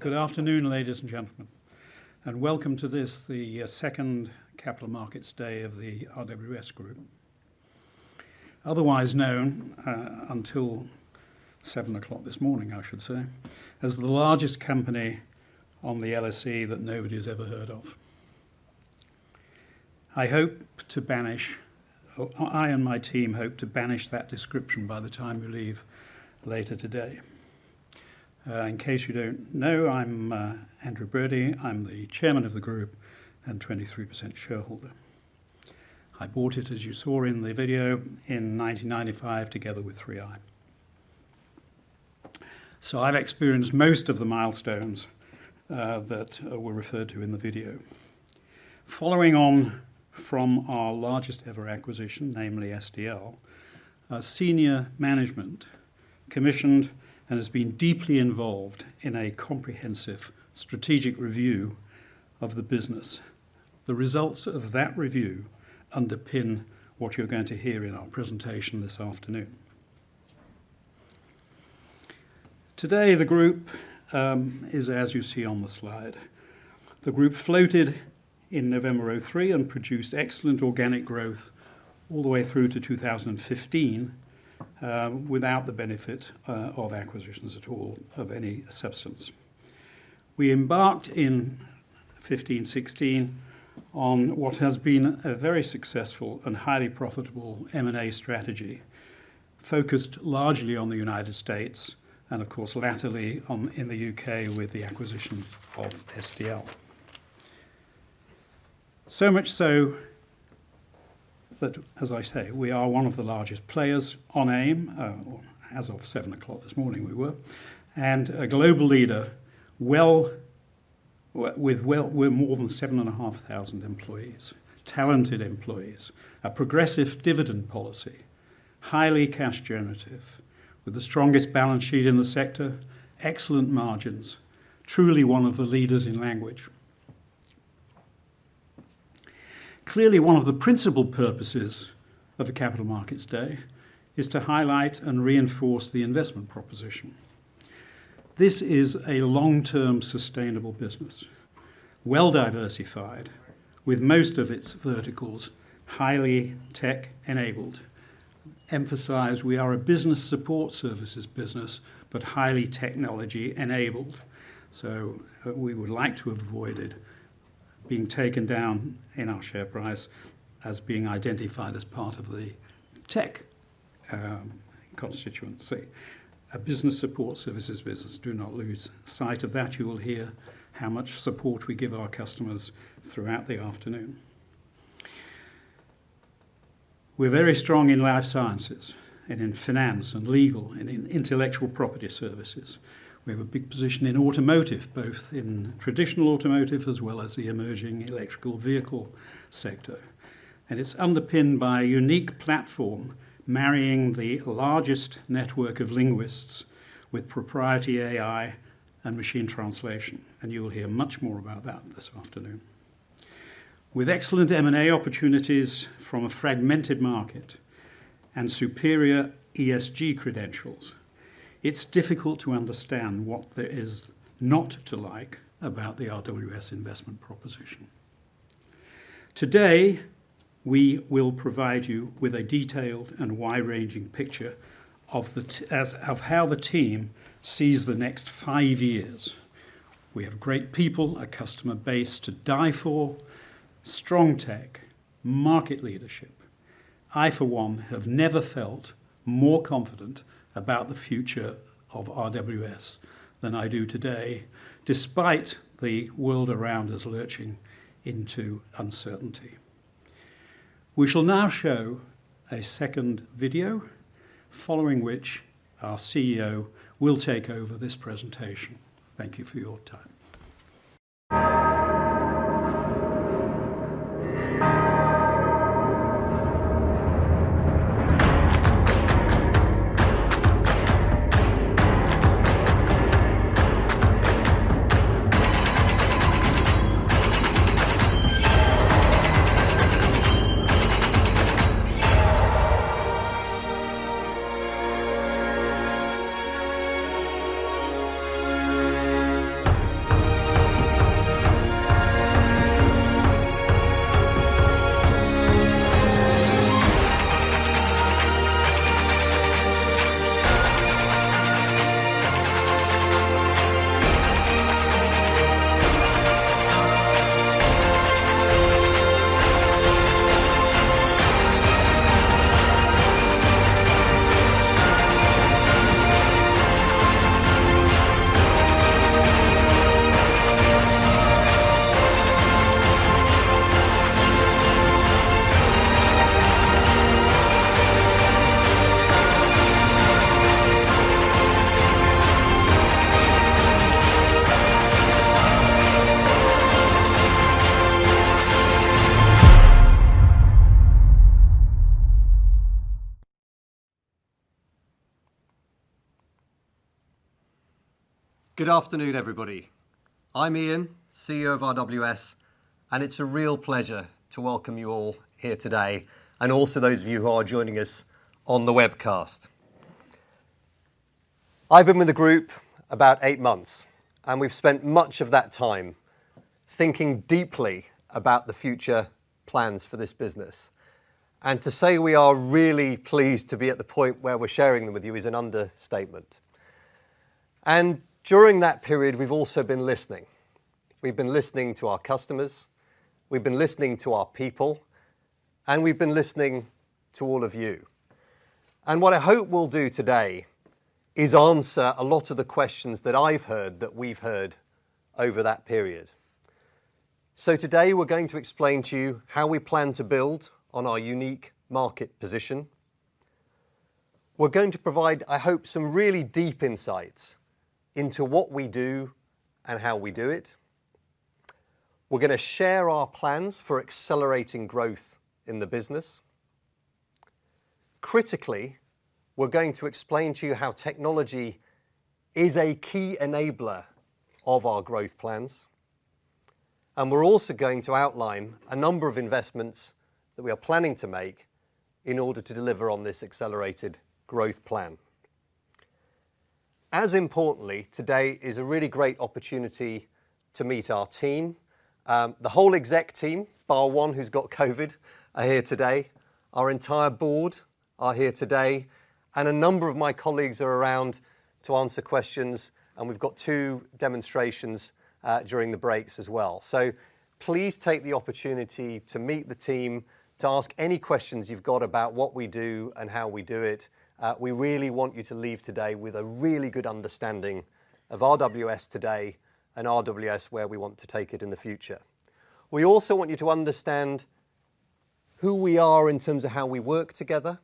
Good afternoon, ladies and gentlemen, and welcome to this, the second Capital Markets Day of the RWS Group. Otherwise known until 7:00 A.M. this morning, I should say, as the largest company on the LSE that nobody's ever heard of. I and my team hope to banish that description by the time you leave later today. In case you don't know, I'm Andrew Brode. I'm the Chairman of the group and 23% shareholder. I bought it, as you saw in the video, in 1995, together with 3i. I've experienced most of the milestones that were referred to in the video. Following on from our largest ever acquisition, namely SDL, our senior management commissioned and has been deeply involved in a comprehensive strategic review of the business. The results of that review underpin what you're going to hear in our presentation this afternoon. Today, the group is as you see on the slide. The group floated in November 2003 and produced excellent organic growth all the way through to 2015 without the benefit of acquisitions at all of any substance. We embarked in 2015, 2016 on what has been a very successful and highly profitable M&A strategy focused largely on the United States and of course, latterly in the U.K. with the acquisition of SDL. Much so that, as I say, we are one of the largest players on AIM, or as of 7:00 A.M. this morning we were, and a global leader. We have more than 7,500 employees, talented employees, a progressive dividend policy, highly cash generative with the strongest balance sheet in the sector, excellent margins, truly one of the leaders in language. Clearly, one of the principal purposes of the Capital Markets Day is to highlight and reinforce the investment proposition. This is a long-term sustainable business, well-diversified with most of its verticals, highly tech-enabled. Emphasize we are a business support services business, but highly technology-enabled, so we would like to have avoided being taken down in our share price as being identified as part of the tech constituency. A business support services business, do not lose sight of that. You will hear how much support we give our customers throughout the afternoon. We're very strong in Life Sciences and in finance and legal and in Intellectual Property Services. We have a big position in automotive, both in traditional automotive as well as the emerging electric vehicle sector. It's underpinned by a unique platform marrying the largest network of linguists with proprietary AI and machine translation, and you'll hear much more about that this afternoon. With excellent M&A opportunities from a fragmented market and superior ESG credentials, it's difficult to understand what there is not to like about the RWS investment proposition. Today, we will provide you with a detailed and wide-ranging picture of how the team sees the next five years. We have great people, a customer base to die for, strong tech, market leadership. I, for one, have never felt more confident about the future of RWS than I do today, despite the world around us lurching into uncertainty. We shall now show a second video, following which our CEO will take over this presentation. Thank you for your time. Good afternoon, everybody. I'm Ian, CEO of RWS. It's a real pleasure to welcome you all here today, and also those of you who are joining us on the webcast. I've been with the group about eight months, and we've spent much of that time thinking deeply about the future plans for this business. To say we are really pleased to be at the point where we're sharing them with you is an understatement. During that period, we've also been listening. We've been listening to our customers, we've been listening to our people, and we've been listening to all of you. What I hope we'll do today is answer a lot of the questions that I've heard, that we've heard over that period. Today we're going to explain to you how we plan to build on our unique market position. We're going to provide, I hope, some really deep insights into what we do and how we do it. We're gonna share our plans for accelerating growth in the business. Critically, we're going to explain to you how technology is a key enabler of our growth plans, and we're also going to outline a number of investments that we are planning to make in order to deliver on this accelerated growth plan. As importantly, today is a really great opportunity to meet our team. The whole exec team, bar one who's got COVID, are here today. Our entire board are here today, and a number of my colleagues are around to answer questions, and we've got two demonstrations during the breaks as well. Please take the opportunity to meet the team, to ask any questions you've got about what we do and how we do it. We really want you to leave today with a really good understanding of RWS today and RWS where we want to take it in the future. We also want you to understand who we are in terms of how we work together.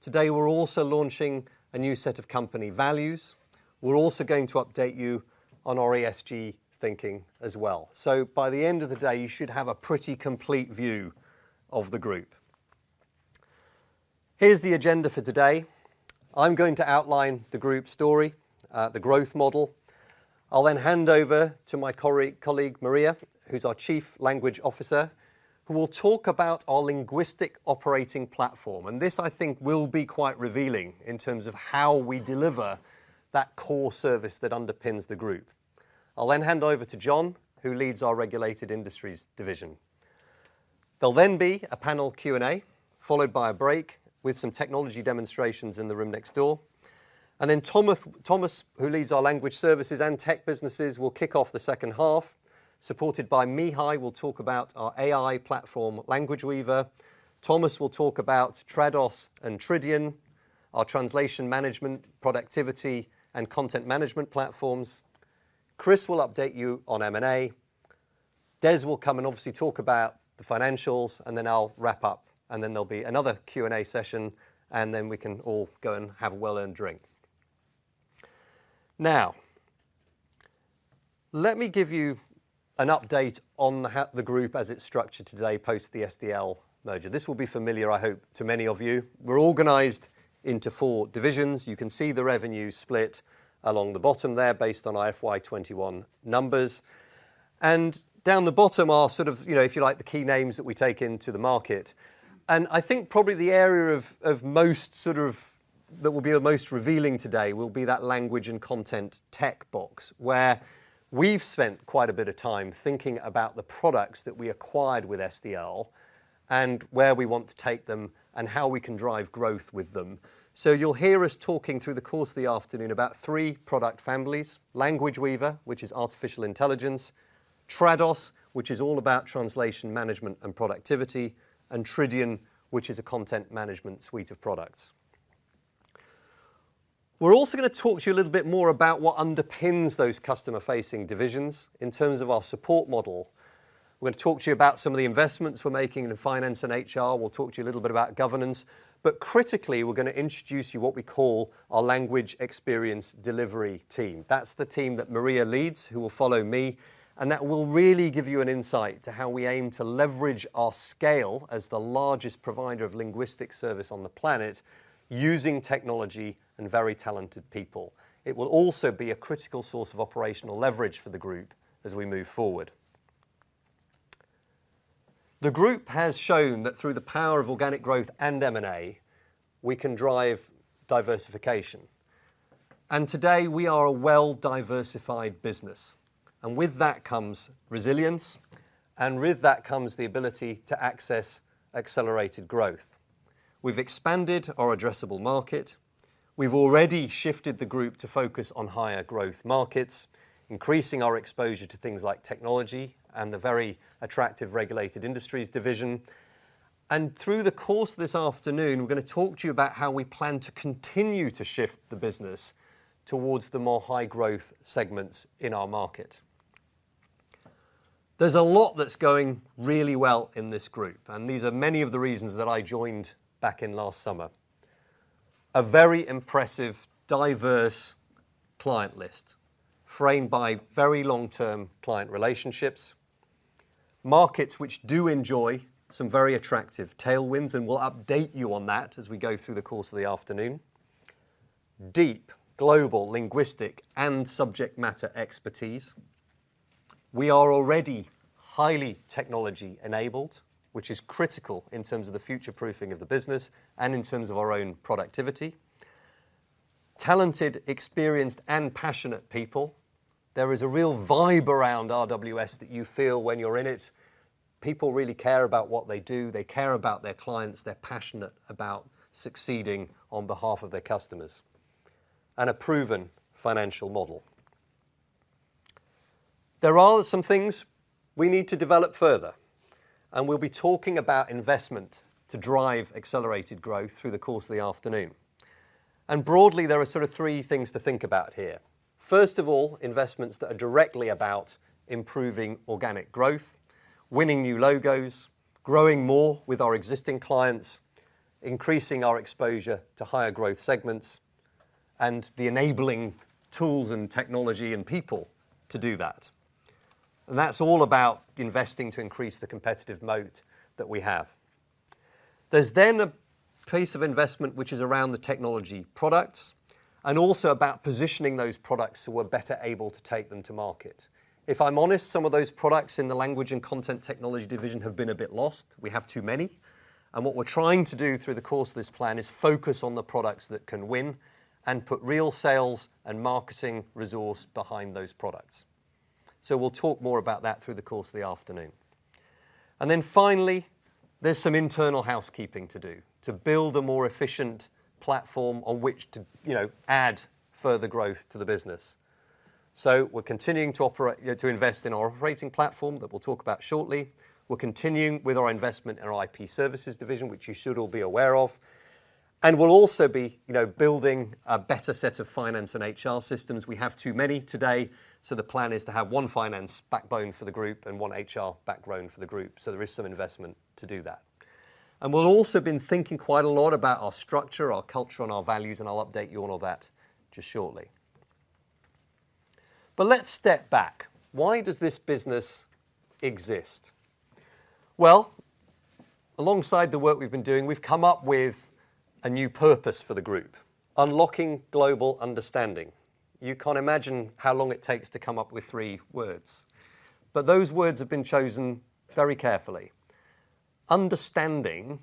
Today, we're also launching a new set of company values. We're also going to update you on our ESG thinking as well. By the end of the day, you should have a pretty complete view of the group. Here's the agenda for today. I'm going to outline the group's story, the growth model. I'll then hand over to my colleague, Maria, who's our Chief Language Officer, who will talk about our linguistic operating platform. This, I think, will be quite revealing in terms of how we deliver that core service that underpins the group. I'll then hand over to Jon, who leads our Regulated Industries division. There'll then be a panel Q&A, followed by a break with some technology demonstrations in the room next door. Thomas, who leads our Language Services and Technology businesses, will kick off the second half, supported by Mihai, will talk about our AI platform, Language Weaver. Thomas will talk about Trados and Tridion, our translation management, productivity, and content management platforms. Chris will update you on M&A. Des will come and obviously talk about the financials, and then I'll wrap up. There'll be another Q&A session, and then we can all go and have a well-earned drink. Now, let me give you an update on the group as it's structured today post the SDL merger. This will be familiar, I hope, to many of you. We're organized into four divisions. You can see the revenue split along the bottom there based on FY 2021 numbers. Down the bottom are sort of, you know, if you like, the key names that we take into the market. I think probably the area of most sort of that will be the most revealing today will be that Language and Content Technology box, where we've spent quite a bit of time thinking about the products that we acquired with SDL and where we want to take them and how we can drive growth with them. You'll hear us talking through the course of the afternoon about three product families: Language Weaver, which is artificial intelligence, Trados, which is all about translation management and productivity, and Tridion, which is a content management suite of products. We're also gonna talk to you a little bit more about what underpins those customer-facing divisions in terms of our support model. We're gonna talk to you about some of the investments we're making in finance and HR. We'll talk to you a little bit about governance. Critically, we're gonna introduce you to what we call our Language eXperience Delivery team. That's the team that Maria leads, who will follow me, and that will really give you an insight into how we aim to leverage our scale as the largest provider of linguistic services on the planet using technology and very talented people. It will also be a critical source of operational leverage for the group as we move forward. The group has shown that through the power of organic growth and M&A, we can drive diversification. Today, we are a well-diversified business, and with that comes resilience, and with that comes the ability to access accelerated growth. We've expanded our addressable market. We've already shifted the group to focus on higher growth markets, increasing our exposure to things like technology and the very attractive Regulated Industries division. Through the course of this afternoon, we're gonna talk to you about how we plan to continue to shift the business towards the more high-growth segments in our market. There's a lot that's going really well in this group, and these are many of the reasons that I joined back in last summer. A very impressive, diverse client list framed by very long-term client relationships. Markets which do enjoy some very attractive tailwinds, and we'll update you on that as we go through the course of the afternoon. Deep global linguistic and subject matter expertise. We are already highly technology-enabled, which is critical in terms of the future-proofing of the business and in terms of our own productivity. Talented, experienced, and passionate people. There is a real vibe around RWS that you feel when you're in it. People really care about what they do. They care about their clients. They're passionate about succeeding on behalf of their customers. A proven financial model. There are some things we need to develop further, and we'll be talking about investment to drive accelerated growth through the course of the afternoon. Broadly, there are sort of three things to think about here. First of all, investments that are directly about improving organic growth, winning new logos, growing more with our existing clients, increasing our exposure to higher growth segments, and the enabling tools and technology and people to do that. That's all about investing to increase the competitive moat that we have. There's then a place of investment which is around the technology products, and also about positioning those products so we're better able to take them to market. If I'm honest, some of those products in the Language and Content Technology division have been a bit lost. We have too many. What we're trying to do through the course of this plan is focus on the products that can win and put real sales and marketing resource behind those products. We'll talk more about that through the course of the afternoon. Then finally, there's some internal housekeeping to do to build a more efficient platform on which to, you know, add further growth to the business. We're continuing to invest in our operating platform that we'll talk about shortly. We're continuing with our investment in our IP Services division, which you should all be aware of. We'll also be, you know, building a better set of finance and HR systems. We have too many today, so the plan is to have one finance backbone for the group and one HR backbone for the group. There is some investment to do that. We'll also be thinking quite a lot about our structure, our culture, and our values, and I'll update you on all that just shortly. Let's step back. Why does this business exist? Well, alongside the work we've been doing, we've come up with a new purpose for the group: unlocking global understanding. You can't imagine how long it takes to come up with three words. Those words have been chosen very carefully. Understanding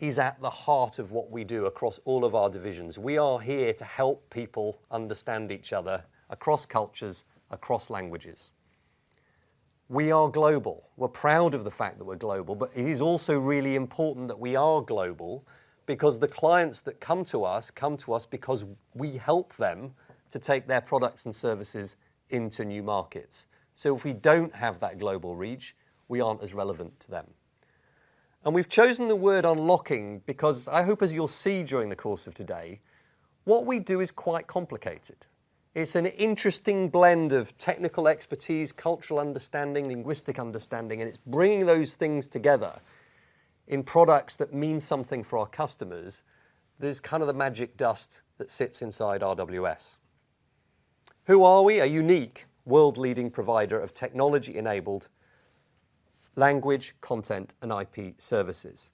is at the heart of what we do across all of our divisions. We are here to help people understand each other across cultures, across languages. We are global. We're proud of the fact that we're global, but it is also really important that we are global because the clients that come to us come to us because we help them to take their products and services into new markets. If we don't have that global reach, we aren't as relevant to them. We've chosen the word unlocking because I hope, as you'll see during the course of today, what we do is quite complicated. It's an interesting blend of technical expertise, cultural understanding, linguistic understanding, and it's bringing those things together in products that mean something for our customers. There's kind of the magic dust that sits inside RWS. Who are we? A unique world leading provider of technology-enabled language, content, and IP services.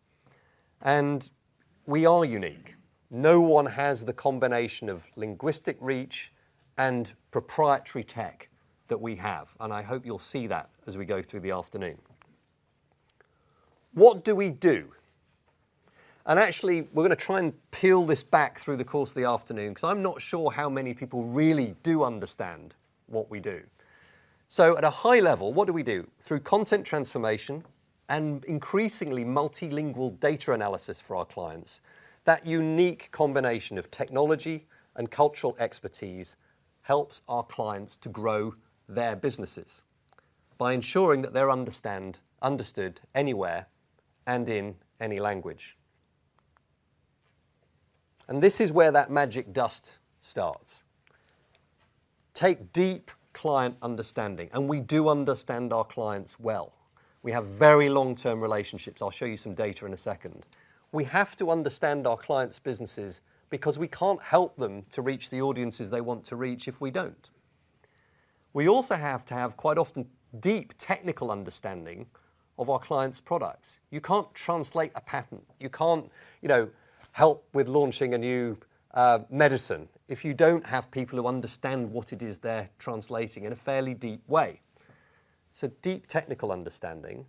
We are unique. No one has the combination of linguistic reach and proprietary tech that we have, and I hope you'll see that as we go through the afternoon. What do we do? Actually, we're gonna try and peel this back through the course of the afternoon because I'm not sure how many people really do understand what we do. At a high level, what do we do? Through content transformation and increasingly multilingual data analysis for our clients, that unique combination of technology and cultural expertise helps our clients to grow their businesses by ensuring that they're understood anywhere and in any language. This is where that magic dust starts. Take deep client understanding, and we do understand our clients well. We have very long-term relationships. I'll show you some data in a second. We have to understand our clients' businesses because we can't help them to reach the audiences they want to reach if we don't. We also have to have quite often deep technical understanding of our clients' products. You can't translate a patent. You can't, you know, help with launching a new medicine if you don't have people who understand what it is they're translating in a fairly deep way. Deep technical understanding.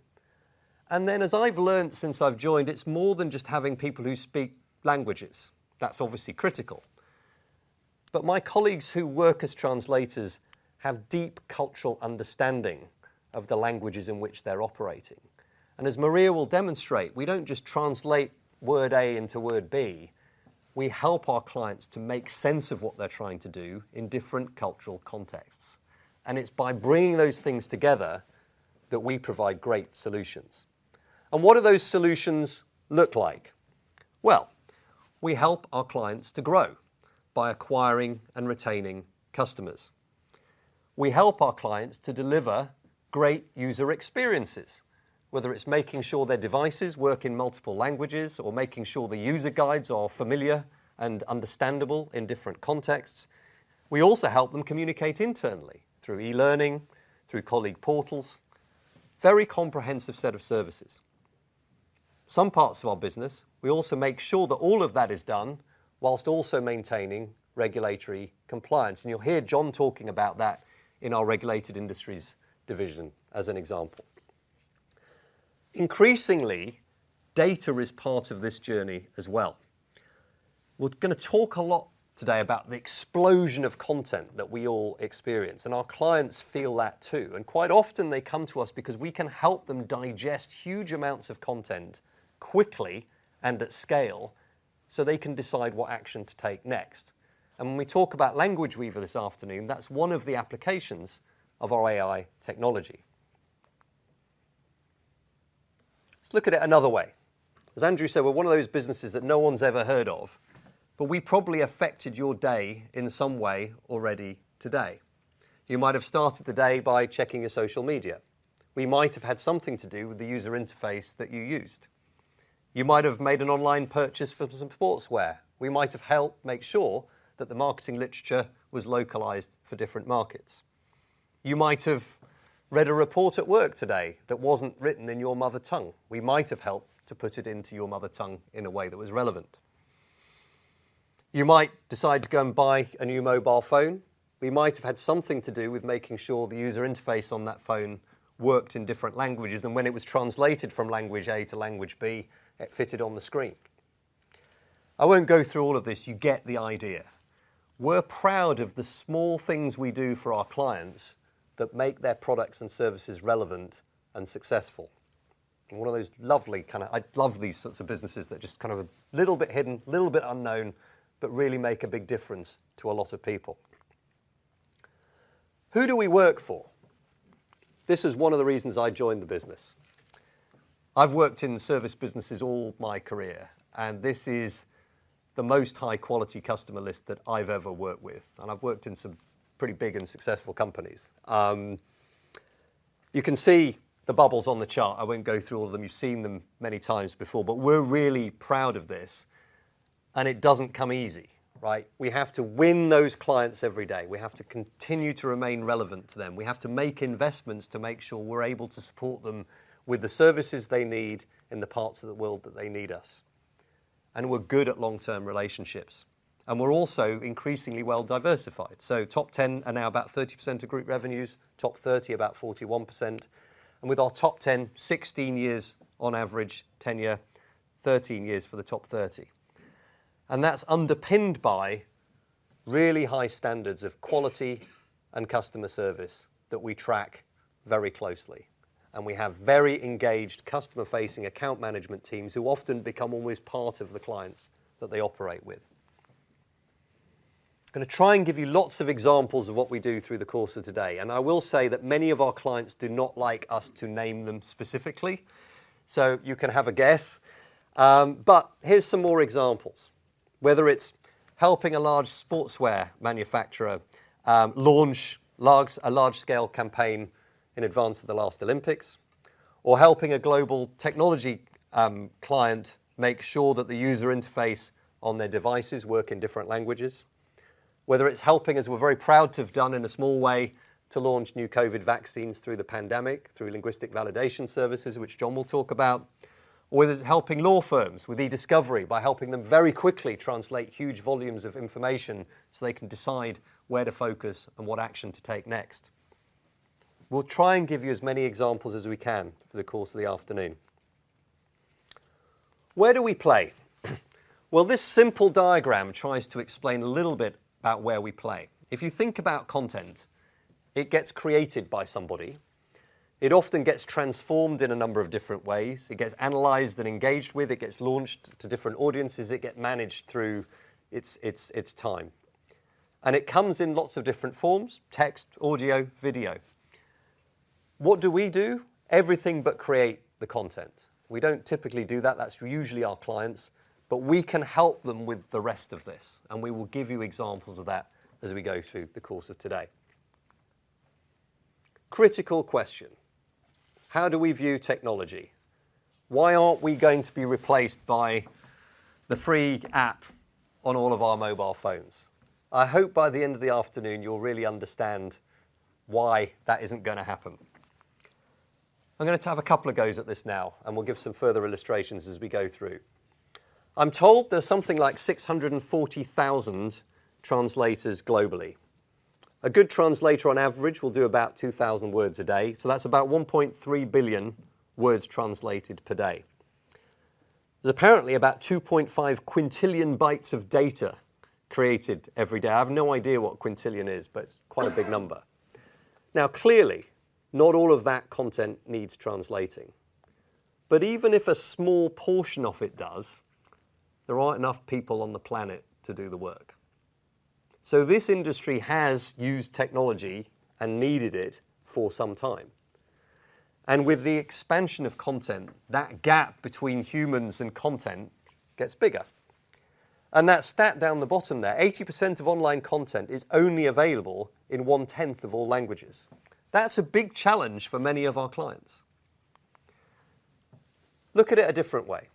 As I've learned since I've joined, it's more than just having people who speak languages. That's obviously critical. My colleagues who work as translators have deep cultural understanding of the languages in which they're operating. As Maria will demonstrate, we don't just translate word A into word B. We help our clients to make sense of what they're trying to do in different cultural contexts. It's by bringing those things together that we provide great solutions. What do those solutions look like? Well, we help our clients to grow by acquiring and retaining customers. We help our clients to deliver great user experiences, whether it's making sure their devices work in multiple languages or making sure the user guides are familiar and understandable in different contexts. We also help them communicate internally through e-learning, through colleague portals. Very comprehensive set of services. Some parts of our business, we also make sure that all of that is done while also maintaining regulatory compliance, and you'll hear Jon talking about that in our Regulated Industries division as an example. Increasingly, data is part of this journey as well. We're gonna talk a lot today about the explosion of content that we all experience, and our clients feel that too, and quite often they come to us because we can help them digest huge amounts of content quickly and at scale, so they can decide what action to take next. When we talk about Language Weaver this afternoon, that's one of the applications of our AI technology. Let's look at it another way. As Andrew said, we're one of those businesses that no one's ever heard of, but we probably affected your day in some way already today. You might have started the day by checking your social media. We might have had something to do with the user interface that you used. You might have made an online purchase for some sportswear. We might have helped make sure that the marketing literature was localized for different markets. You might have read a report at work today that wasn't written in your mother tongue. We might have helped to put it into your mother tongue in a way that was relevant. You might decide to go and buy a new mobile phone. We might have had something to do with making sure the user interface on that phone worked in different languages, and when it was translated from language A to language B, it fit on the screen. I won't go through all of this. You get the idea. We're proud of the small things we do for our clients that make their products and services relevant and successful. One of those lovely kinda I love these sorts of businesses, they're just kind of a little bit hidden, little bit unknown, but really make a big difference to a lot of people. Who do we work for? This is one of the reasons I joined the business. I've worked in service businesses all my career, and this is the most high-quality customer list that I've ever worked with, and I've worked in some pretty big and successful companies. You can see the bubbles on the chart. I won't go through all of them. You've seen them many times before, but we're really proud of this, and it doesn't come easy, right? We have to win those clients every day. We have to continue to remain relevant to them. We have to make investments to make sure we're able to support them with the services they need in the parts of the world that they need us. We're good at long-term relationships. We're also increasingly well-diversified. Top 10 are now about 30% of Group revenues, top 30 about 41%, and with our top 10, 16 years on average tenure, 13 years for the top 30. That's underpinned by really high standards of quality and customer service that we track very closely. We have very engaged customer-facing account management teams who often become almost part of the clients that they operate with. Gonna try and give you lots of examples of what we do through the course of today. I will say that many of our clients do not like us to name them specifically, so you can have a guess, but here's some more examples. Whether it's helping a large sportswear manufacturer, launch a large-scale campaign in advance of the last Olympics, or helping a global technology client make sure that the user interface on their devices work in different languages. Whether it's helping, as we're very proud to have done in a small way, to launch new COVID vaccines through the pandemic, through linguistic validation services, which Jon will talk about. Or whether it's helping law firms with e-discovery by helping them very quickly translate huge volumes of information so they can decide where to focus and what action to take next. We'll try and give you as many examples as we can for the course of the afternoon. Where do we play? Well, this simple diagram tries to explain a little bit about where we play. If you think about content, it gets created by somebody. It often gets transformed in a number of different ways. It gets analyzed and engaged with. It gets launched to different audiences. It gets managed through its time. It comes in lots of different forms, text, audio, video. What do we do? Everything but create the content. We don't typically do that. That's usually our clients. We can help them with the rest of this, and we will give you examples of that as we go through the course of today. Critical question. How do we view technology? Why aren't we going to be replaced by the free app on all of our mobile phones? I hope by the end of the afternoon you'll really understand why that isn't gonna happen. I'm gonna have a couple of goes at this now, and we'll give some further illustrations as we go through. I'm told there's something like 640,000 translators globally. A good translator on average will do about 2,000 words a day, so that's about 1.3 billion words translated per day. There's apparently about 2.5 quintillion bytes of data created every day. I have no idea what quintillion is, but it's quite a big number. Now, clearly, not all of that content needs translating. Even if a small portion of it does, there aren't enough people on the planet to do the work. This industry has used technology and needed it for some time. With the expansion of content, that gap between humans and content gets bigger. That stat down the bottom there, 80% of online content is only available in 1/10 of all languages. That's a big challenge for many of our clients. Look at it a different way.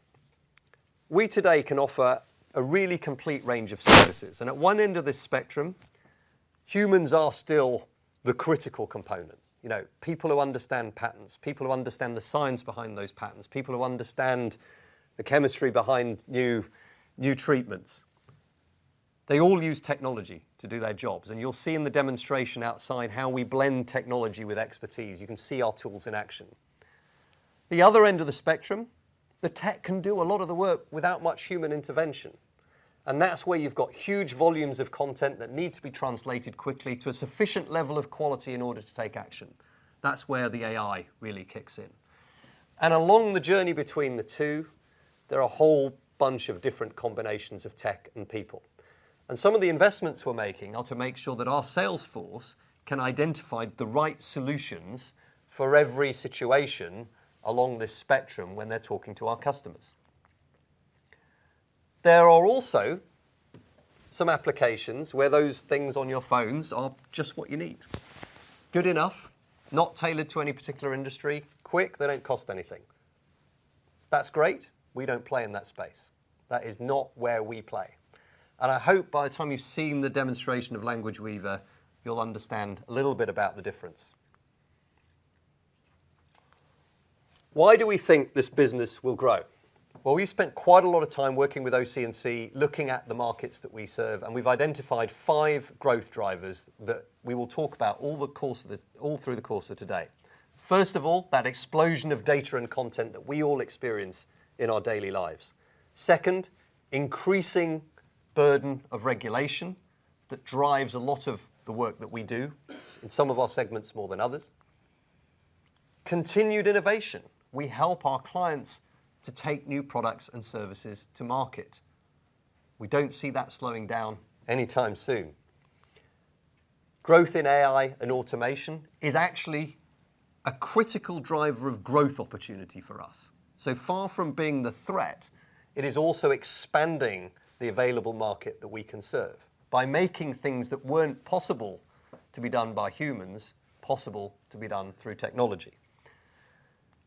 We today can offer a really complete range of services. At one end of this spectrum, humans are still the critical component. You know, people who understand patterns, people who understand the science behind those patterns, people who understand the chemistry behind new treatments. They all use technology to do their jobs, and you'll see in the demonstration outside how we blend technology with expertise. You can see our tools in action. The other end of the spectrum, the tech can do a lot of the work without much human intervention. That's where you've got huge volumes of content that need to be translated quickly to a sufficient level of quality in order to take action. That's where the AI really kicks in. Along the journey between the two, there are a whole bunch of different combinations of tech and people. Some of the investments we're making are to make sure that our sales force can identify the right solutions for every situation along this spectrum when they're talking to our customers. There are also some applications where those things on your phones are just what you need. Good enough, not tailored to any particular industry, quick, they don't cost anything. That's great. We don't play in that space. That is not where we play. I hope by the time you've seen the demonstration of Language Weaver, you'll understand a little bit about the difference. Why do we think this business will grow? Well, we've spent quite a lot of time working with OC&C looking at the markets that we serve, and we've identified five growth drivers that we will talk about all through the course of today. First of all, that explosion of data and content that we all experience in our daily lives. Second, increasing burden of regulation that drives a lot of the work that we do in some of our segments more than others. Continued innovation. We help our clients to take new products and services to market. We don't see that slowing down anytime soon. Growth in AI and automation is actually a critical driver of growth opportunity for us. So far from being the threat, it is also expanding the available market that we can serve by making things that weren't possible to be done by humans possible to be done through technology.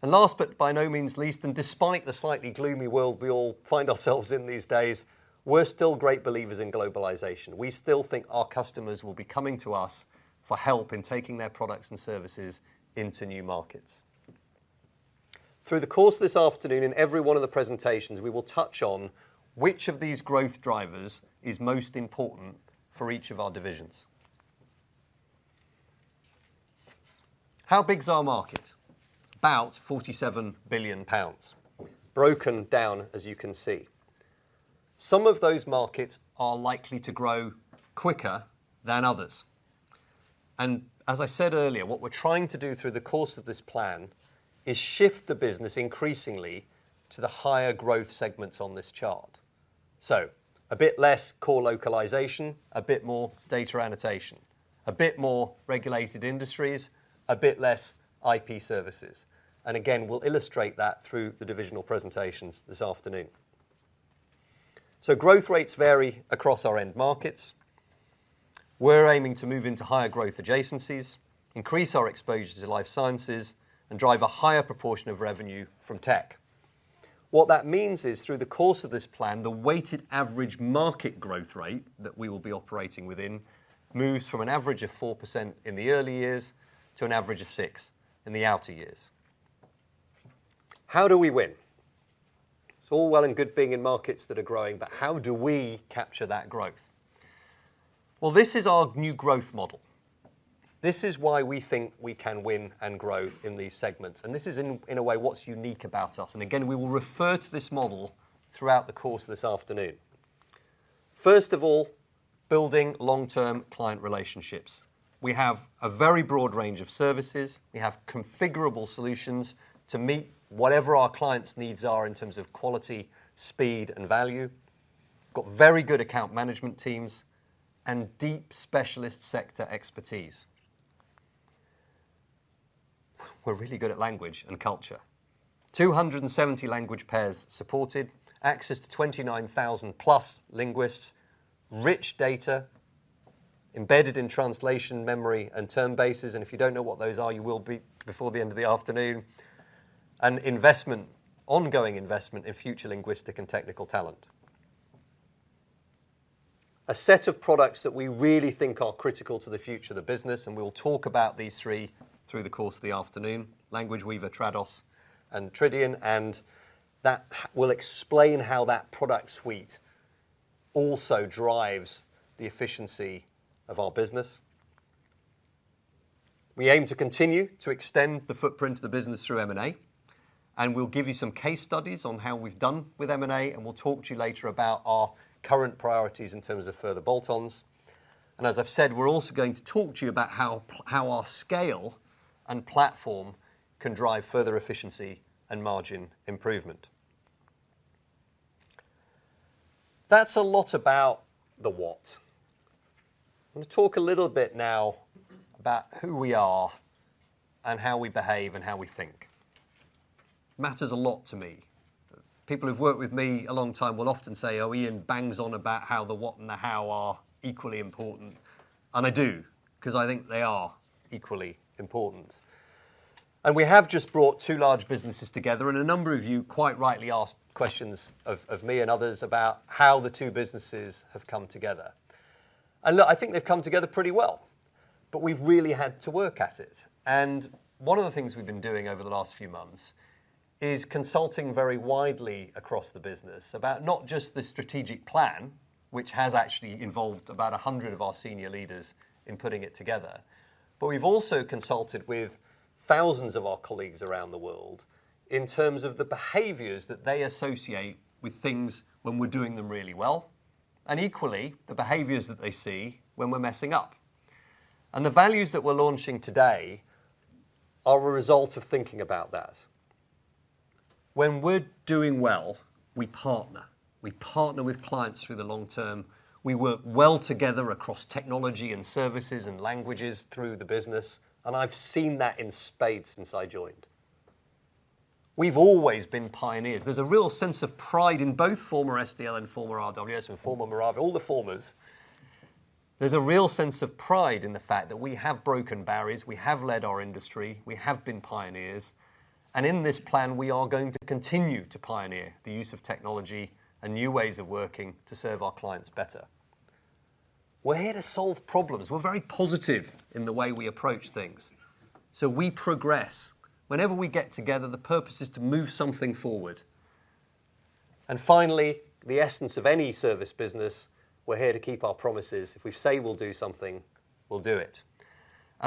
Last but by no means least, and despite the slightly gloomy world we all find ourselves in these days, we're still great believers in globalization. We still think our customers will be coming to us for help in taking their products and services into new markets. Through the course of this afternoon, in every one of the presentations, we will touch on which of these growth drivers is most important for each of our divisions. How big is our market? About 47 billion pounds, broken down as you can see. Some of those markets are likely to grow quicker than others. As I said earlier, what we're trying to do through the course of this plan is shift the business increasingly to the higher growth segments on this chart. A bit less core localization, a bit more data annotation, a bit more Regulated Industries, a bit less IP Services. Again, we'll illustrate that through the divisional presentations this afternoon. Growth rates vary across our end markets. We're aiming to move into higher growth adjacencies, increase our exposure to life sciences, and drive a higher proportion of revenue from tech. What that means is, through the course of this plan, the weighted average market growth rate that we will be operating within moves from an average of 4% in the early years to an average of 6% in the outer years. How do we win? It's all well and good being in markets that are growing, but how do we capture that growth? Well, this is our new growth model. This is why we think we can win and grow in these segments. This is in a way what's unique about us. Again, we will refer to this model throughout the course of this afternoon. First of all, building long-term client relationships. We have a very broad range of services. We have configurable solutions to meet whatever our clients' needs are in terms of quality, speed, and value. Got very good account management teams and deep specialist sector expertise. We're really good at language and culture. 270 language pairs supported, access to 29,000+ linguists, rich data embedded in translation memory and term bases, and if you don't know what those are, you will be before the end of the afternoon, and ongoing investment in future linguistic and technical talent. A set of products that we really think are critical to the future of the business, and we'll talk about these three through the course of the afternoon, Language Weaver, Trados, and Tridion. We'll explain how that product suite also drives the efficiency of our business. We aim to continue to extend the footprint of the business through M&A, and we'll give you some case studies on how we've done with M&A, and we'll talk to you later about our current priorities in terms of further bolt-ons. As I've said, we're also going to talk to you about how our scale and platform can drive further efficiency and margin improvement. That's a lot about the what. I'm gonna talk a little bit now about who we are and how we behave and how we think. Matters a lot to me. People who've worked with me a long time will often say, "Oh, Ian bangs on about how the what and the how are equally important," and I do 'cause I think they are equally important. We have just brought two large businesses together, and a number of you quite rightly asked questions of me and others about how the two businesses have come together. Look, I think they've come together pretty well, but we've really had to work at it. One of the things we've been doing over the last few months is consulting very widely across the business about not just the strategic plan, which has actually involved about 100 of our senior leaders in putting it together, but we've also consulted with thousands of our colleagues around the world in terms of the behaviors that they associate with things when we're doing them really well, and equally, the behaviors that they see when we're messing up. The values that we're launching today are a result of thinking about that. When we're doing well, we partner. We partner with clients through the long term. We work well together across technology and services and languages through the business, and I've seen that in spades since I joined. We've always been pioneers. There's a real sense of pride in both former SDL and former RWS and former Moravia, all the formers. There's a real sense of pride in the fact that we have broken barriers, we have led our industry, we have been pioneers. In this plan, we are going to continue to pioneer the use of technology and new ways of working to serve our clients better. We're here to solve problems. We're very positive in the way we approach things, so we progress. Whenever we get together, the purpose is to move something forward. Finally, the essence of any service business, we're here to keep our promises. If we say we'll do something, we'll do it.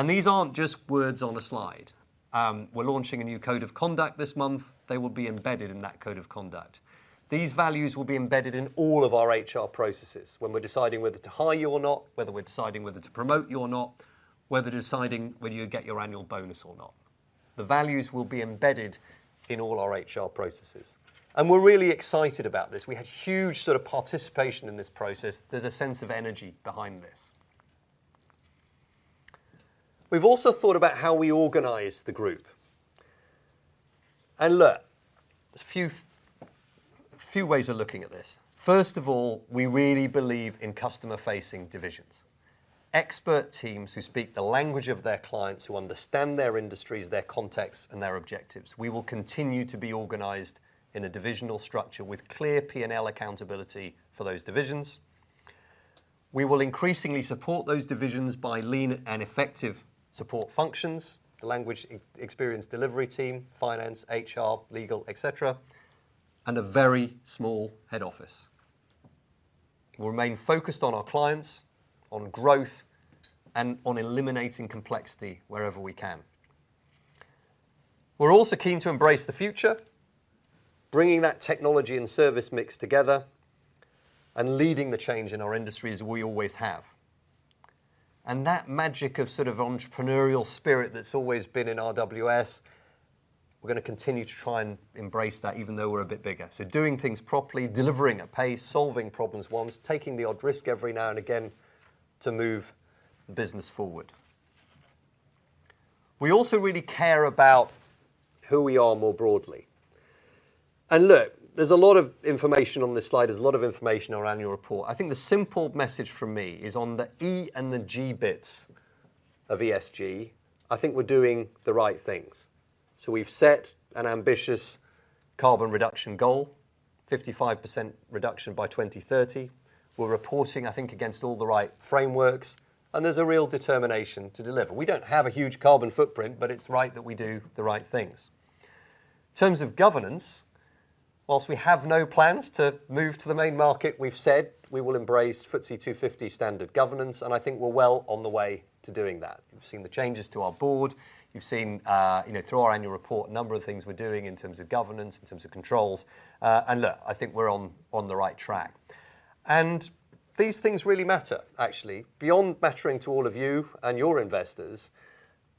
These aren't just words on a slide. We're launching a new code of conduct this month. They will be embedded in that code of conduct. These values will be embedded in all of our HR processes when we're deciding whether to hire you or not, whether we're deciding whether to promote you or not, whether deciding whether you get your annual bonus or not. The values will be embedded in all our HR processes. We're really excited about this. We had huge sort of participation in this process. There's a sense of energy behind this. We've also thought about how we organize the group. Look, there's a few ways of looking at this. First of all, we really believe in customer-facing divisions. Expert teams who speak the language of their clients, who understand their industries, their contexts, and their objectives. We will continue to be organized in a divisional structure with clear P&L accountability for those divisions. We will increasingly support those divisions by lean and effective support functions, Language eXperience Delivery team, finance, HR, legal, et cetera, and a very small head office. We'll remain focused on our clients, on growth, and on eliminating complexity wherever we can. We're also keen to embrace the future, bringing that technology and service mix together and leading the change in our industry as we always have. That magic of sort of entrepreneurial spirit that's always been in RWS, we're gonna continue to try and embrace that even though we're a bit bigger. Doing things properly, delivering at pace, solving problems once, taking the odd risk every now and again to move the business forward. We also really care about who we are more broadly. Look, there's a lot of information on this slide. There's a lot of information in our annual report. I think the simple message from me is on the E and the G bits of ESG. I think we're doing the right things. We've set an ambitious carbon reduction goal, 55% reduction by 2030. We're reporting, I think, against all the right frameworks, and there's a real determination to deliver. We don't have a huge carbon footprint, but it's right that we do the right things. In terms of governance, while we have no plans to move to the main market, we've said we will embrace FTSE 250 standard governance, and I think we're well on the way to doing that. You've seen the changes to our board. You've seen, you know, through our annual report, a number of things we're doing in terms of governance, in terms of controls, and look, I think we're on the right track. These things really matter, actually. Beyond mattering to all of you and your investors,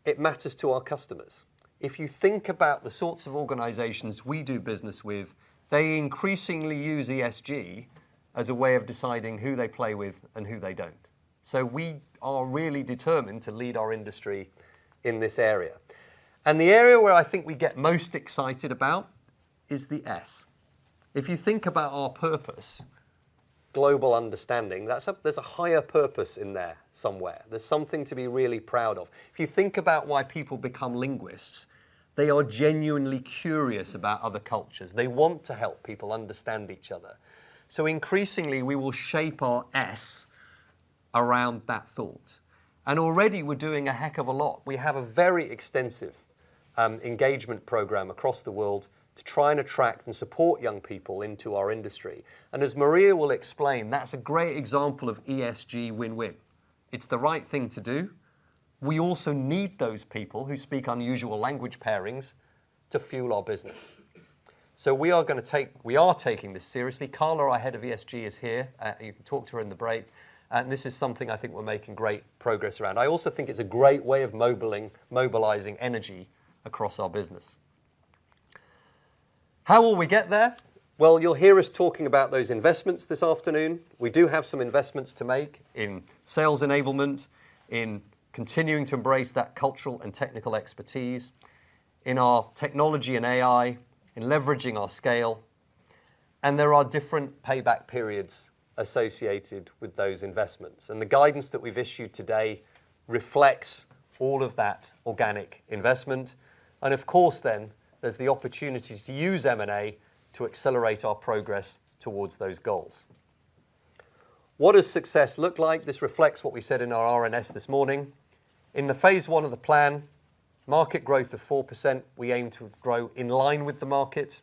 it matters to our customers. If you think about the sorts of organizations we do business with, they increasingly use ESG as a way of deciding who they play with and who they don't. We are really determined to lead our industry in this area. The area where I think we get most excited about is the S. If you think about our purpose, global understanding, there's a higher purpose in there somewhere. There's something to be really proud of. If you think about why people become linguists, they are genuinely curious about other cultures. They want to help people understand each other. Increasingly, we will shape our S around that thought. Already we're doing a heck of a lot. We have a very extensive engagement program across the world to try and attract and support young people into our industry. As Maria will explain, that's a great example of ESG win-win. It's the right thing to do. We also need those people who speak unusual language pairings to fuel our business. We are taking this seriously. Carla, our head of ESG, is here. You can talk to her in the break. This is something I think we're making great progress around. I also think it's a great way of mobilizing energy across our business. How will we get there? Well, you'll hear us talking about those investments this afternoon. We do have some investments to make in sales enablement, in continuing to embrace that cultural and technical expertise, in our technology and AI, in leveraging our scale. There are different payback periods associated with those investments. The guidance that we've issued today reflects all of that organic investment. Of course then, there's the opportunities to use M&A to accelerate our progress towards those goals. What does success look like? This reflects what we said in our RNS this morning. In the phase one of the plan, market growth of 4%, we aim to grow in line with the market.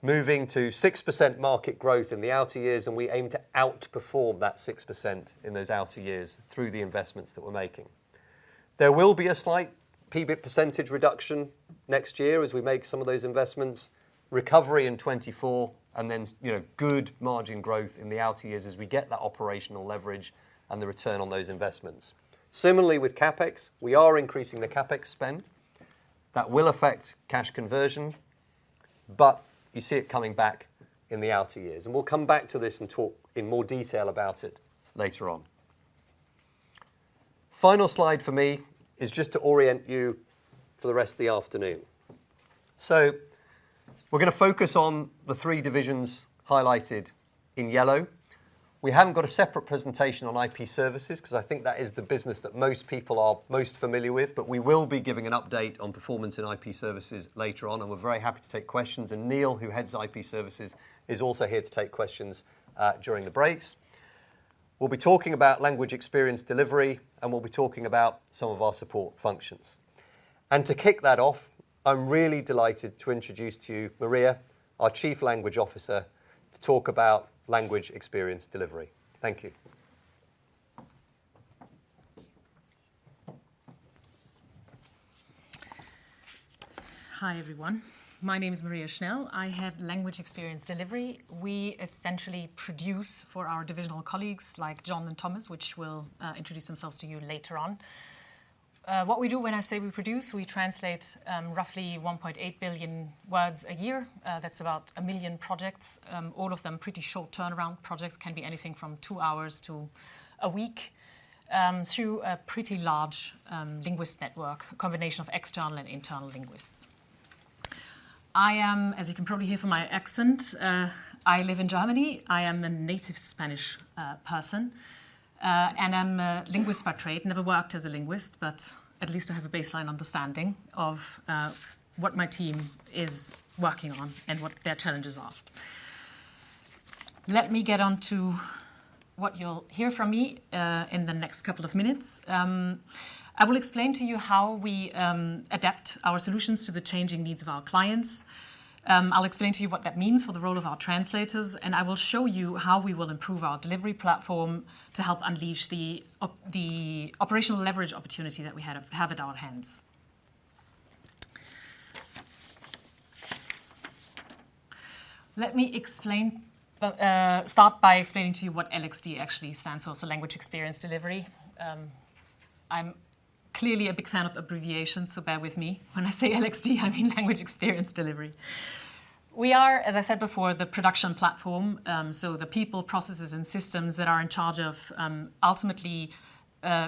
Moving to 6% market growth in the outer years, we aim to outperform that 6% in those outer years through the investments that we're making. There will be a slight PBIT percentage reduction next year as we make some of those investments. Recovery in 2024, and then, you know, good margin growth in the outer years as we get that operational leverage and the return on those investments. Similarly, with CapEx, we are increasing the CapEx spend. That will affect cash conversion, but you see it coming back in the outer years. We'll come back to this and talk in more detail about it later on. Final slide for me is just to orient you for the rest of the afternoon. We're gonna focus on the three divisions highlighted in yellow. We haven't got a separate presentation on IP Services because I think that is the business that most people are most familiar with, but we will be giving an update on performance in IP Services later on, and we're very happy to take questions. Neil, who heads IP Services, is also here to take questions during the breaks. We'll be talking about Language eXperience Delivery, and we'll be talking about some of our support functions. To kick that off, I'm really delighted to introduce to you Maria, our Chief Language Officer, to talk about Language eXperience Delivery. Thank you. Hi, everyone. My name is Maria Schnell. I head Language eXperience Delivery. We essentially produce for our divisional colleagues like Jon and Thomas, which will introduce themselves to you later on. What we do when I say we produce, we translate roughly 1.8 billion words a year. That's about 1 million projects. All of them pretty short turnaround projects. Can be anything from two hours to a week through a pretty large linguist network, a combination of external and internal linguists. I am, as you can probably hear from my accent, I live in Germany. I am a native Spanish person. I'm a linguist by trade. Never worked as a linguist, but at least I have a baseline understanding of what my team is working on and what their challenges are. Let me get on to what you'll hear from me in the next couple of minutes. I will explain to you how we adapt our solutions to the changing needs of our clients. I'll explain to you what that means for the role of our translators, and I will show you how we will improve our delivery platform to help unleash the operational leverage opportunity that we have at our hands. Let me start by explaining to you what LXD actually stands for. Language eXperience Delivery. I'm clearly a big fan of abbreviations, so bear with me. When I say LXD, I mean Language eXperience Delivery. We are, as I said before, the production platform, so the people, processes, and systems that are in charge of, ultimately,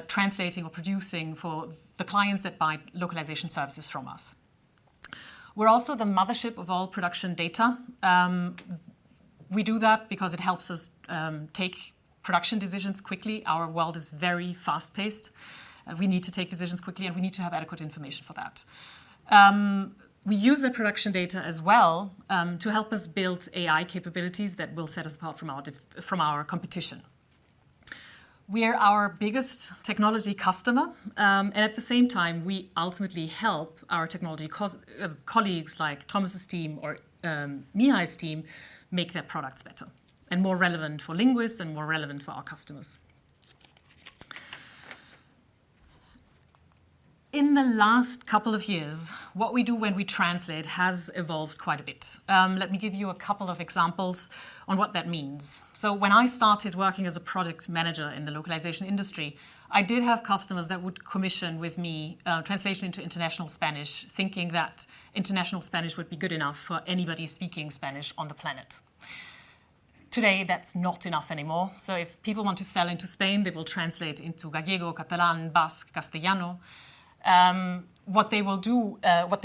translating or producing for the clients that buy localization services from us. We're also the mothership of all production data. We do that because it helps us take production decisions quickly. Our world is very fast-paced. We need to take decisions quickly, and we need to have adequate information for that. We use the production data as well to help us build AI capabilities that will set us apart from our competition. We are our biggest technology customer. At the same time, we ultimately help our technology colleagues like Thomas' team or Mihai's team make their products better and more relevant for linguists and more relevant for our customers. In the last couple of years, what we do when we translate has evolved quite a bit. Let me give you a couple of examples on what that means. When I started working as a product manager in the localization industry, I did have customers that would commission with me, translation into international Spanish, thinking that international Spanish would be good enough for anybody speaking Spanish on the planet. Today, that's not enough anymore. If people want to sell into Spain, they will translate into Gallego, Catalan, Basque, Castellano. What they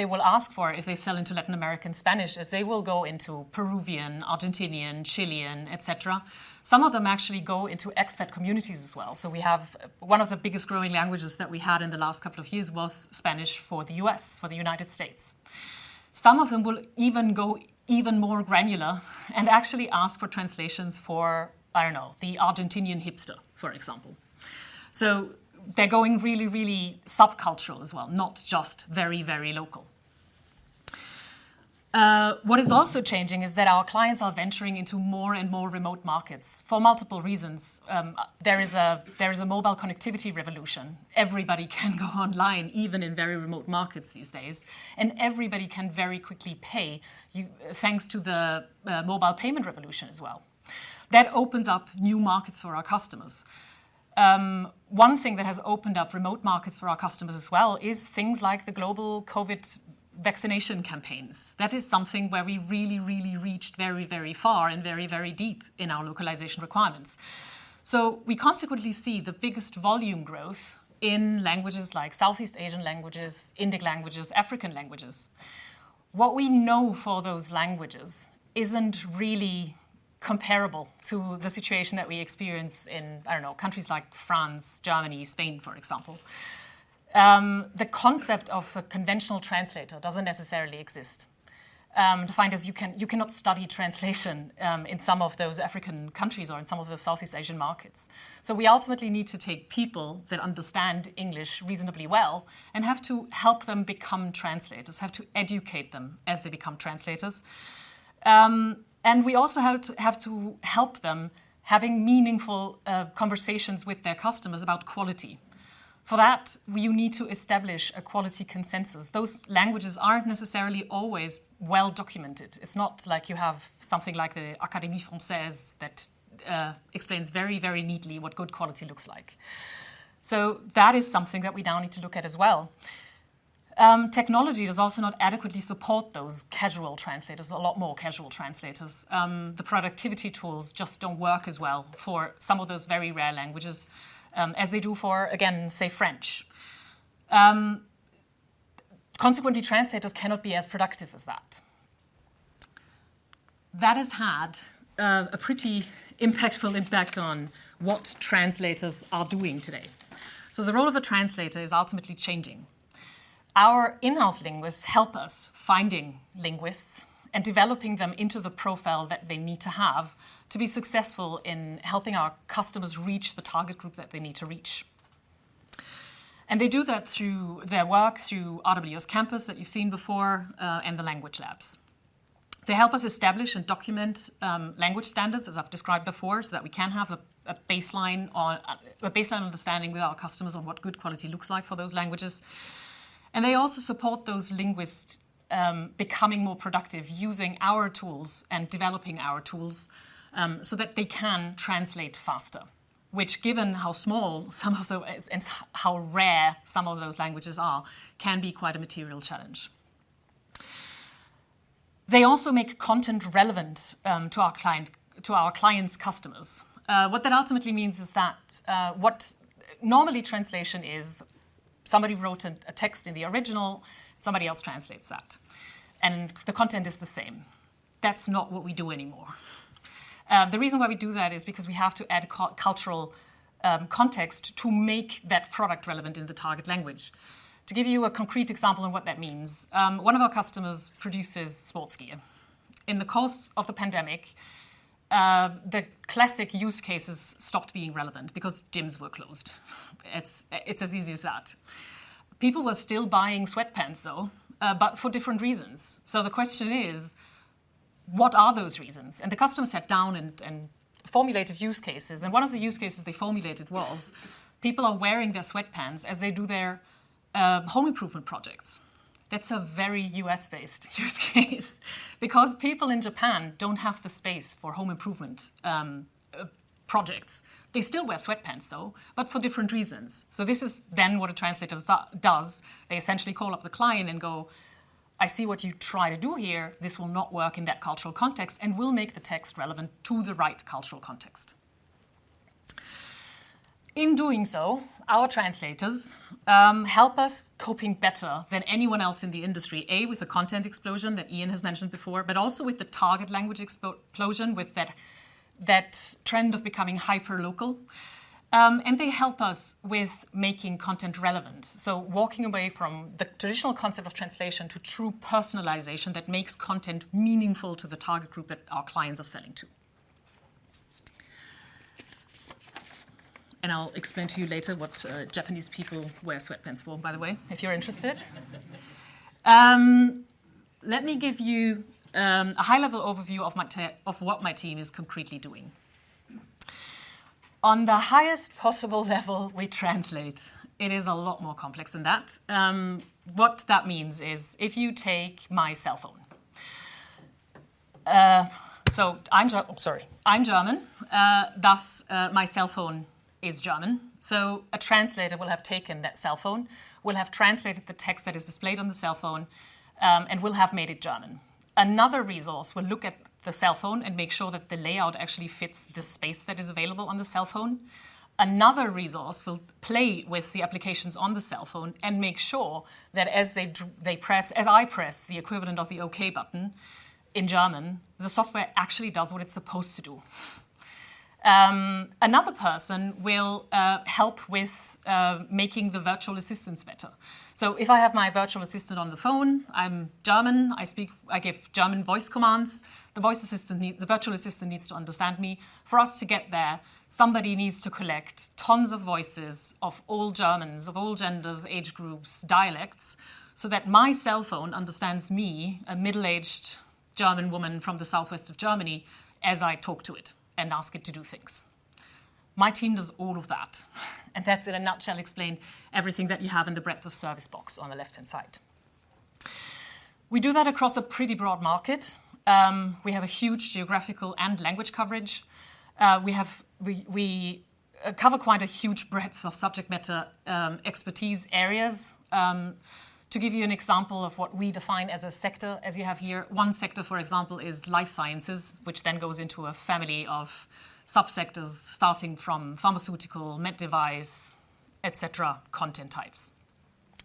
will ask for if they sell into Latin American Spanish is they will go into Peruvian, Argentinian, Chilean, et cetera. Some of them actually go into expat communities as well. We have... One of the biggest growing languages that we had in the last couple of years was Spanish for the U.S., for the United States. Some of them will even go more granular and actually ask for translations for, I don't know, the Argentinian hipster, for example. They're going really, really subcultural as well, not just very, very local. What is also changing is that our clients are venturing into more and more remote markets for multiple reasons. There is a mobile connectivity revolution. Everybody can go online even in very remote markets these days, and everybody can very quickly pay you, thanks to the mobile payment revolution as well. That opens up new markets for our customers. One thing that has opened up remote markets for our customers as well is things like the global COVID vaccination campaigns. That is something where we really reached very far and very deep in our localization requirements. We consequently see the biggest volume growth in languages like Southeast Asian languages, Indic languages, African languages. What we know for those languages isn't really comparable to the situation that we experience in, I don't know, countries like France, Germany, Spain, for example, the concept of a conventional translator doesn't necessarily exist. You cannot study translation in some of those African countries or in some of the Southeast Asian markets. We ultimately need to take people that understand English reasonably well and have to help them become translators, have to educate them as they become translators. We also have to help them having meaningful conversations with their customers about quality. For that, we need to establish a quality consensus. Those languages aren't necessarily always well-documented. It's not like you have something like the Académie française that explains very, very neatly what good quality looks like. That is something that we now need to look at as well. Technology does also not adequately support those casual translators. The productivity tools just don't work as well for some of those very rare languages as they do for, again, say, French. Consequently, translators cannot be as productive as that. That has had a pretty impactful impact on what translators are doing today. The role of a translator is ultimately changing. Our in-house linguists help us finding linguists and developing them into the profile that they need to have to be successful in helping our customers reach the target group that they need to reach. They do that through their work, through RWS Campus that you've seen before, and the language labs. They help us establish and document language standards, as I've described before, so that we can have a baseline understanding with our customers on what good quality looks like for those languages. They also support those linguists becoming more productive using our tools and developing our tools, so that they can translate faster, which given how small some of those and how rare some of those languages are, can be quite a material challenge. They also make content relevant to our client, to our clients' customers. What that ultimately means is that what normally translation is somebody wrote a text in the original, somebody else translates that, and the content is the same. That's not what we do anymore. The reason why we do that is because we have to add cultural context to make that product relevant in the target language. To give you a concrete example on what that means, one of our customers produces sports gear. In the course of the pandemic, the classic use cases stopped being relevant because gyms were closed. It's as easy as that. People were still buying sweatpants, though, but for different reasons. The question is, what are those reasons? The customer sat down and formulated use cases, and one of the use cases they formulated was people are wearing their sweatpants as they do their home improvement projects. That's a very U.S.-based use case because people in Japan don't have the space for home improvement projects. They still wear sweatpants, though, but for different reasons. This is then what a translator does. They essentially call up the client and go, "I see what you try to do here. This will not work in that cultural context," and will make the text relevant to the right cultural context. In doing so, our translators help us coping better than anyone else in the industry with the content explosion that Ian has mentioned before, but also with the target language explosion, with that trend of becoming hyperlocal. They help us with making content relevant. Walking away from the traditional concept of translation to true personalization that makes content meaningful to the target group that our clients are selling to. I'll explain to you later what Japanese people wear sweatpants for, by the way, if you're interested. Let me give you a high-level overview of what my team is concretely doing. On the highest possible level, we translate. It is a lot more complex than that. What that means is if you take my cell phone. I'm German, thus, my cell phone is German. A translator will have taken that cell phone, will have translated the text that is displayed on the cell phone, and will have made it German. Another resource will look at the cell phone and make sure that the layout actually fits the space that is available on the cell phone. Another resource will play with the applications on the cell phone and make sure that as they press, as I press the equivalent of the OK button in German, the software actually does what it's supposed to do. Another person will help with making the virtual assistants better. If I have my virtual assistant on the phone, I'm German, I give German voice commands. The virtual assistant needs to understand me. For us to get there, somebody needs to collect tons of voices of all Germans, of all genders, age groups, dialects, so that my cell phone understands me, a middle-aged German woman from the southwest of Germany, as I talk to it and ask it to do things. My team does all of that, and that's in a nutshell explain everything that you have in the breadth of service box on the left-hand side. We do that across a pretty broad market. We have a huge geographical and language coverage. We cover quite a huge breadth of subject matter, expertise areas. To give you an example of what we define as a sector, as you have here, one sector, for example, is life sciences, which then goes into a family of sub-sectors starting from pharmaceutical, med device, et cetera, content types.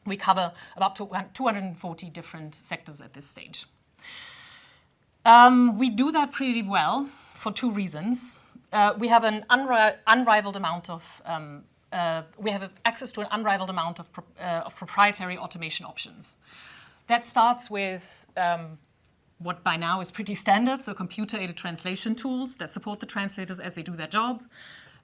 We cover about 240 different sectors at this stage. We do that pretty well for two reasons. We have access to an unrivaled amount of proprietary automation options. That starts with what by now is pretty standard, so computer-aided translation tools that support the translators as they do their job.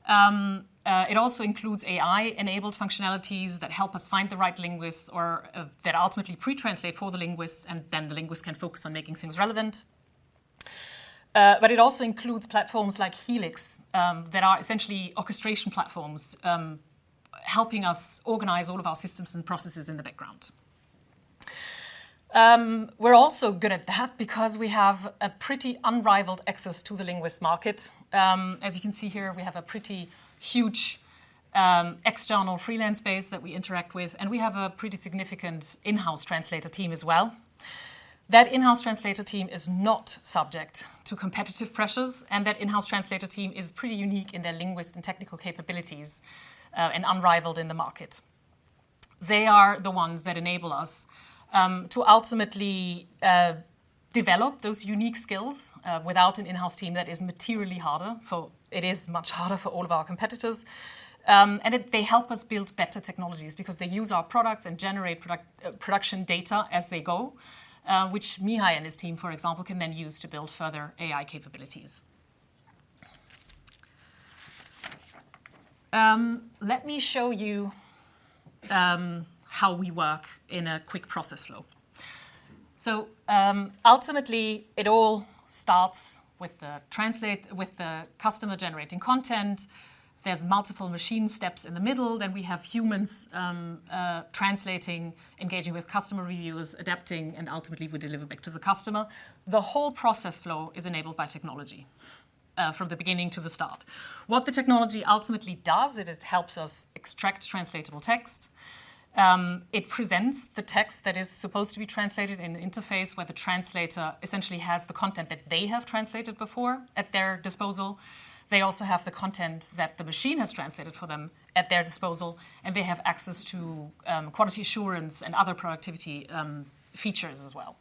It also includes AI-enabled functionalities that help us find the right linguists or that ultimately pre-translate for the linguists, and then the linguists can focus on making things relevant. It also includes platforms like Helix that are essentially orchestration platforms helping us organize all of our systems and processes in the background. We're also good at that because we have a pretty unrivaled access to the linguist market. As you can see here, we have a pretty huge external freelance base that we interact with, and we have a pretty significant in-house translator team as well. That in-house translator team is not subject to competitive pressures, and that in-house translator team is pretty unique in their linguist and technical capabilities and unrivaled in the market. They are the ones that enable us to ultimately develop those unique skills. Without an in-house team, it is much harder for all of our competitors. They help us build better technologies because they use our products and generate product production data as they go, which Mihai and his team, for example, can then use to build further AI capabilities. Let me show you how we work in a quick process flow. Ultimately, it all starts with the customer-generating content. There are multiple machine steps in the middle. We have humans translating, engaging with customer reviews, adapting, and ultimately we deliver back to the customer. The whole process flow is enabled by technology from the beginning to the end. What the technology ultimately does is it helps us extract translatable text. It presents the text that is supposed to be translated in an interface where the translator essentially has the content that they have translated before at their disposal. They also have the content that the machine has translated for them at their disposal, and they have access to, quality assurance and other productivity, features as well.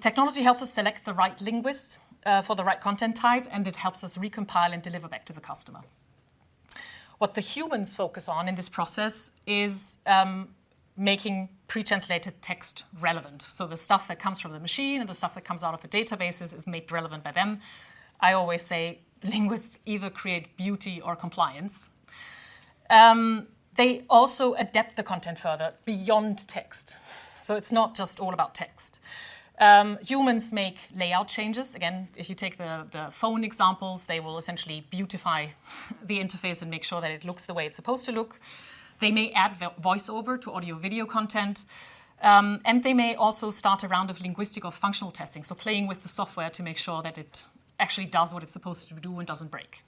Technology helps us select the right linguists, for the right content type, and it helps us recompile and deliver back to the customer. What the humans focus on in this process is, making pre-translated text relevant. The stuff that comes from the machine and the stuff that comes out of the databases is made relevant by them. I always say linguists either create beauty or compliance. They also adapt the content further beyond text, so it's not just all about text. Humans make layout changes. Again, if you take the phone examples, they will essentially beautify the interface and make sure that it looks the way it's supposed to look. They may add voice-over to audio-video content, and they may also start a round of linguistic or functional testing, so playing with the software to make sure that it actually does what it's supposed to do and doesn't break.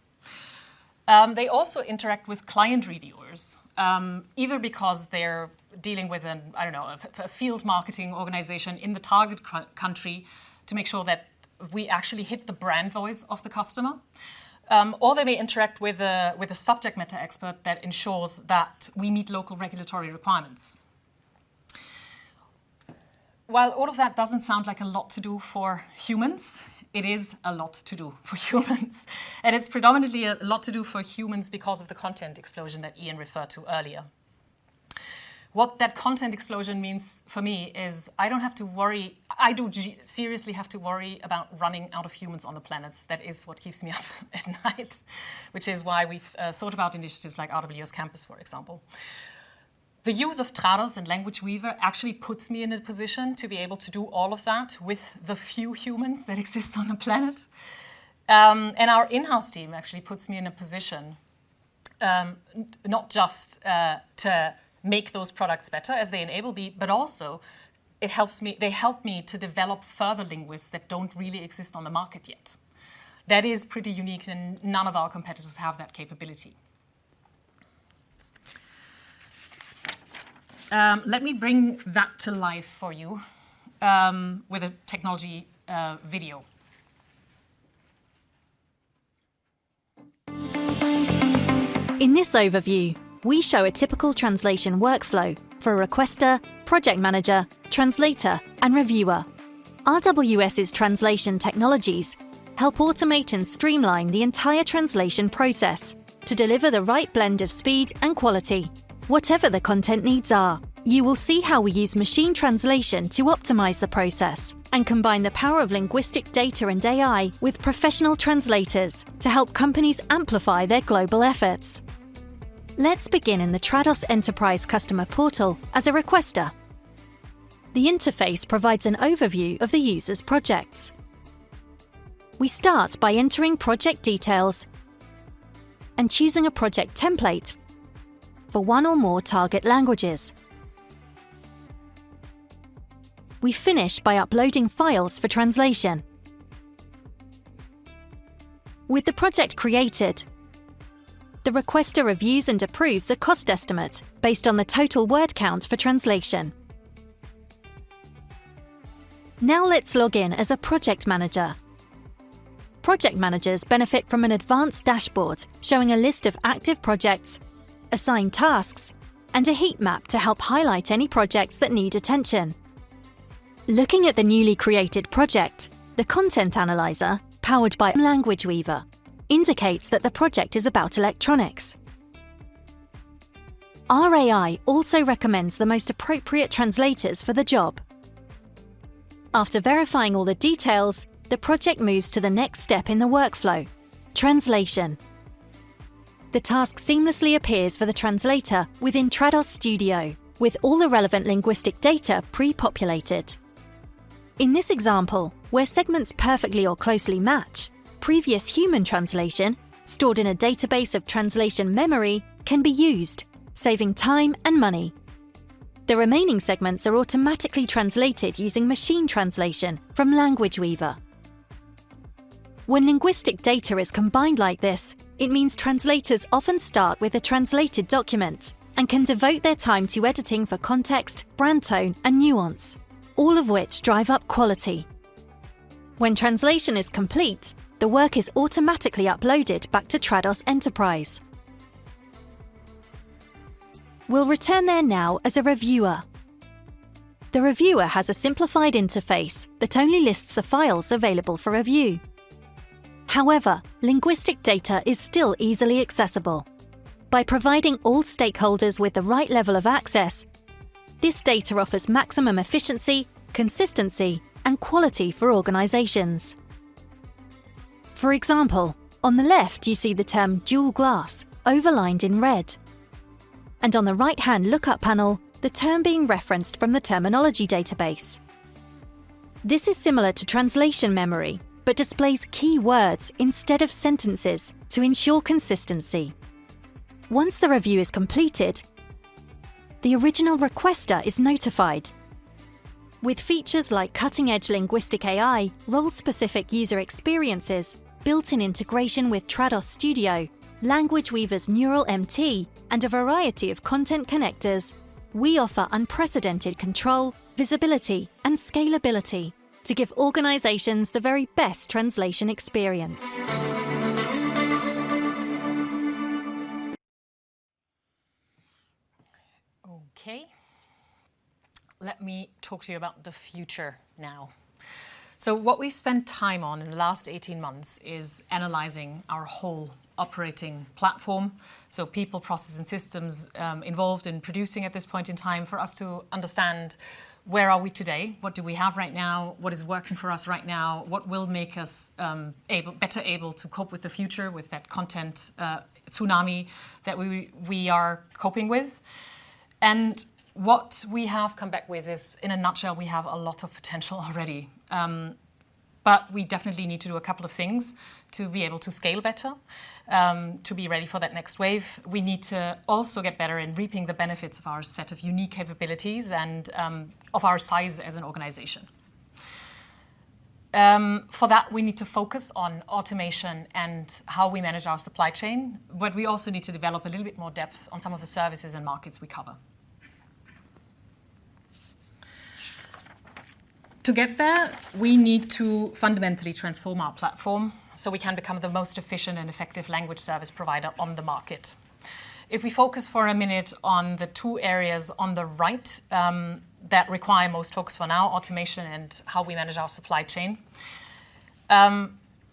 They also interact with client reviewers, either because they're dealing with an, I don't know, a field marketing organization in the target country to make sure that we actually hit the brand voice of the customer. Or they may interact with a subject matter expert that ensures that we meet local regulatory requirements. While all of that doesn't sound like a lot to do for humans, it is a lot to do for humans. It's predominantly a lot to do for humans because of the content explosion that Ian referred to earlier. What that content explosion means for me is I don't have to worry. I do seriously have to worry about running out of humans on the planet. That is what keeps me up at night, which is why we've thought about initiatives like RWS Campus, for example. The use of Trados and Language Weaver actually puts me in a position to be able to do all of that with the few humans that exist on the planet. Our in-house team actually puts me in a position, not just to make those products better as they enable me, but also it helps me. They help me to develop further linguists that don't really exist on the market yet. That is pretty unique, and none of our competitors have that capability. Let me bring that to life for you, with a technology, video. In this overview, we show a typical translation workflow for a requestor, project manager, translator, and reviewer. RWS's translation technologies help automate and streamline the entire translation process to deliver the right blend of speed and quality. Whatever the content needs are, you will see how we use machine translation to optimize the process and combine the power of linguistic data and AI with professional translators to help companies amplify their global efforts. Let's begin in the Trados Enterprise customer portal as a requestor. The interface provides an overview of the user's projects. We start by entering project details and choosing a project template for one or more target languages. We finish by uploading files for translation. With the project created, the requestor reviews and approves a cost estimate based on the total word count for translation. Now let's log in as a project manager. Project managers benefit from an advanced dashboard showing a list of active projects, assigned tasks, and a heat map to help highlight any projects that need attention. Looking at the newly created project, the Content Analyzer, powered by Language Weaver, indicates that the project is about electronics. Our AI also recommends the most appropriate translators for the job. After verifying all the details, the project moves to the next step in the workflow, translation. The task seamlessly appears for the translator within Trados Studio with all the relevant linguistic data pre-populated. In this example, where segments perfectly or closely match, previous human translation, stored in a database of translation memory, can be used, saving time and money. The remaining segments are automatically translated using machine translation from Language Weaver. When linguistic data is combined like this, it means translators often start with a translated document and can devote their time to editing for context, brand tone, and nuance, all of which drive up quality. When translation is complete, the work is automatically uploaded back to Trados Enterprise. We'll return there now as a reviewer. The reviewer has a simplified interface that only lists the files available for review. However, linguistic data is still easily accessible. By providing all stakeholders with the right level of access, this data offers maximum efficiency, consistency, and quality for organizations. For example, on the left you see the term dual glass overlined in red, and on the right-hand lookup panel, the term being referenced from the terminology database. This is similar to translation memory, but displays key words instead of sentences to ensure consistency. Once the review is completed, the original requester is notified. With features like cutting-edge linguistic AI, role-specific user experiences, built-in integration with Trados Studio, Language Weaver's neural MT, and a variety of content connectors, we offer unprecedented control, visibility, and scalability to give organizations the very best translation experience. Okay. Let me talk to you about the future now. What we've spent time on in the last 18 months is analyzing our whole operating platform, so people, process, and systems, involved in producing at this point in time for us to understand where are we today, what do we have right now, what is working for us right now, what will make us better able to cope with the future, with that content tsunami that we are coping with. What we have come back with is, in a nutshell, we have a lot of potential already. We definitely need to do a couple of things to be able to scale better, to be ready for that next wave. We need to also get better in reaping the benefits of our set of unique capabilities and, of our size as an organization. For that, we need to focus on automation and how we manage our supply chain, but we also need to develop a little bit more depth on some of the services and markets we cover. To get there, we need to fundamentally transform our platform so we can become the most efficient and effective language service provider on the market. If we focus for a minute on the two areas on the right, that require most focus for now, automation and how we manage our supply chain,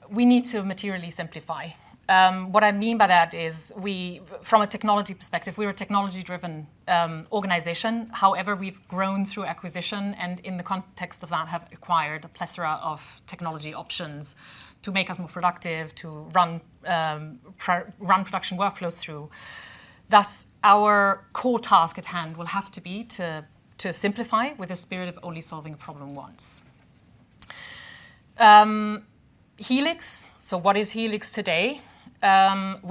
we need to materially simplify. What I mean by that is we, from a technology perspective, we're a technology-driven, organization. However, we've grown through acquisition and, in the context of that, have acquired a plethora of technology options to make us more productive, to run production workflows through. Thus, our core task at hand will have to be to simplify with the spirit of only solving a problem once. Helix, so what is Helix today,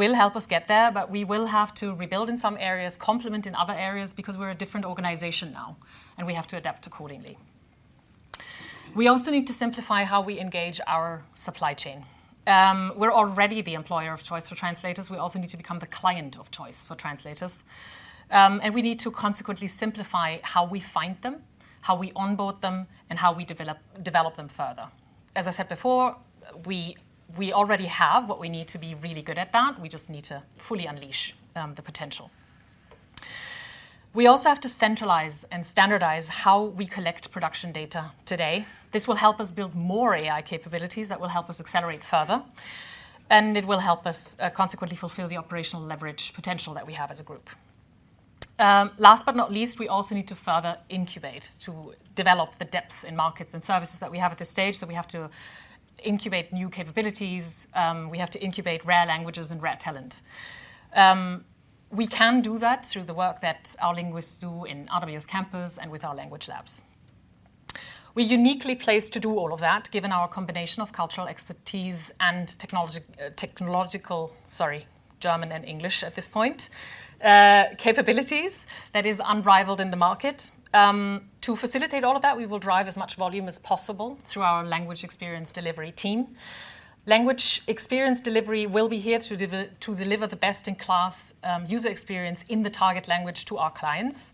will help us get there, but we will have to rebuild in some areas, complement in other areas, because we're a different organization now and we have to adapt accordingly. We also need to simplify how we engage our supply chain. We're already the employer of choice for translators. We also need to become the client of choice for translators. And we need to consequently simplify how we find them, how we onboard them, and how we develop them further. As I said before, we already have what we need to be really good at that. We just need to fully unleash the potential. We also have to centralize and standardize how we collect production data today. This will help us build more AI capabilities that will help us accelerate further, and it will help us consequently fulfill the operational leverage potential that we have as a group. Last but not least, we also need to further incubate to develop the depth in markets and services that we have at this stage, so we have to incubate new capabilities, we have to incubate rare languages and rare talent. We can do that through the work that our linguists do in RWS Campus and with our language labs. We're uniquely placed to do all of that, given our combination of cultural expertise and technological capabilities that is unrivaled in the market. To facilitate all of that, we will drive as much volume as possible through our Language eXperience Delivery team. Language eXperience Delivery will be here to deliver the best-in-class user experience in the target language to our clients.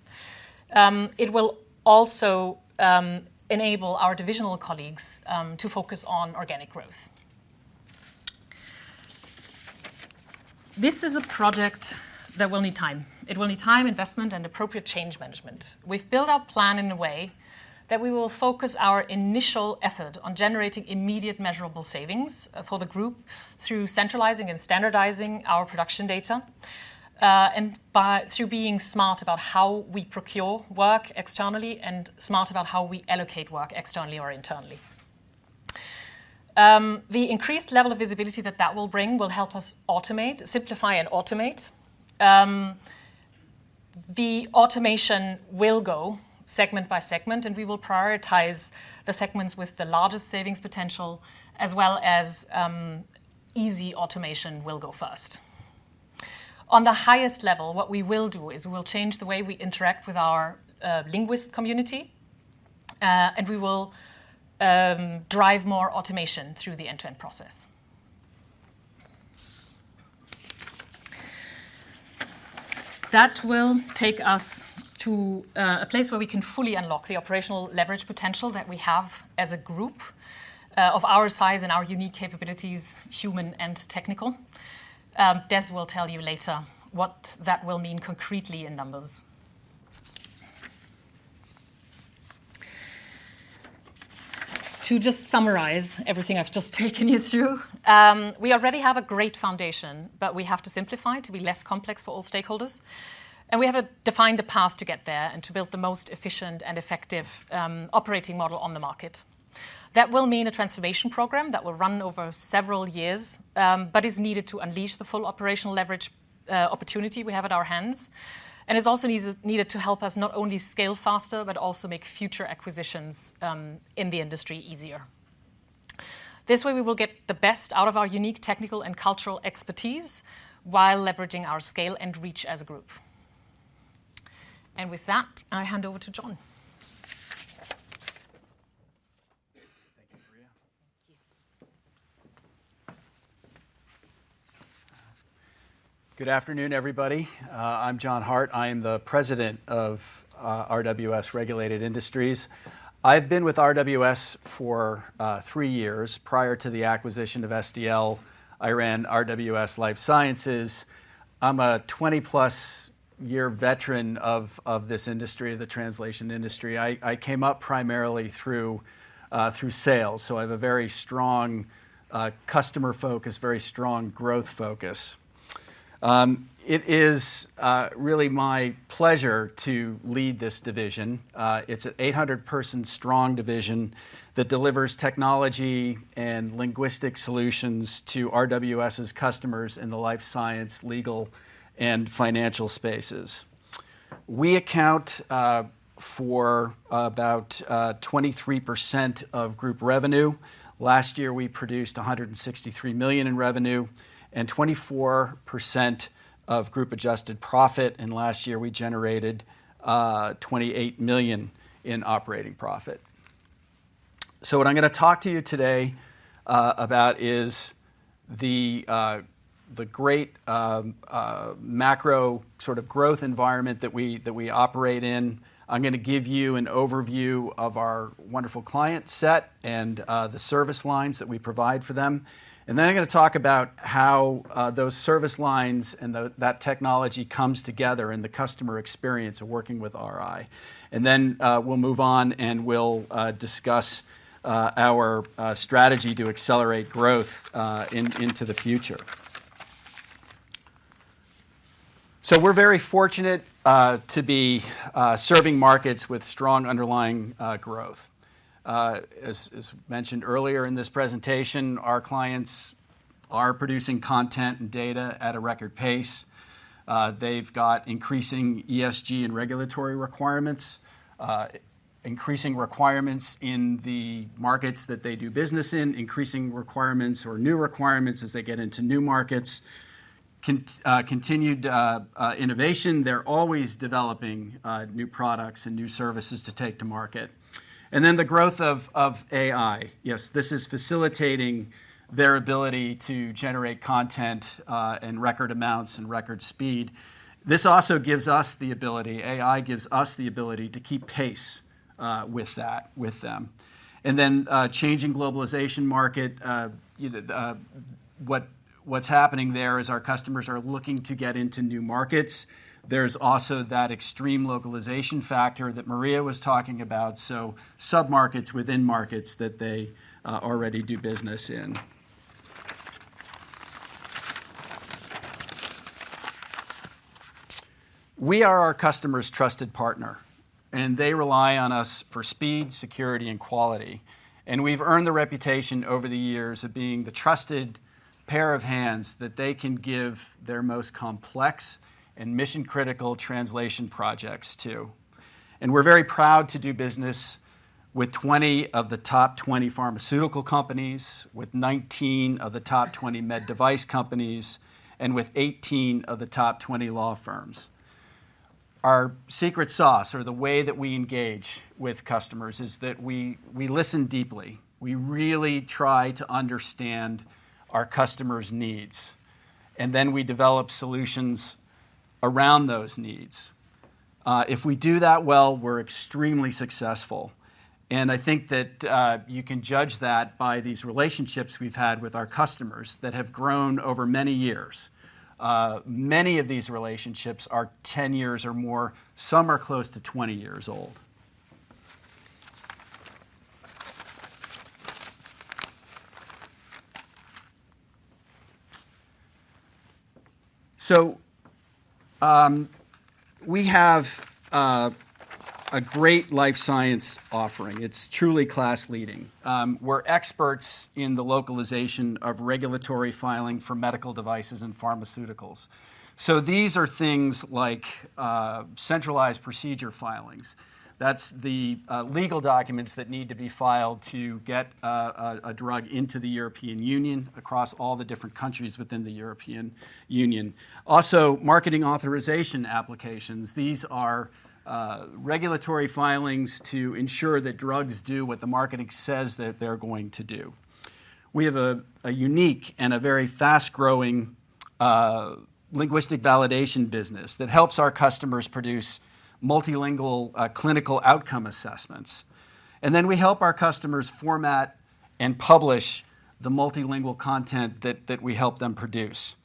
It will also enable our divisional colleagues to focus on organic growth. This is a project that will need time, investment, and appropriate change management. We've built our plan in a way that we will focus our initial effort on generating immediate measurable savings for the group through centralizing and standardizing our production data, through being smart about how we procure work externally and smart about how we allocate work externally or internally. The increased level of visibility that will bring will help us automate, simplify. The automation will go segment by segment, and we will prioritize the segments with the largest savings potential, as well as easy automation will go first. On the highest level, what we will do is we will change the way we interact with our linguist community, and we will drive more automation through the end-to-end process. That will take us to a place where we can fully unlock the operational leverage potential that we have as a group of our size and our unique capabilities, human and technical. Des will tell you later what that will mean concretely in numbers. To just summarize everything I've just taken you through, we already have a great foundation, but we have to simplify to be less complex for all stakeholders, and we have a defined path to get there and to build the most efficient and effective operating model on the market. That will mean a transformation program that will run over several years, but is needed to unleash the full operational leverage opportunity we have at our hands, and is also needed to help us not only scale faster, but also make future acquisitions in the industry easier. This way, we will get the best out of our unique technical and cultural expertise while leveraging our scale and reach as a group. With that, I hand over to Jon. Thank you, Maria. Thank you. Good afternoon, everybody. I'm Jon Hart. I am the President of RWS Regulated Industries. I've been with RWS for three years. Prior to the acquisition of SDL, I ran RWS Life Sciences. I'm a 20+ year veteran of this industry, the translation industry. I came up primarily through sales, so I have a very strong customer focus, very strong growth focus. It is really my pleasure to lead this division. It's an 800 person strong division that delivers technology and linguistic solutions to RWS' customers in the life science, legal, and financial spaces. We account for about 23% of group revenue. Last year, we produced 163 million in revenue and 24% of group-adjusted profit, and last year we generated 28 million in operating profit. What I'm gonna talk to you today about is the great macro sort of growth environment that we operate in. I'm gonna give you an overview of our wonderful client set and the service lines that we provide for them. Then I'm gonna talk about how those service lines and that technology comes together in the customer experience of working with RI. We'll move on and we'll discuss our strategy to accelerate growth into the future. We're very fortunate to be serving markets with strong underlying growth. As mentioned earlier in this presentation, our clients are producing content and data at a record pace. They've got increasing ESG and regulatory requirements, increasing requirements in the markets that they do business in, increasing requirements or new requirements as they get into new markets. Continued innovation. They're always developing new products and new services to take to market. The growth of AI. Yes, this is facilitating their ability to generate content in record amounts and record speed. This also gives us the ability. AI gives us the ability to keep pace with that, with them. Changing globalization market, you know, what's happening there is our customers are looking to get into new markets. There's also that extreme localization factor that Maria was talking about, so sub-markets within markets that they already do business in. We are our customers' trusted partner, and they rely on us for speed, security, and quality, and we've earned the reputation over the years of being the trusted pair of hands that they can give their most complex and mission-critical translation projects to. We're very proud to do business with 20 of the top 20 pharmaceutical companies, with 19 of the top 20 med device companies, and with 18 of the top 20 law firms. Our secret sauce or the way that we engage with customers is that we listen deeply. We really try to understand our customers' needs, and then we develop solutions around those needs. If we do that well, we're extremely successful, and I think that you can judge that by these relationships we've had with our customers that have grown over many years. Many of these relationships are 10 years or more. Some are close to 20 years old. We have a great life sciences offering. It's truly class-leading. We're experts in the localization of regulatory filing for medical devices and pharmaceuticals. These are things like centralized procedure filings. That's the legal documents that need to be filed to get a drug into the European Union across all the different countries within the European Union. Also, marketing authorization applications. These are regulatory filings to ensure that drugs do what the marketing says that they're going to do. We have a unique and a very fast-growing linguistic validation business that helps our customers produce multilingual clinical outcome assessments. Then we help our customers format and publish the multilingual content that we help them produce.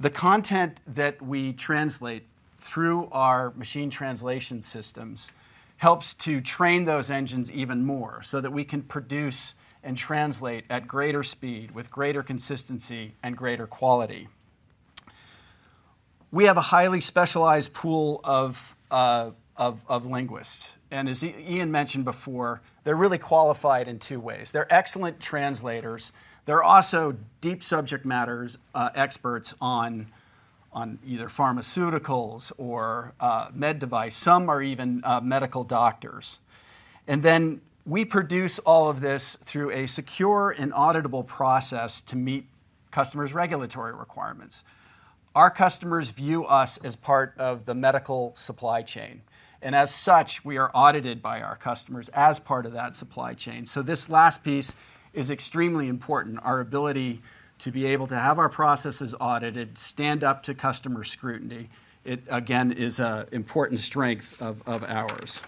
The content that we translate through our machine translation systems helps to train those engines even more so that we can produce and translate at greater speed with greater consistency and greater quality. We have a highly specialized pool of linguists, and as Ian mentioned before, they're really qualified in two ways. They're excellent translators. They're also deep subject matter experts on either pharmaceuticals or med device. Some are even medical doctors. We produce all of this through a secure and auditable process to meet customers' regulatory requirements. Our customers view us as part of the medical supply chain, and as such, we are audited by our customers as part of that supply chain. This last piece is extremely important, our ability to be able to have our processes audited, stand up to customer scrutiny. It again is an important strength of ours.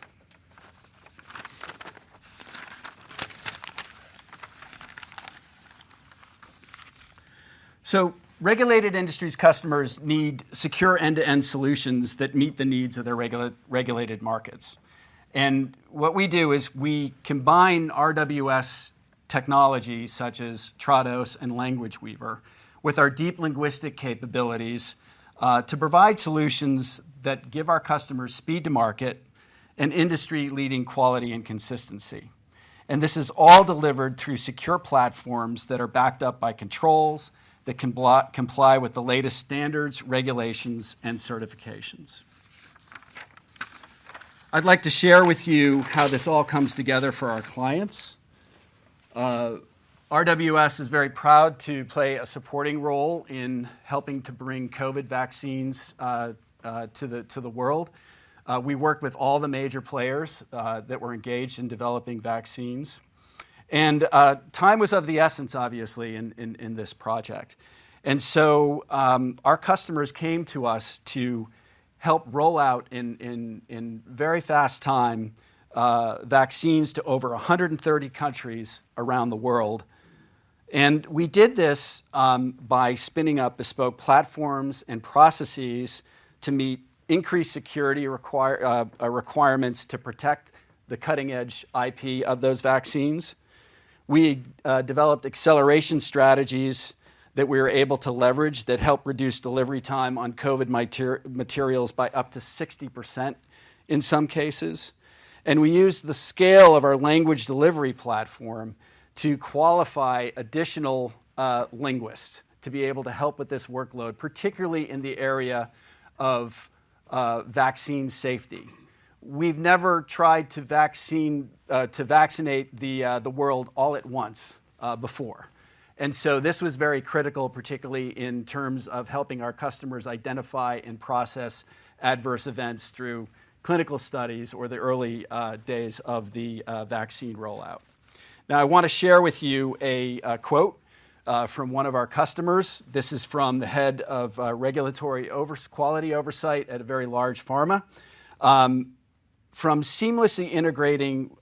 Regulated Industries customers need secure end-to-end solutions that meet the needs of their regulated markets. What we do is we combine RWS technology such as Trados and Language Weaver with our deep linguistic capabilities to provide solutions that give our customers speed to market and industry-leading quality and consistency. This is all delivered through secure platforms that are backed up by controls that can comply with the latest standards, regulations, and certifications. I'd like to share with you how this all comes together for our clients. RWS is very proud to play a supporting role in helping to bring COVID vaccines to the world. We work with all the major players that were engaged in developing vaccines. Time was of the essence, obviously, in this project. Our customers came to us to help roll out in very fast time vaccines to over 130 countries around the world. We did this by spinning up bespoke platforms and processes to meet increased security requirements to protect the cutting-edge IP of those vaccines. We developed acceleration strategies that we were able to leverage that help reduce delivery time on COVID materials by up to 60% in some cases. We used the scale of our language delivery platform to qualify additional linguists to be able to help with this workload, particularly in the area of vaccine safety. We've never tried to vaccinate the world all at once before. This was very critical, particularly in terms of helping our customers identify and process adverse events through clinical studies or the early days of the vaccine rollout. Now, I wanna share with you a quote from one of our customers. This is from the head of regulatory quality oversight at a very large pharma. From seamlessly integrating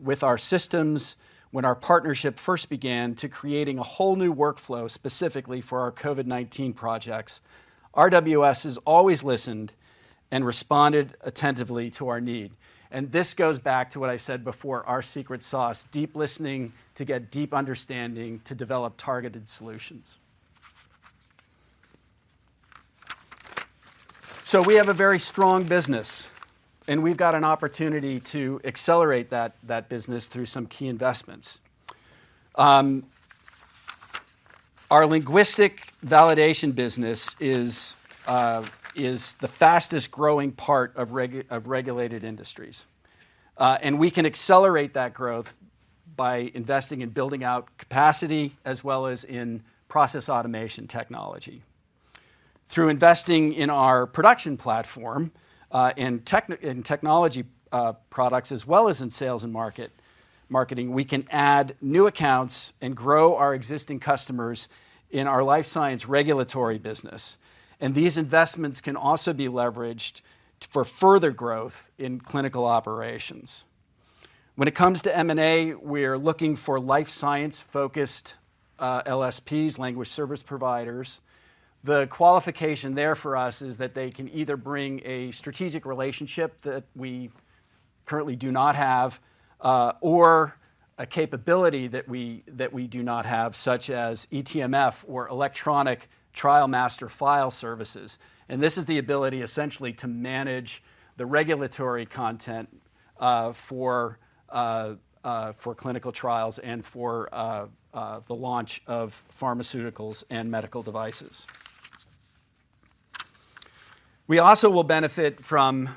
with our systems when our partnership first began to creating a whole new workflow specifically for our COVID-19 projects, RWS has always listened and responded attentively to our need. This goes back to what I said before, our secret sauce, deep listening to get deep understanding to develop targeted solutions. We have a very strong business, and we've got an opportunity to accelerate that business through some key investments. Our linguistic validation business is the fastest-growing part of Regulated Industries. We can accelerate that growth by investing in building out capacity as well as in process automation technology. Through investing in our production platform, in technology products as well as in sales and marketing, we can add new accounts and grow our existing customers in our life sciences regulatory business, and these investments can also be leveraged for further growth in clinical operations. When it comes to M&A, we're looking for life sciences-focused LSPs, language service providers. The qualification there for us is that they can either bring a strategic relationship that we currently do not have, or a capability that we do not have, such as eTMF or electronic trial master file services. This is the ability essentially to manage the regulatory content for clinical trials and for the launch of pharmaceuticals and medical devices. We also will benefit from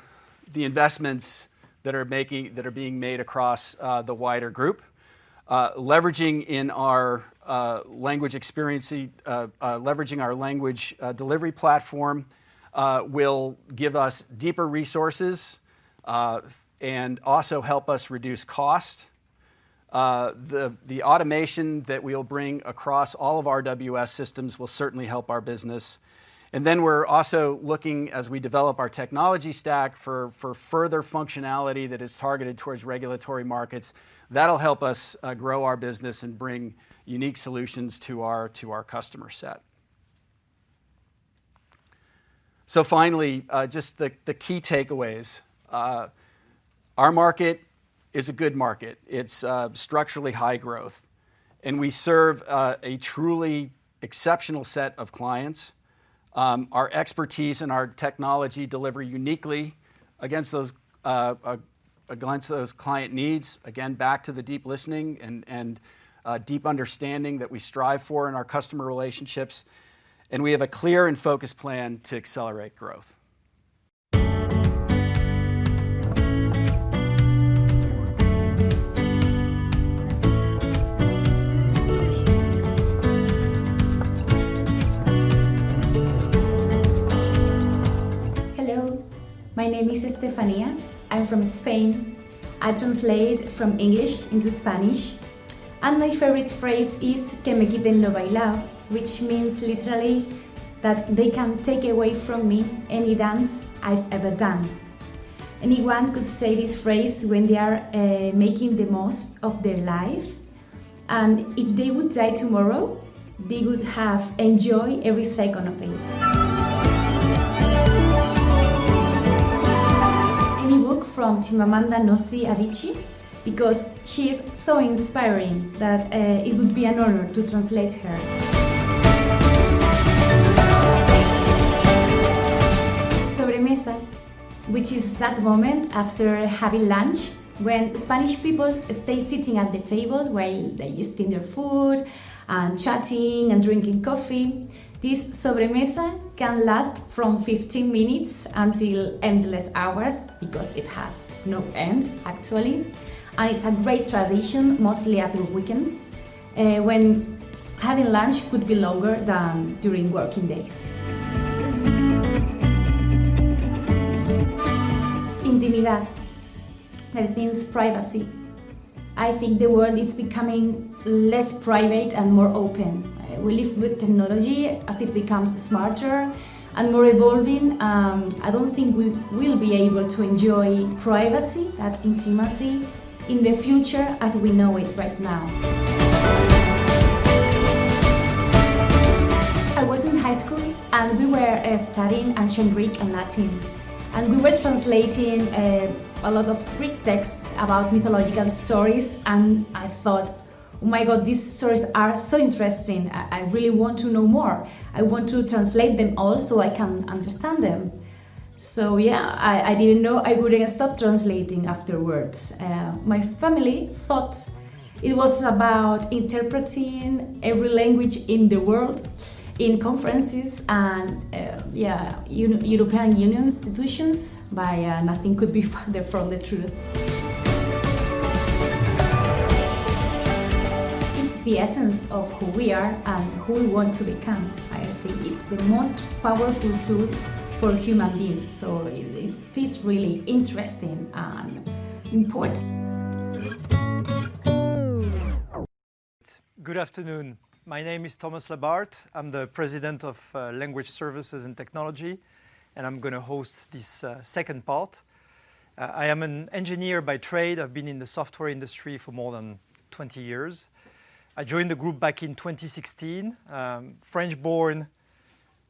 the investments that are being made across the wider group. Leveraging our Language Delivery platform will give us deeper resources and also help us reduce cost. The automation that we'll bring across all of our RWS systems will certainly help our business. Then we're also looking as we develop our technology stack for further functionality that is targeted towards regulatory markets. That'll help us grow our business and bring unique solutions to our customer set. Finally, just the key takeaways. Our market is a good market. It's structurally high growth, and we serve a truly exceptional set of clients. Our expertise and our technology deliver uniquely against those client needs, again, back to the deep listening and deep understanding that we strive for in our customer relationships, and we have a clear and focused plan to accelerate growth. Hello. My name is Estefania. I'm from Spain. I translate from English into Spanish, and my favorite phrase is que me quiten lo bailao, which means literally that they can take away from me any dance I've ever done. Anyone could say this phrase when they are making the most of their life, and if they would die tomorrow, they would have enjoyed every second of it. Any book from Chimamanda Ngozi Adichie because she is so inspiring that it would be an honor to translate her. Sobremesa, which is that moment after having lunch when Spanish people stay sitting at the table while digesting their food and chatting and drinking coffee. This sobremesa can last from 15 minutes until endless hours because it has no end actually, and it's a great tradition, mostly at the weekends, when having lunch could be longer than during working days. Intimidad. That means privacy. I think the world is becoming less private and more open. We live with technology as it becomes smarter and more evolving. I don't think we will be able to enjoy privacy, that intimacy, in the future as we know it right now. I was in high school, and we were studying ancient Greek and Latin, and we were translating a lot of Greek texts about mythological stories, and I thought, "Oh my God, these stories are so interesting. I really want to know more. I want to translate them all so I can understand them." Yeah, I didn't know I wouldn't stop translating afterwards. My family thought it was about interpreting every language in the world in conferences and European Union institutions, but nothing could be further from the truth. It's the essence of who we are and who we want to become. I think it's the most powerful tool for human beings, so it is really interesting and important. Good afternoon. My name is Thomas Labarthe. I'm the President of Language Services and Technology, and I'm gonna host this second part. I am an engineer by trade. I've been in the software industry for more than 20 years. I joined the group back in 2016. I'm French born,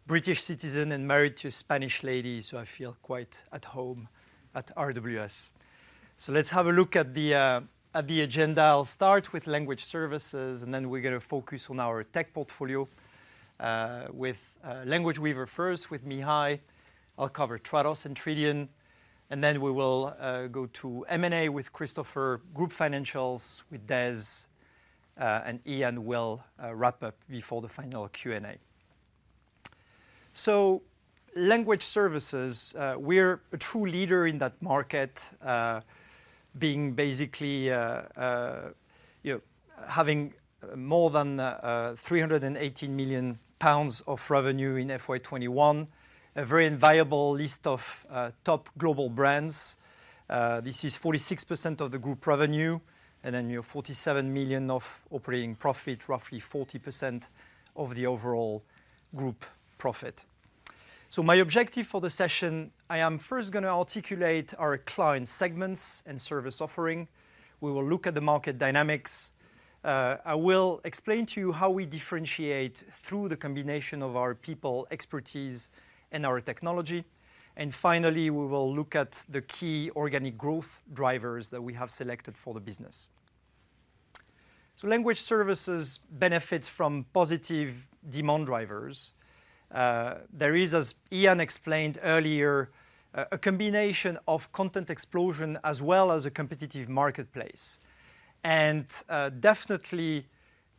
British citizen, and married to a Spanish lady, so I feel quite at home at RWS. Let's have a look at the agenda. I'll start with Language Services, and then we're gonna focus on our tech portfolio with Language Weaver first with Mihai. I'll cover Trados and Tridion, and then we will go to M&A with Christopher, group financials with Des, and Ian will wrap up before the final Q&A. Language Services, we're a true leader in that market, being basically, you know, having more than 380 million pounds of revenue in FY 2021, a very enviable list of top global brands. This is 46% of the group revenue, and then you have 47 million of operating profit, roughly 40% of the overall group profit. My objective for the session, I am first gonna articulate our client segments and service offering. We will look at the market dynamics. I will explain to you how we differentiate through the combination of our people expertise and our technology, and finally, we will look at the key organic growth drivers that we have selected for the business. Language Services benefit from positive demand drivers. There is, as Ian explained earlier, a combination of content explosion as well as a competitive marketplace. Definitely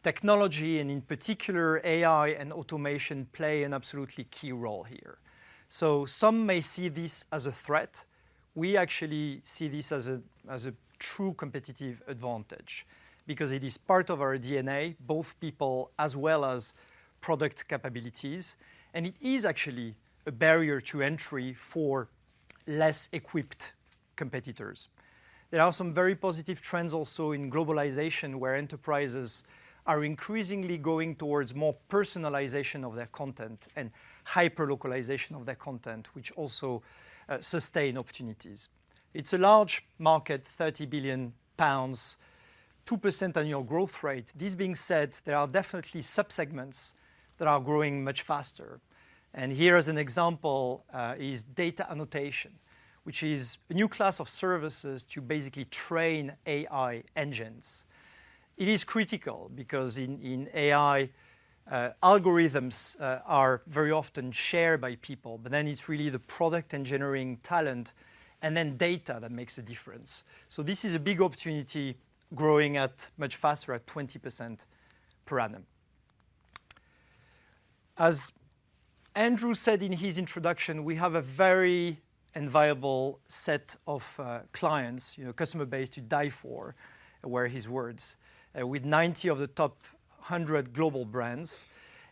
technology and in particular AI and automation play an absolutely key role here. Some may see this as a threat. We actually see this as a true competitive advantage because it is part of our DNA, both people as well as product capabilities, and it is actually a barrier to entry for less-equipped competitors. There are some very positive trends also in globalization, where enterprises are increasingly going towards more personalization of their content and hyper-localization of their content, which also sustain opportunities. It's a large market, 30 billion pounds, 2% annual growth rate. This being said, there are definitely sub-segments that are growing much faster, and here as an example, is data annotation, which is a new class of services to basically train AI engines. It is critical because in AI, algorithms are very often shared by people, but then it's really the product engineering talent and then data that makes a difference. This is a big opportunity growing much faster, at 20% per annum. As Andrew said in his introduction, we have a very enviable set of, clients, you know, customer base to die for, were his words, with 90 of the top 100 global brands.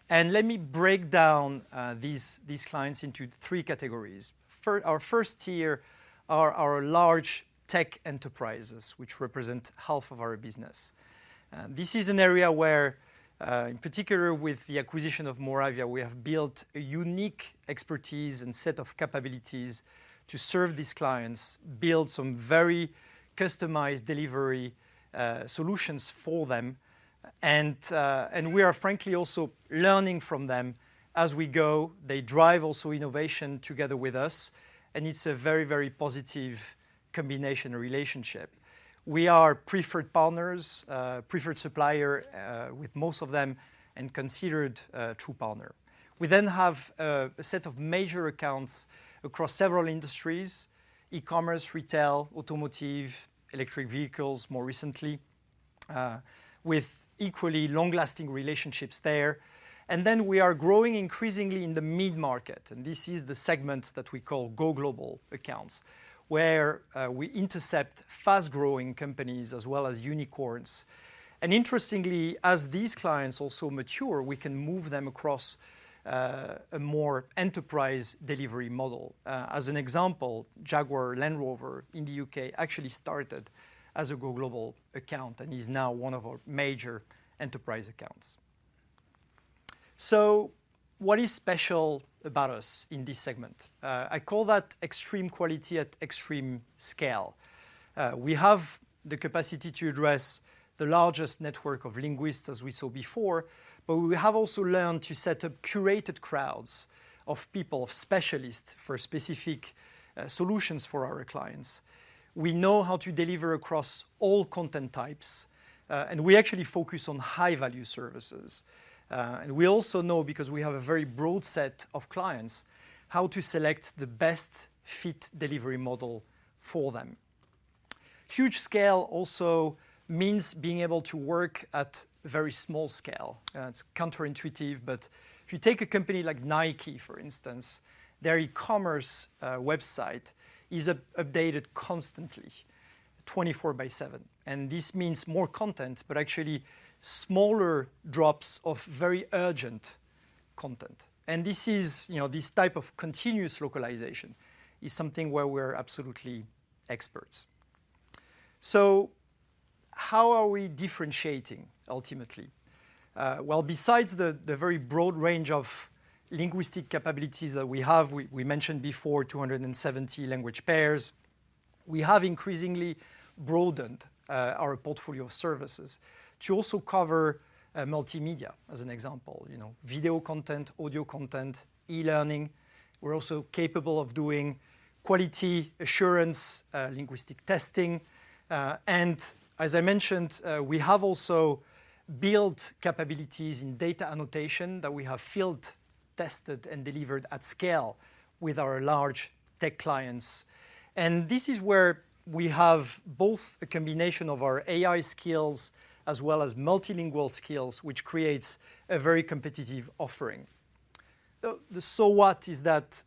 Let me break down these clients into three categories. Our first tier are our large tech enterprises, which represent half of our business. This is an area where, in particular with the acquisition of Moravia, we have built a unique expertise and set of capabilities to serve these clients, build some very customized delivery solutions for them, and we are frankly also learning from them as we go. They drive also innovation together with us, and it's a very, very positive combination or relationship. We are preferred partners, preferred supplier, with most of them and considered a true partner. We then have a set of major accounts across several industries, e-commerce, retail, automotive, electric vehicles more recently, with equally long-lasting relationships there. Then we are growing increasingly in the mid-market, and this is the segment that we call go global accounts, where we intercept fast-growing companies as well as unicorns. Interestingly, as these clients also mature, we can move them across a more enterprise delivery model. As an example, Jaguar Land Rover in the U.K. actually started as a go global account and is now one of our major enterprise accounts. What is special about us in this segment? I call that extreme quality at extreme scale. We have the capacity to address the largest network of linguists, as we saw before, but we have also learned to set up curated crowds of people, of specialists for specific solutions for our clients. We know how to deliver across all content types, and we actually focus on high-value services. We also know, because we have a very broad set of clients, how to select the best fit delivery model for them. Huge scale also means being able to work at very small scale. It's counterintuitive, but if you take a company like Nike, for instance, their e-commerce website is updated constantly, 24/7. This means more content, but actually smaller drops of very urgent content. This is, you know, this type of continuous localization is something where we're absolutely experts. How are we differentiating ultimately? Well, besides the very broad range of linguistic capabilities that we have, we mentioned before 270 language pairs, we have increasingly broadened our portfolio of services to also cover multimedia, as an example, you know, video content, audio content, e-learning. We're also capable of doing quality assurance, linguistic testing, and as I mentioned, we have also built capabilities in data annotation that we have field-tested and delivered at scale with our large tech clients. This is where we have both a combination of our AI skills as well as multilingual skills, which creates a very competitive offering. The so what is that,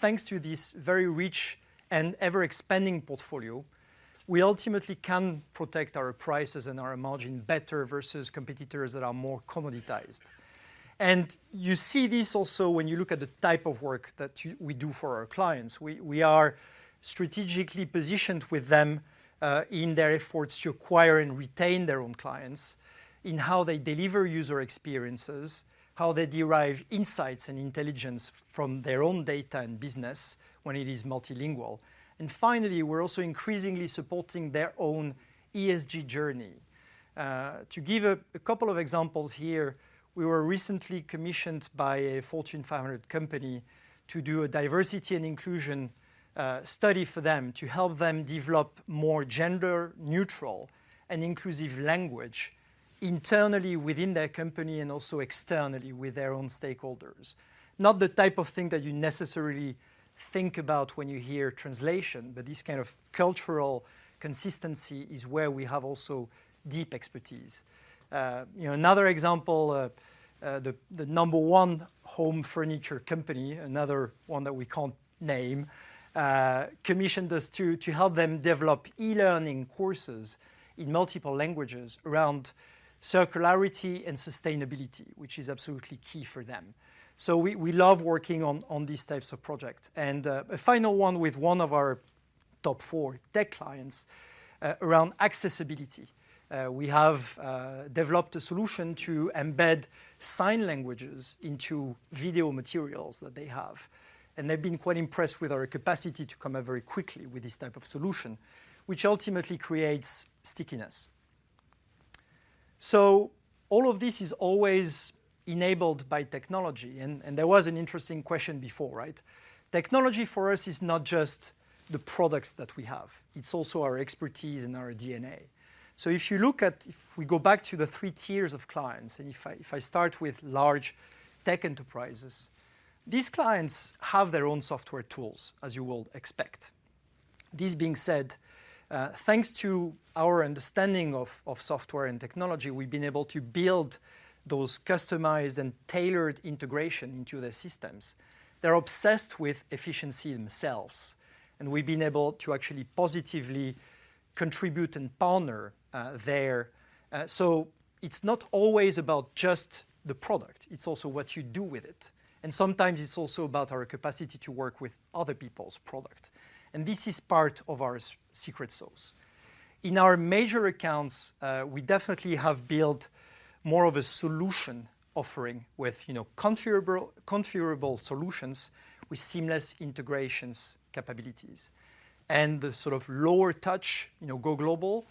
thanks to this very rich and ever-expanding portfolio, we ultimately can protect our prices and our margin better versus competitors that are more commoditized. You see this also when you look at the type of work that we do for our clients. We are strategically positioned with them in their efforts to acquire and retain their own clients, in how they deliver user experiences, how they derive insights and intelligence from their own data and business when it is multilingual. Finally, we're also increasingly supporting their own ESG journey. To give a couple of examples here, we were recently commissioned by a Fortune 500 company to do a diversity and inclusion study for them to help them develop more gender-neutral and inclusive language internally within their company and also externally with their own stakeholders. Not the type of thing that you necessarily think about when you hear translation, but this kind of cultural consistency is where we have also deep expertise. You know, another example, the number one home furniture company, another one that we can't name, commissioned us to help them develop e-learning courses in multiple languages around circularity and sustainability, which is absolutely key for them. We love working on these types of projects. A final one with one of our top four tech clients, around accessibility. We have developed a solution to embed sign languages into video materials that they have, and they've been quite impressed with our capacity to come up very quickly with this type of solution, which ultimately creates stickiness. All of this is always enabled by technology, and there was an interesting question before, right? Technology for us is not just the products that we have, it's also our expertise and our DNA. If we go back to the three tiers of clients, and if I start with large tech enterprises, these clients have their own software tools, as you would expect. This being said, thanks to our understanding of software and technology, we've been able to build those customized and tailored integration into their systems. They're obsessed with efficiency themselves, and we've been able to actually positively contribute and partner there. It's not always about just the product, it's also what you do with it. Sometimes it's also about our capacity to work with other people's product, and this is part of our secret sauce. In our major accounts, we definitely have built more of a solution offering with, you know, configurable solutions with seamless integrations capabilities. The sort of lower touch, you know, go global.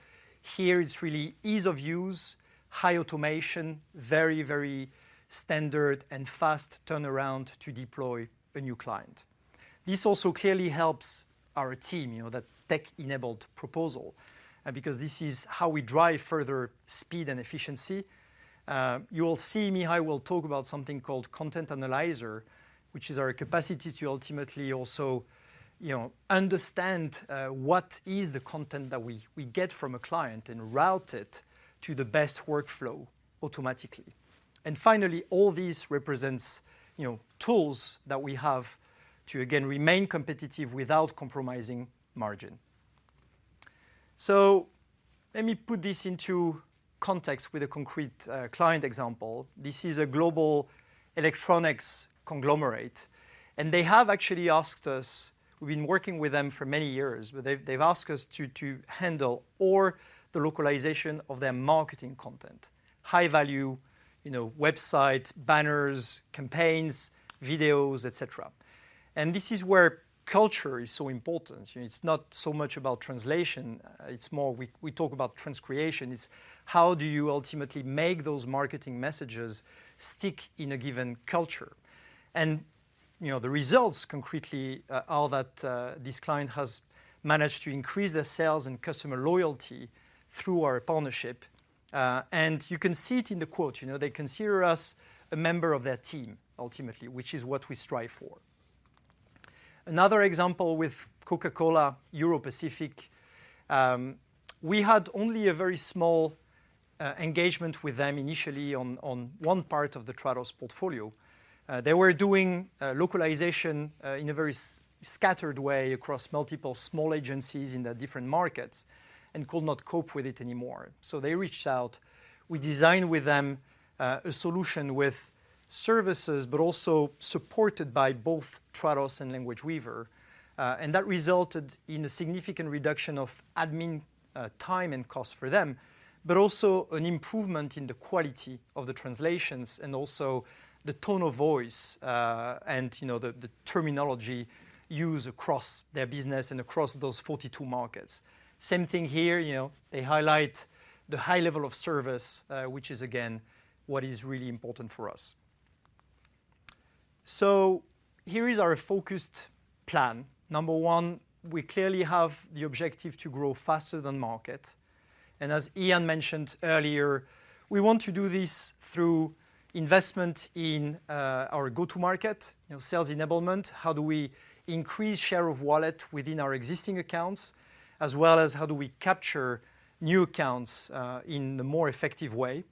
Here it's really ease of use, high automation, very standard and fast turnaround to deploy a new client. This also clearly helps our team, you know, that tech-enabled proposal, because this is how we drive further speed and efficiency. You will see Mihai will talk about something called Content Analyzer, which is our capacity to ultimately also, you know, understand what is the content that we get from a client and route it to the best workflow automatically. Finally, all these represents, you know, tools that we have to again remain competitive without compromising margin. Let me put this into context with a concrete client example. This is a global electronics conglomerate, and they have actually asked us. We've been working with them for many years, but they've asked us to handle all the localization of their marketing content. High value, you know, website banners, campaigns, videos, et cetera. This is where culture is so important. You know, it's not so much about translation, it's more we talk about transcreation, it's how do you ultimately make those marketing messages stick in a given culture? You know, the results concretely are that this client has managed to increase their sales and customer loyalty through our partnership, and you can see it in the quote, you know, they consider us a member of their team ultimately, which is what we strive for. Another example with Coca-Cola Europacific. We had only a very small engagement with them initially on one part of the Trados portfolio. They were doing localization in a very scattered way across multiple small agencies in their different markets and could not cope with it anymore. They reached out. We designed with them a solution with services, but also supported by both Trados and Language Weaver, and that resulted in a significant reduction of admin time and cost for them, but also an improvement in the quality of the translations and also the tone of voice, and, you know, the terminology used across their business and across those 42 markets. Same thing here, you know, they highlight the high level of service, which is again, what is really important for us. Here is our focused plan. Number one, we clearly have the objective to grow faster than market. As Ian mentioned earlier, we want to do this through investment in our go-to market, you know, sales enablement, how do we increase share of wallet within our existing accounts, as well as how do we capture new accounts in a more effective way.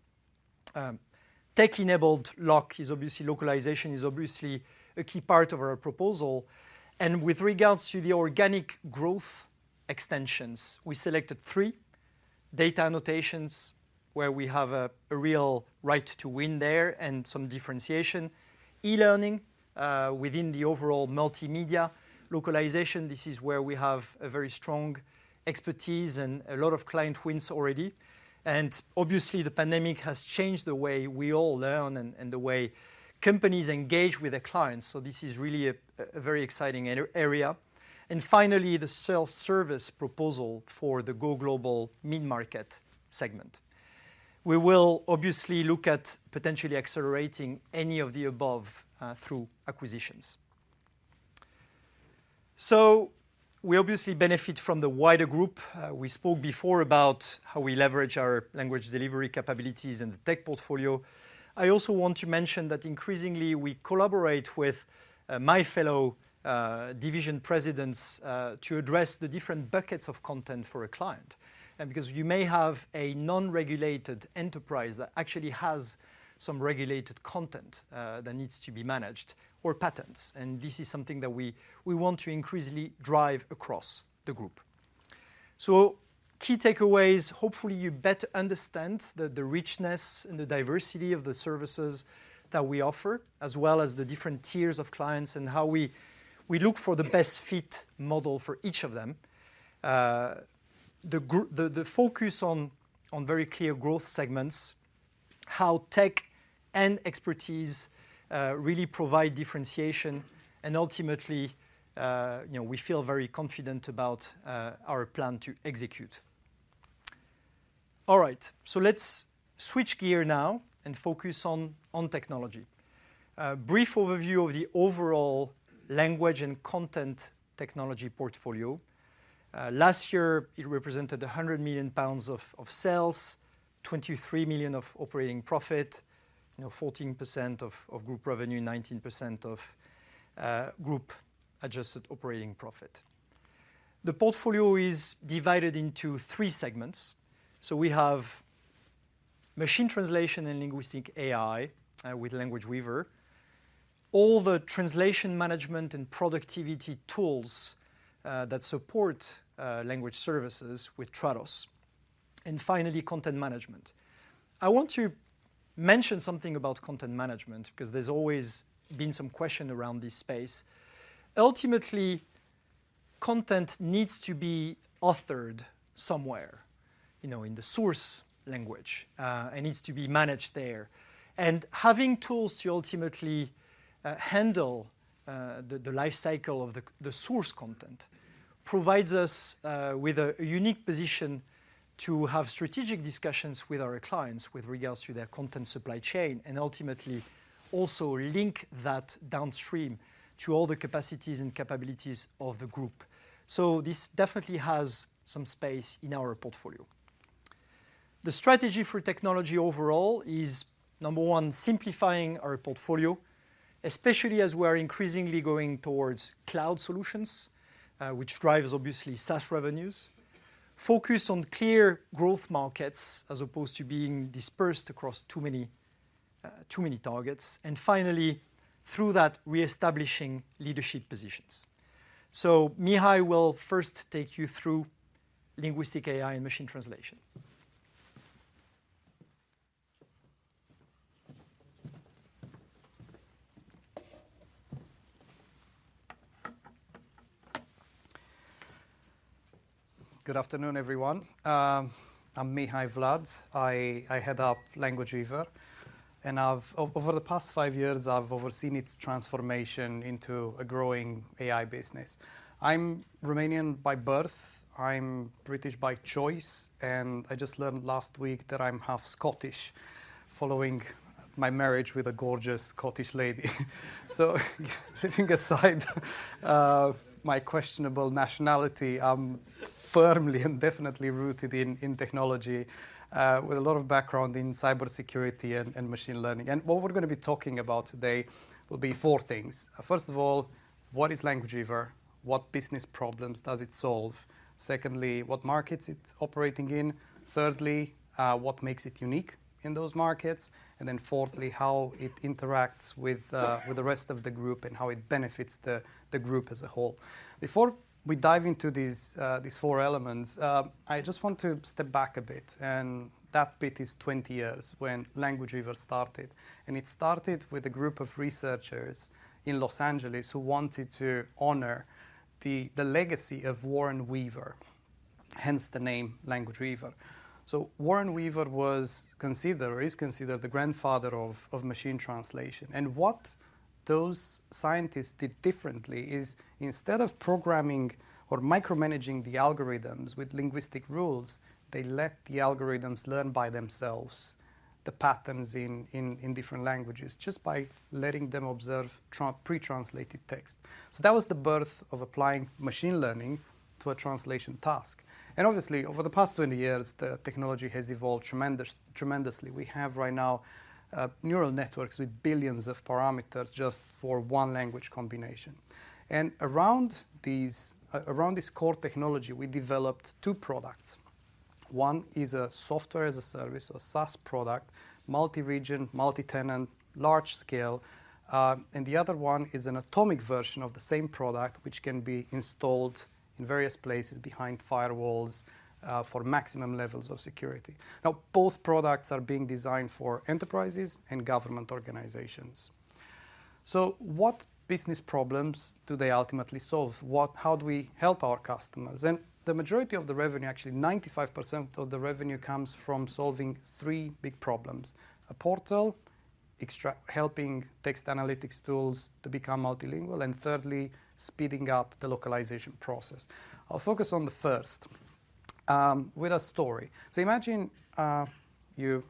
Tech-enabled localization is obviously a key part of our proposal. With regards to the organic growth extensions, we selected three data annotations where we have a real right to win there and some differentiation. E-learning within the overall multimedia localization, this is where we have a very strong expertise and a lot of client wins already. Obviously the pandemic has changed the way we all learn and the way companies engage with their clients. This is really a very exciting area. Finally, the self-service proposal for the go global mid-market segment. We will obviously look at potentially accelerating any of the above through acquisitions. So we obviously benefit from the wider group. We spoke before about how we leverage our language delivery capabilities in the tech portfolio. I also want to mention that increasingly, we collaborate with my fellow division presidents to address the different buckets of content for a client. Because you may have a non-regulated enterprise that actually has some regulated content that needs to be managed or patents, and this is something that we want to increasingly drive across the group. Key takeaways, hopefully you better understand the richness and the diversity of the services that we offer, as well as the different tiers of clients and how we look for the best fit model for each of them. The focus on very clear growth segments, how tech and expertise really provide differentiation and ultimately, you know, we feel very confident about our plan to execute. All right, let's switch gear now and focus on technology. A brief overview of the overall Language and Content Technology portfolio. Last year, it represented 100 million pounds of sales, 23 million of operating profit, you know, 14% of group revenue, 19% of group adjusted operating profit. The portfolio is divided into three segments. We have machine translation and linguistic AI with Language Weaver, all the translation management and productivity tools that support Language Services with Trados, and finally, content management. I want to mention something about content management because there's always been some question around this space. Ultimately, content needs to be authored somewhere, you know, in the source language and needs to be managed there. Having tools to ultimately handle the life cycle of the source content provides us with a unique position to have strategic discussions with our clients, with regards to their content supply chain, and ultimately also link that downstream to all the capacities and capabilities of the group. This definitely has some space in our portfolio. The strategy for technology overall is, number one, simplifying our portfolio, especially as we're increasingly going towards cloud solutions, which drives obviously SaaS revenues. Focus on clear growth markets as opposed to being dispersed across too many targets, and finally, through that, reestablishing leadership positions. Mihai will first take you through linguistic AI and machine translation. Good afternoon, everyone. I'm Mihai Vlad. I head up Language Weaver, and over the past five years, I've overseen its transformation into a growing AI business. I'm Romanian by birth, I'm British by choice, and I just learned last week that I'm half Scottish following my marriage with a gorgeous Scottish lady. Leaving aside my questionable nationality, I'm firmly and definitely rooted in technology with a lot of background in cybersecurity and machine learning. What we're gonna be talking about today will be four things. First of all, what is Language Weaver? What business problems does it solve? Secondly, what markets it's operating in. Thirdly, what makes it unique in those markets? Then fourthly, how it interacts with the rest of the group and how it benefits the group as a whole. Before we dive into these four elements, I just want to step back a bit, and that bit is 20 years when Language Weaver started. It started with a group of researchers in Los Angeles who wanted to honor the legacy of Warren Weaver, hence the name Language Weaver. Warren Weaver was considered, or is considered the grandfather of machine translation. What those scientists did differently is instead of programming or micromanaging the algorithms with linguistic rules, they let the algorithms learn by themselves the patterns in different languages just by letting them observe pre-translated text. That was the birth of applying machine learning to a translation task. Obviously, over the past 20 years, the technology has evolved tremendously. We have right now neural networks with billions of parameters just for one language combination. Around these, around this core technology, we developed two products. One is a software as a service or SaaS product, multi-region, multi-tenant, large scale, and the other one is an atomic version of the same product, which can be installed in various places behind firewalls, for maximum levels of security. Both products are being designed for enterprises and government organizations. What business problems do they ultimately solve? How do we help our customers? The majority of the revenue, actually 95% of the revenue comes from solving three big problems: first, content extraction, helping text analytics tools to become multilingual, and thirdly, speeding up the localization process. I'll focus on the first, with a story. Imagine, you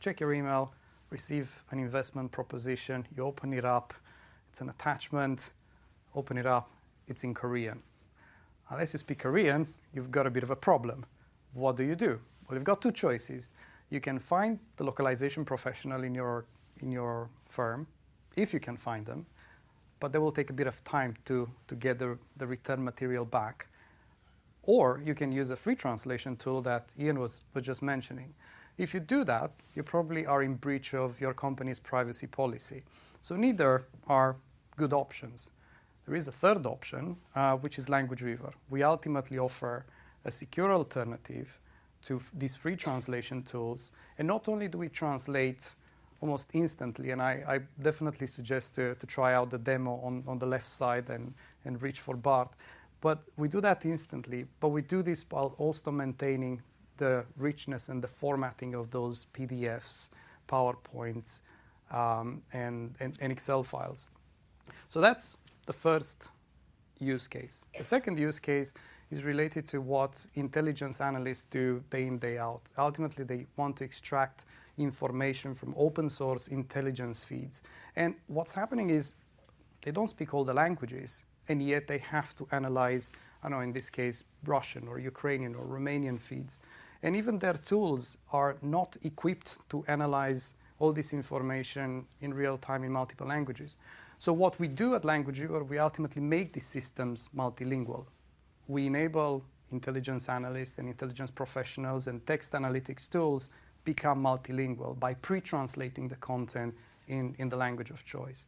check your email, receive an investment proposition, you open it up, it's an attachment, open it up, it's in Korean. Unless you speak Korean, you've got a bit of a problem. What do you do? Well, you've got two choices. You can find the localization professional in your firm, if you can find them, but they will take a bit of time to get the return material back. Or you can use a free translation tool that Ian was just mentioning. If you do that, you probably are in breach of your company's privacy policy. Neither are good options. There is a third option, which is Language Weaver. We ultimately offer a secure alternative to these free translation tools, and not only do we translate almost instantly, I definitely suggest to try out the demo on the left side and reach for Bart, but we do that instantly, but we do this while also maintaining the richness and the formatting of those PDFs, PowerPoints, and Excel files. So that's the first use case. The second use case is related to what intelligence analysts do day in, day out. Ultimately, they want to extract information from open source intelligence feeds. What's happening is they don't speak all the languages, and yet they have to analyze, I don't know, in this case, Russian or Ukrainian or Romanian feeds. Even their tools are not equipped to analyze all this information in real time in multiple languages. What we do at Language Weaver, we ultimately make these systems multilingual. We enable intelligence analysts and intelligence professionals and text analytics tools become multilingual by pre-translating the content in the language of choice.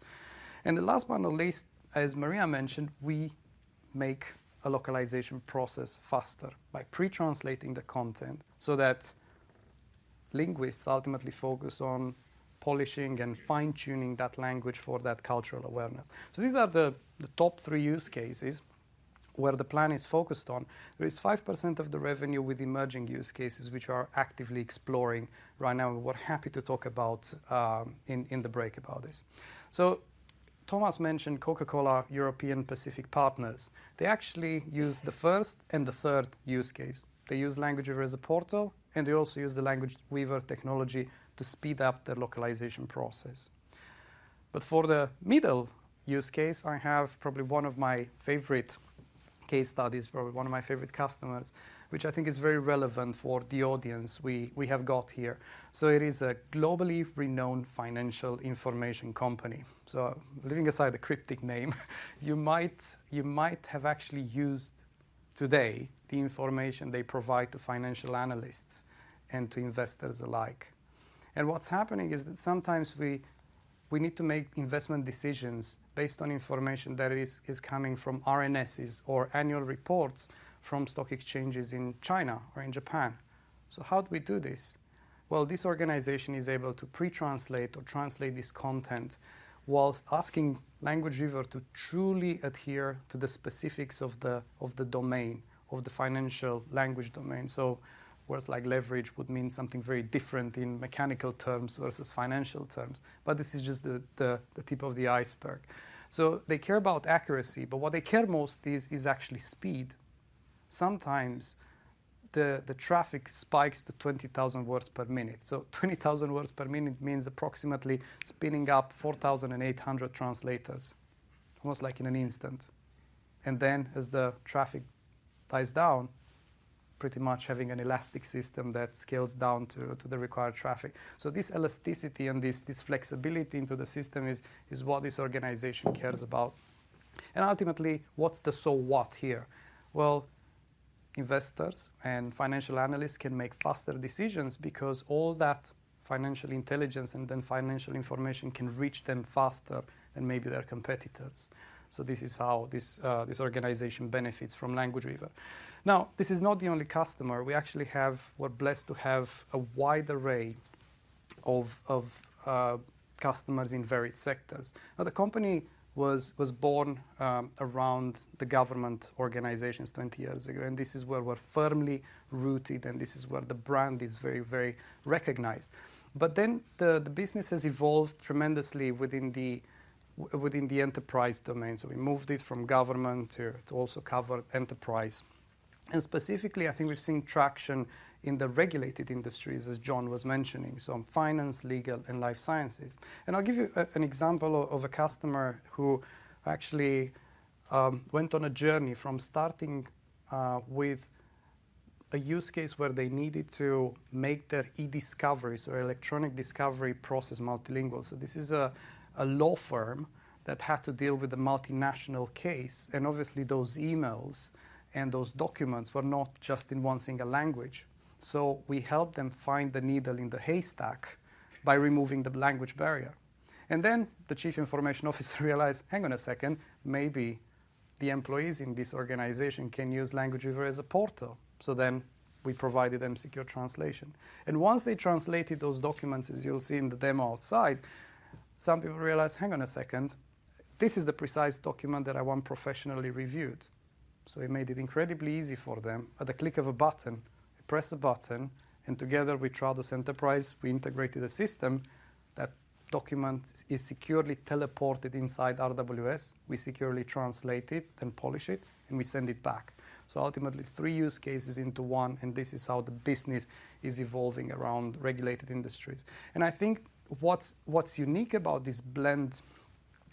The last but not least, as Maria mentioned, we make a localization process faster by pre-translating the content so that linguists ultimately focus on polishing and fine-tuning that language for that cultural awareness. These are the top three use cases where the plan is focused on. There is 5% of the revenue with emerging use cases which we are actively exploring right now and we're happy to talk about in the break about this. Thomas mentioned Coca-Cola Europacific Partners. They actually use the first and the third use case. They use Language Weaver as a portal, and they also use the Language Weaver technology to speed up their localization process. For the middle use case, I have probably one of my favorite case studies, probably one of my favorite customers, which I think is very relevant for the audience we have got here. It is a globally renowned financial information company. Leaving aside the cryptic name, you might have actually used today the information they provide to financial analysts and to investors alike. What's happening is that sometimes we need to make investment decisions based on information that is coming from RNSs or annual reports from stock exchanges in China or in Japan. How do we do this? Well, this organization is able to pre-translate or translate this content while asking Language Weaver to truly adhere to the specifics of the domain of the financial language domain. Words like leverage would mean something very different in mechanical terms versus financial terms, but this is just the tip of the iceberg. They care about accuracy, but what they care most is actually speed. Sometimes the traffic spikes to 20,000 words per minute. 20,000 words per minute means approximately spinning up 4,800 translators, almost like in an instant. Then as the traffic dies down, pretty much having an elastic system that scales down to the required traffic. This elasticity and this flexibility into the system is what this organization cares about. Ultimately, what's the so what here? Well, investors and financial analysts can make faster decisions because all that financial intelligence and then financial information can reach them faster than maybe their competitors. This is how this organization benefits from Language Weaver. Now, this is not the only customer. We actually are blessed to have a wide array of customers in varied sectors. Now, the company was born around the government organizations 20 years ago, and this is where we're firmly rooted, and this is where the brand is very, very recognized. The business has evolved tremendously within the enterprise domain. We moved it from government to also cover enterprise. Specifically, I think we've seen traction in the Regulated Industries, as Jon was mentioning, so in finance, legal, and life sciences. I'll give you an example of a customer who actually went on a journey from starting with a use case where they needed to make their e-discovery or electronic discovery process multilingual. This is a law firm that had to deal with a multinational case, and obviously those emails and those documents were not just in one single language. We helped them find the needle in the haystack by removing the language barrier. The Chief Information Officer realized, hang on a second, maybe the employees in this organization can use Language Weaver as a portal. We provided them secure translation. Once they translated those documents, as you'll see in the demo outside, some people realized, hang on a second, this is the precise document that I want professionally reviewed. We made it incredibly easy for them. At the click of a button, press a button, and together with Trados Enterprise, we integrated a system that document is securely teleported inside RWS. We securely translate it, then polish it, and we send it back. Ultimately, three use cases into one, and this is how the business is evolving around Regulated Industries. I think what's unique about this blend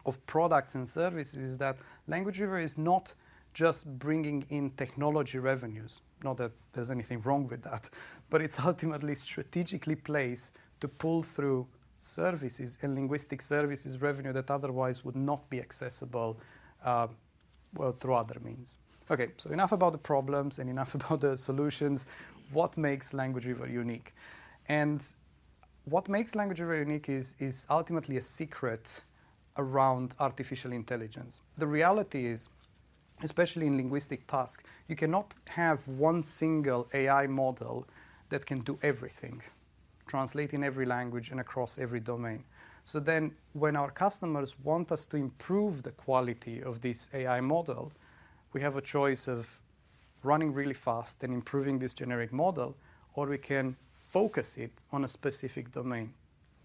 of products and services is that Language Weaver is not just bringing in technology revenues, not that there's anything wrong with that, but it's ultimately strategically placed to pull through services and linguistic services revenue that otherwise would not be accessible through other means. Okay. Enough about the problems and enough about the solutions. What makes Language Weaver unique? What makes Language Weaver unique is ultimately a secret around artificial intelligence. The reality is, especially in linguistic tasks, you cannot have one single AI model that can do everything, translating every language and across every domain. When our customers want us to improve the quality of this AI model, we have a choice of running really fast and improving this generic model, or we can focus it on a specific domain,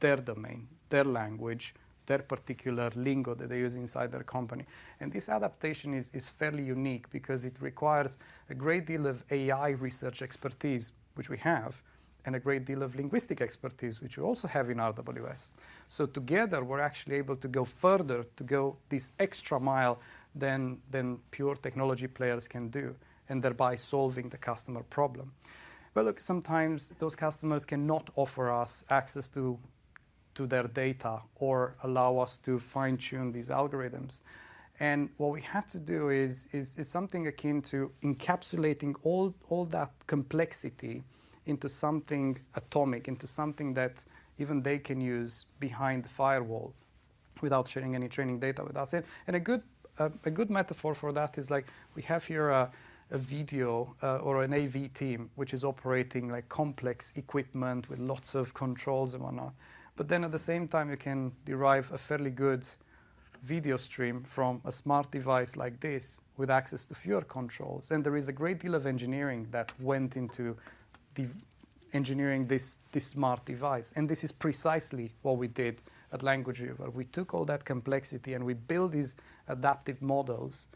their domain, their language, their particular lingo that they use inside their company. This adaptation is fairly unique because it requires a great deal of AI research expertise, which we have, and a great deal of linguistic expertise, which we also have in RWS. Together, we're actually able to go further, to go this extra mile than pure technology players can do and thereby solving the customer problem. Look, sometimes those customers cannot offer us access to their data or allow us to fine-tune these algorithms. What we have to do is something akin to encapsulating all that complexity into something atomic, into something that even they can use behind the firewall without sharing any training data with us. A good metaphor for that is like we have here a video or an AV team, which is operating complex equipment with lots of controls and whatnot. At the same time, you can derive a fairly good video stream from a smart device like this with access to fewer controls. There is a great deal of engineering that went into engineering this smart device. This is precisely what we did at Language Weaver. We took all that complexity, and we built these adaptive models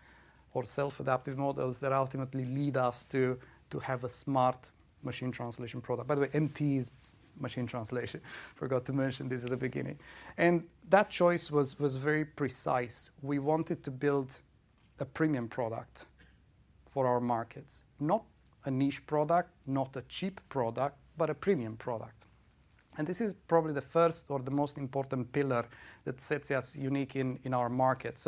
or self-adaptive models that ultimately lead us to have a smart machine translation product. By the way, MT is machine translation. I forgot to mention this at the beginning. That choice was very precise. We wanted to build a premium product for our markets, not a niche product, not a cheap product, but a premium product. This is probably the first or the most important pillar that sets us unique in our market.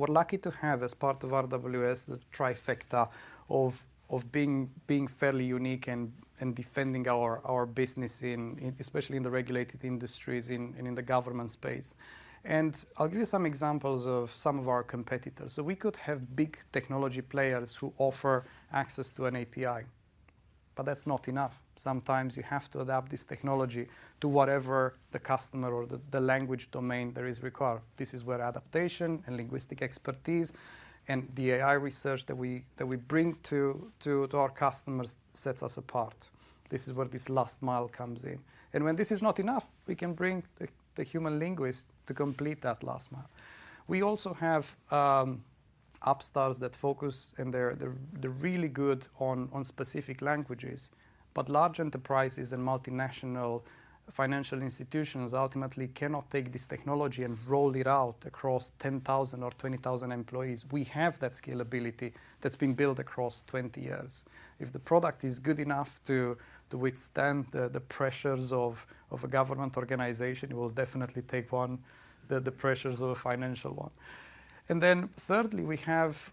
We're lucky to have as part of RWS, the trifecta of being fairly unique and defending our business in especially in the Regulated Industries and in the government space. I'll give you some examples of some of our competitors. We could have big technology players who offer access to an API, but that's not enough. Sometimes you have to adapt this technology to whatever the customer or the language domain there is required. This is where adaptation and linguistic expertise and the AI research that we bring to our customers sets us apart. This is where this last mile comes in. When this is not enough, we can bring the human linguist to complete that last mile. We also have upstarts that focus and they're really good on specific languages. Large enterprises and multinational financial institutions ultimately cannot take this technology and roll it out across 10,000 or 20,000 employees. We have that scalability that's been built across 20 years. If the product is good enough to withstand the pressures of a government organization, it will definitely take on the pressures of a financial one. Thirdly, we have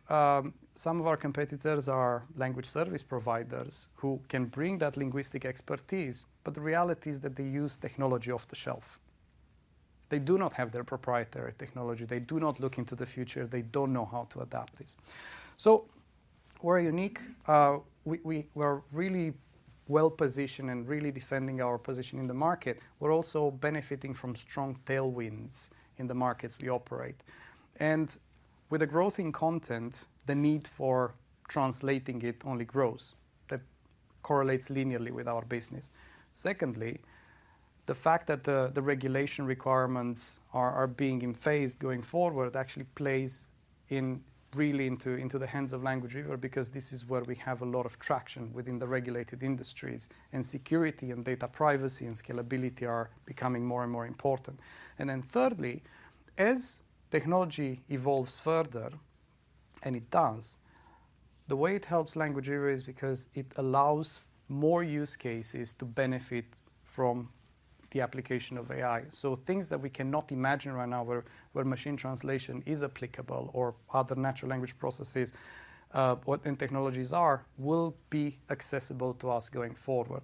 some of our competitors are language service providers who can bring that linguistic expertise, but the reality is that they use technology off the shelf. They do not have their proprietary technology. They do not look into the future. They don't know how to adapt this. We're unique. We're really well-positioned and really defending our position in the market. We're also benefiting from strong tailwinds in the markets we operate. With the growth in content, the need for translating it only grows. That correlates linearly with our business. Secondly, the fact that the regulation requirements are being phased in going forward actually plays really into the hands of Language Weaver because this is where we have a lot of traction within the Regulated Industries, and security and data privacy and scalability are becoming more and more important. Thirdly, as technology evolves further, and it does, the way it helps Language Weaver is because it allows more use cases to benefit from the application of AI. Things that we cannot imagine right now where machine translation is applicable or other natural language processing, what new technologies are, will be accessible to us going forward.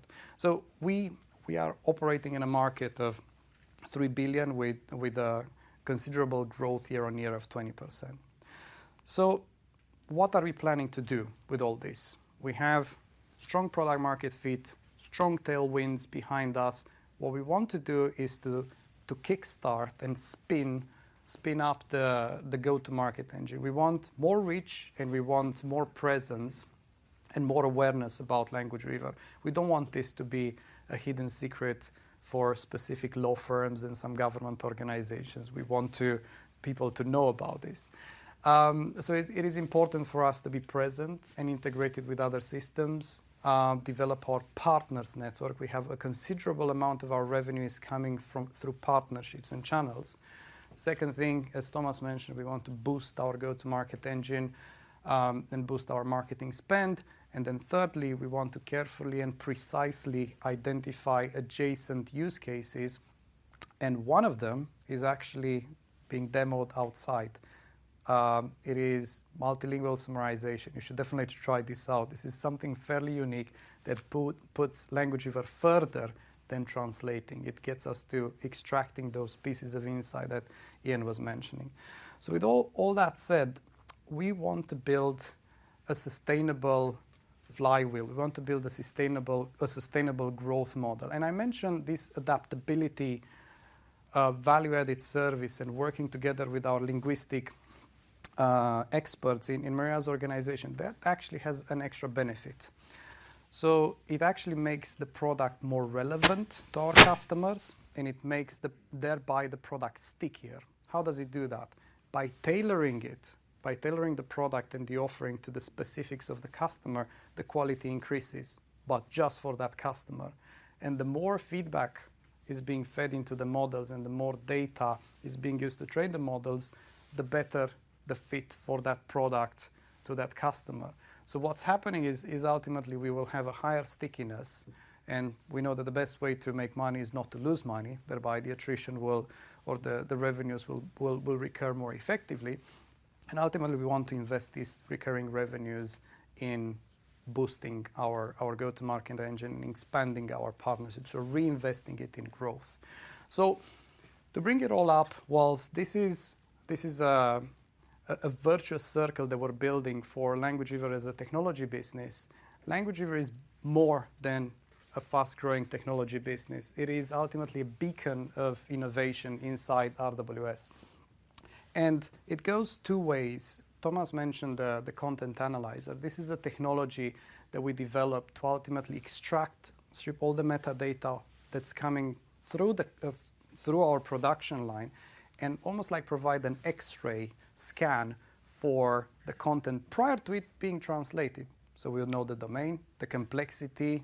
We are operating in a market of 3 billion with a considerable growth year-on-year of 20%. What are we planning to do with all this? We have strong product market fit, strong tailwinds behind us. What we want to do is to kickstart and spin up the go-to-market engine. We want more reach, and we want more presence and more awareness about Language Weaver. We don't want this to be a hidden secret for specific law firms and some government organizations. We want people to know about this. It is important for us to be present and integrated with other systems, develop our partners network. We have a considerable amount of our revenue is coming from through partnerships and channels. Second thing, as Thomas mentioned, we want to boost our go-to-market engine, and boost our marketing spend. Then thirdly, we want to carefully and precisely identify adjacent use cases, and one of them is actually being demoed outside. It is multilingual summarization. You should definitely try this out. This is something fairly unique that puts Language Weaver further than translating. It gets us to extracting those pieces of insight that Ian was mentioning. With all that said, we want to build a sustainable flywheel. We want to build a sustainable growth model. I mentioned this adaptability of value-added service and working together with our linguistic experts in Maria's organization. That actually has an extra benefit. It actually makes the product more relevant to our customers, and it makes the product thereby stickier. How does it do that? By tailoring the product and the offering to the specifics of the customer, the quality increases, but just for that customer. The more feedback is being fed into the models and the more data is being used to train the models, the better the fit for that product to that customer. What's happening is ultimately we will have a higher stickiness, and we know that the best way to make money is not to lose money, thereby the revenues will recur more effectively. Ultimately, we want to invest these recurring revenues in boosting our go-to-market engine and expanding our partnerships or reinvesting it in growth. To bring it all up, while this is a virtuous circle that we're building for Language Weaver as a technology business, Language Weaver is more than a fast-growing technology business. It is ultimately a beacon of innovation inside RWS. It goes two ways. Thomas mentioned the Content Analyzer. This is a technology that we developed to ultimately extract, strip all the metadata that's coming through the through our production line and almost like provide an X-ray scan for the content prior to it being translated. We'll know the domain, the complexity,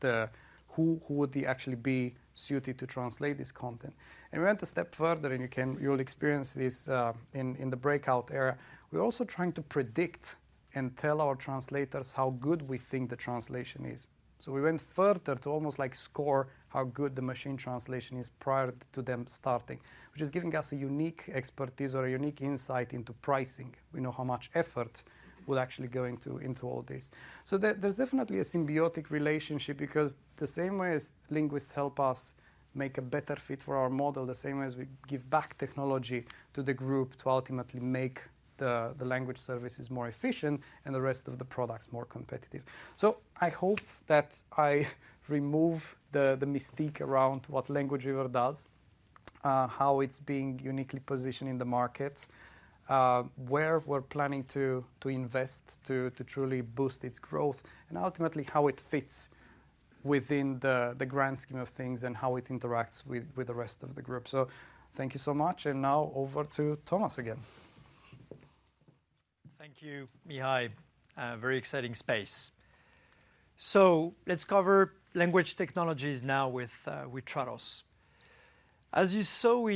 the who would actually be suited to translate this content. We went a step further, and you'll experience this in the breakout area. We're also trying to predict and tell our translators how good we think the translation is. We went further to almost like score how good the machine translation is prior to them starting, which is giving us a unique expertise or a unique insight into pricing. We know how much effort will actually go into all this. There's definitely a symbiotic relationship because the same way as linguists help us make a better fit for our model, the same way as we give back technology to the group to ultimately make the Language Services more efficient and the rest of the products more competitive. I hope that I remove the mystique around what Language Weaver does, how it's being uniquely positioned in the market, where we're planning to invest to truly boost its growth, and ultimately how it fits within the grand scheme of things and how it interacts with the rest of the group. Thank you so much. Now over to Thomas again. Thank you, Mihai. A very exciting space. Let's cover language technologies now with Trados. As you saw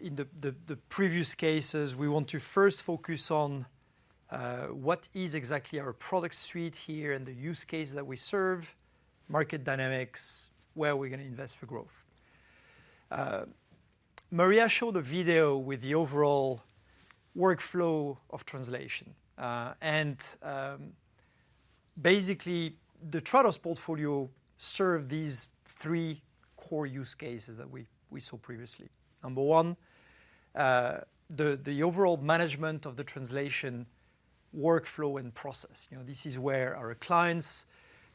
in the previous cases, we want to first focus on what is exactly our product suite here and the use case that we serve, market dynamics, where we're gonna invest for growth. Maria showed a video with the overall workflow of translation and basically the Trados portfolio serve these three core use cases that we saw previously. Number one, the overall management of the translation workflow and process. You know, this is where our clients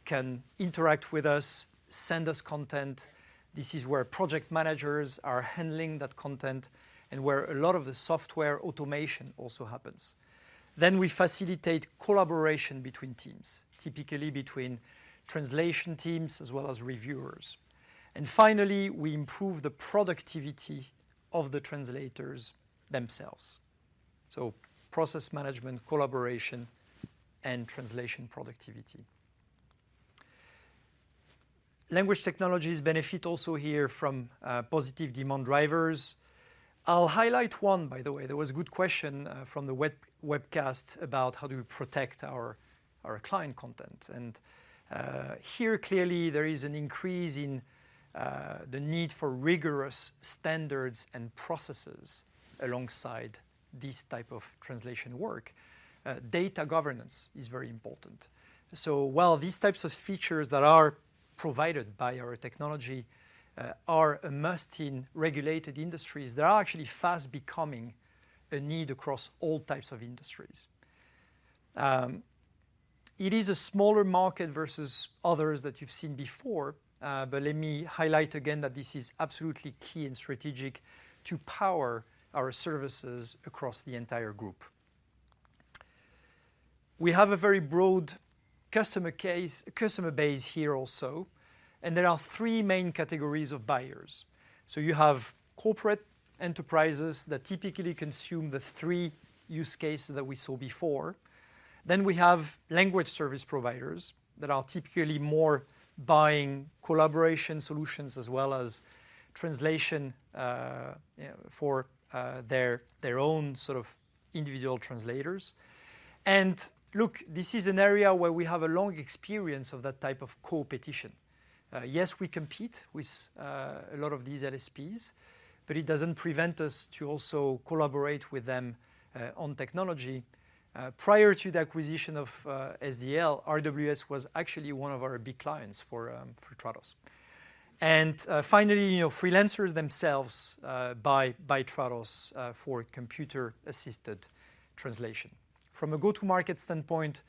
can interact with us, send us content. This is where project managers are handling that content and where a lot of the software automation also happens. We facilitate collaboration between teams, typically between translation teams as well as reviewers. Finally, we improve the productivity of the translators themselves. Process management, collaboration, and translation productivity. Language technologies benefit also here from positive demand drivers. I'll highlight one, by the way. There was a good question from the webcast about how do we protect our client content. Here, clearly there is an increase in the need for rigorous standards and processes alongside this type of translation work. Data governance is very important. While these types of features that are provided by our technology are immersed in regulated industries, they are actually fast becoming a need across all types of industries. It is a smaller market versus others that you've seen before, but let me highlight again that this is absolutely key and strategic to power our services across the entire group. We have a very broad customer base here also, and there are three main categories of buyers. You have corporate enterprises that typically consume the three use cases that we saw before. We have language service providers that are typically more buying collaboration solutions as well as translation for their own sort of individual translators. Look, this is an area where we have a long experience of that type of competition. Yes, we compete with a lot of these LSPs, but it doesn't prevent us to also collaborate with them on technology. Prior to the acquisition of SDL, RWS was actually one of our big clients for Trados. Finally, you know, freelancers themselves buy Trados for computer-assisted translation. From a go-to-market standpoint,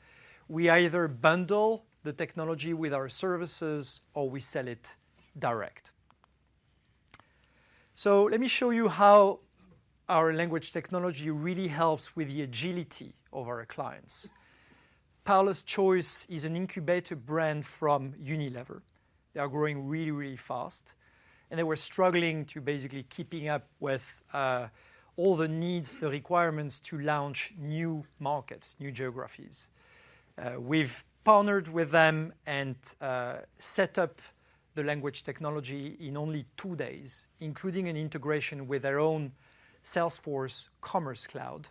we either bundle the technology with our services, or we sell it direct. Let me show you how our language technology really helps with the agility of our clients. Paula's Choice is an incubator brand from Unilever. They are growing really, really fast, and they were struggling to basically keeping up with all the needs, the requirements to launch new markets, new geographies. We've partnered with them and set up the language technology in only two days, including an integration with their own Salesforce Commerce Cloud.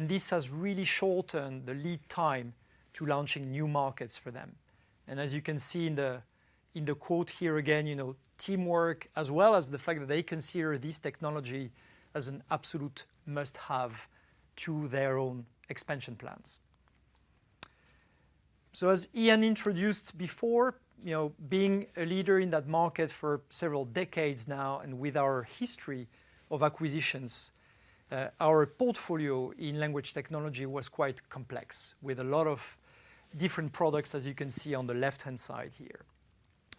This has really shortened the lead time to launching new markets for them. As you can see in the quote here again, you know, teamwork, as well as the fact that they consider this technology as an absolute must-have to their own expansion plans. As Ian introduced before, you know, being a leader in that market for several decades now and with our history of acquisitions, our portfolio in language technology was quite complex, with a lot of different products, as you can see on the left-hand side here.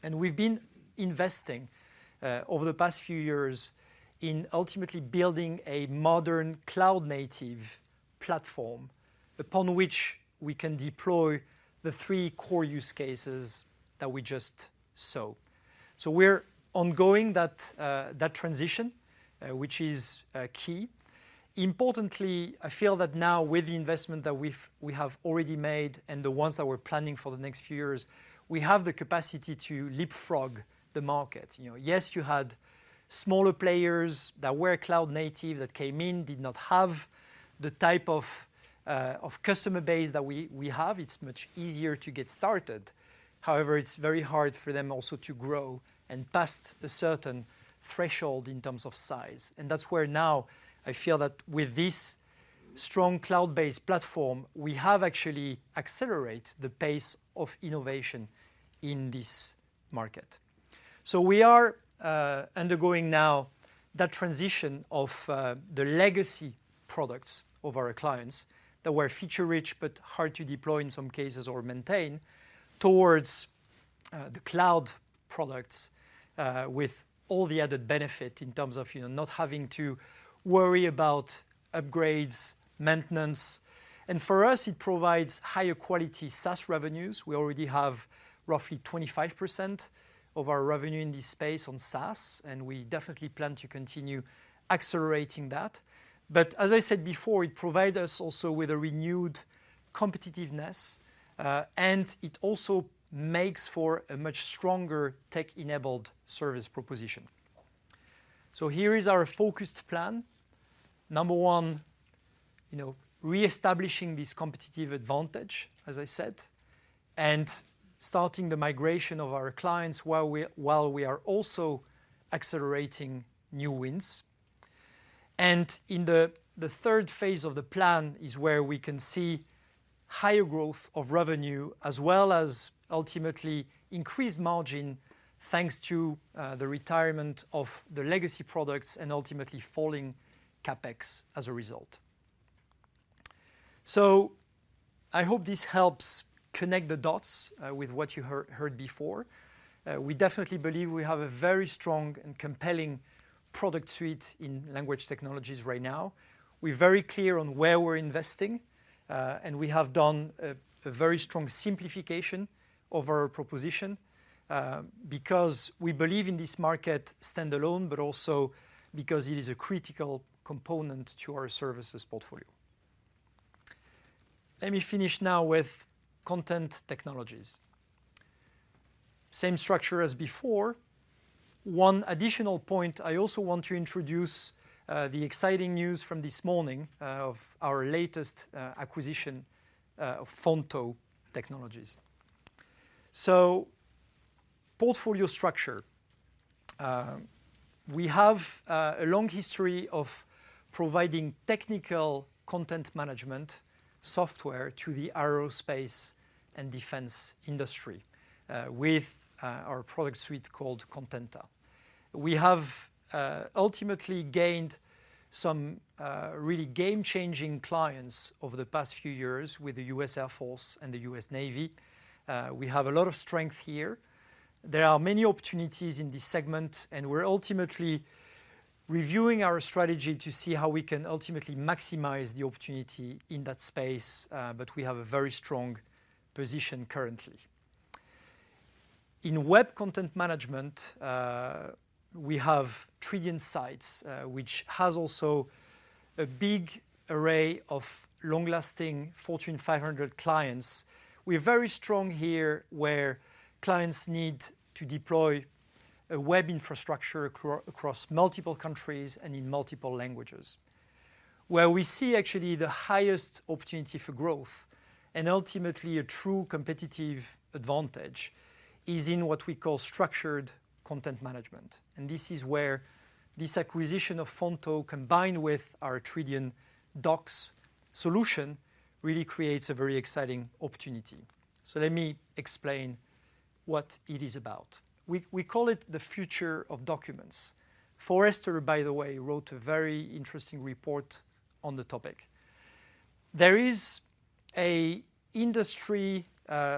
We've been investing over the past few years in ultimately building a modern cloud-native platform upon which we can deploy the three core use cases that we just saw. We're undergoing that transition, which is key. Importantly, I feel that now with the investment that we have already made and the ones that we're planning for the next few years, we have the capacity to leapfrog the market. You know, yes, you had smaller players that were cloud native that came in, did not have the type of customer base that we have. It's much easier to get started. However, it's very hard for them also to grow and past a certain threshold in terms of size. That's where now I feel that with this strong cloud-based platform, we have actually accelerate the pace of innovation in this market. We are undergoing now that transition of the legacy products of our clients that were feature-rich but hard to deploy in some cases or maintain towards the cloud products with all the added benefit in terms of, you know, not having to worry about upgrades, maintenance. For us, it provides higher quality SaaS revenues. We already have roughly 25% of our revenue in this space on SaaS, and we definitely plan to continue accelerating that. As I said before, it provide us also with a renewed competitiveness, and it also makes for a much stronger tech-enabled service proposition. Here is our focused plan. Number one, you know, reestablishing this competitive advantage, as I said, and starting the migration of our clients while we are also accelerating new wins. In the third phase of the plan is where we can see higher growth of revenue as well as ultimately increased margin, thanks to the retirement of the legacy products and ultimately falling CapEx as a result. I hope this helps connect the dots with what you heard before. We definitely believe we have a very strong and compelling product suite in language technologies right now. We're very clear on where we're investing, and we have done a very strong simplification of our proposition, because we believe in this market standalone, but also because it is a critical component to our services portfolio. Let me finish now with content technologies. Same structure as before. One additional point, I also want to introduce the exciting news from this morning of our latest acquisition of Fonto Technologies. Portfolio structure. We have a long history of providing technical content management software to the aerospace and defense industry, with our product suite called Contenta. We have ultimately gained some really game-changing clients over the past few years with the U.S. Air Force and the U.S. Navy. We have a lot of strength here. There are many opportunities in this segment, and we're ultimately reviewing our strategy to see how we can ultimately maximize the opportunity in that space, but we have a very strong position currently. In web content management, we have Tridion Sites, which has also a big array of long-lasting Fortune 500 clients. We're very strong here where clients need to deploy a web infrastructure across multiple countries and in multiple languages. Where we see actually the highest opportunity for growth and ultimately a true competitive advantage is in what we call structured content management. This is where this acquisition of Fonto combined with our Tridion Docs solution really creates a very exciting opportunity. Let me explain what it is about. We call it the future of documents. Forrester, by the way, wrote a very interesting report on the topic. There is a industry,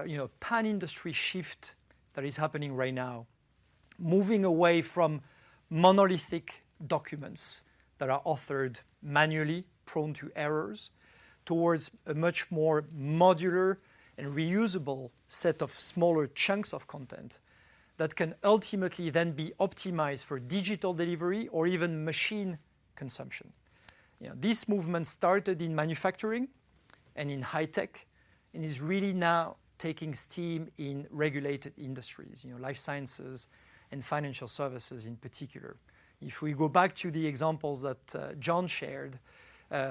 you know, pan-industry shift that is happening right now, moving away from monolithic documents that are authored manually, prone to errors, towards a much more modular and reusable set of smaller chunks of content that can ultimately then be optimized for digital delivery or even machine consumption. You know, this movement started in manufacturing and in high tech and is really now gaining steam in Regulated Industries, you know, life sciences and financial services in particular. If we go back to the examples that Jon shared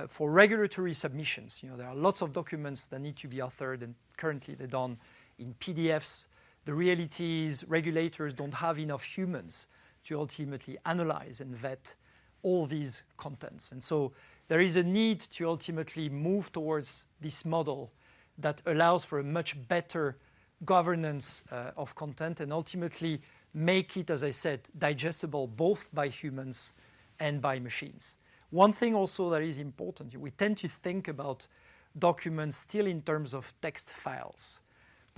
for regulatory submissions, you know, there are lots of documents that need to be authored, and currently they're done in PDFs. The reality is regulators don't have enough humans to ultimately analyze and vet all these contents. There is a need to ultimately move towards this model that allows for a much better governance of content and ultimately make it, as I said, digestible both by humans and by machines. One thing also that is important, we tend to think about documents still in terms of text files.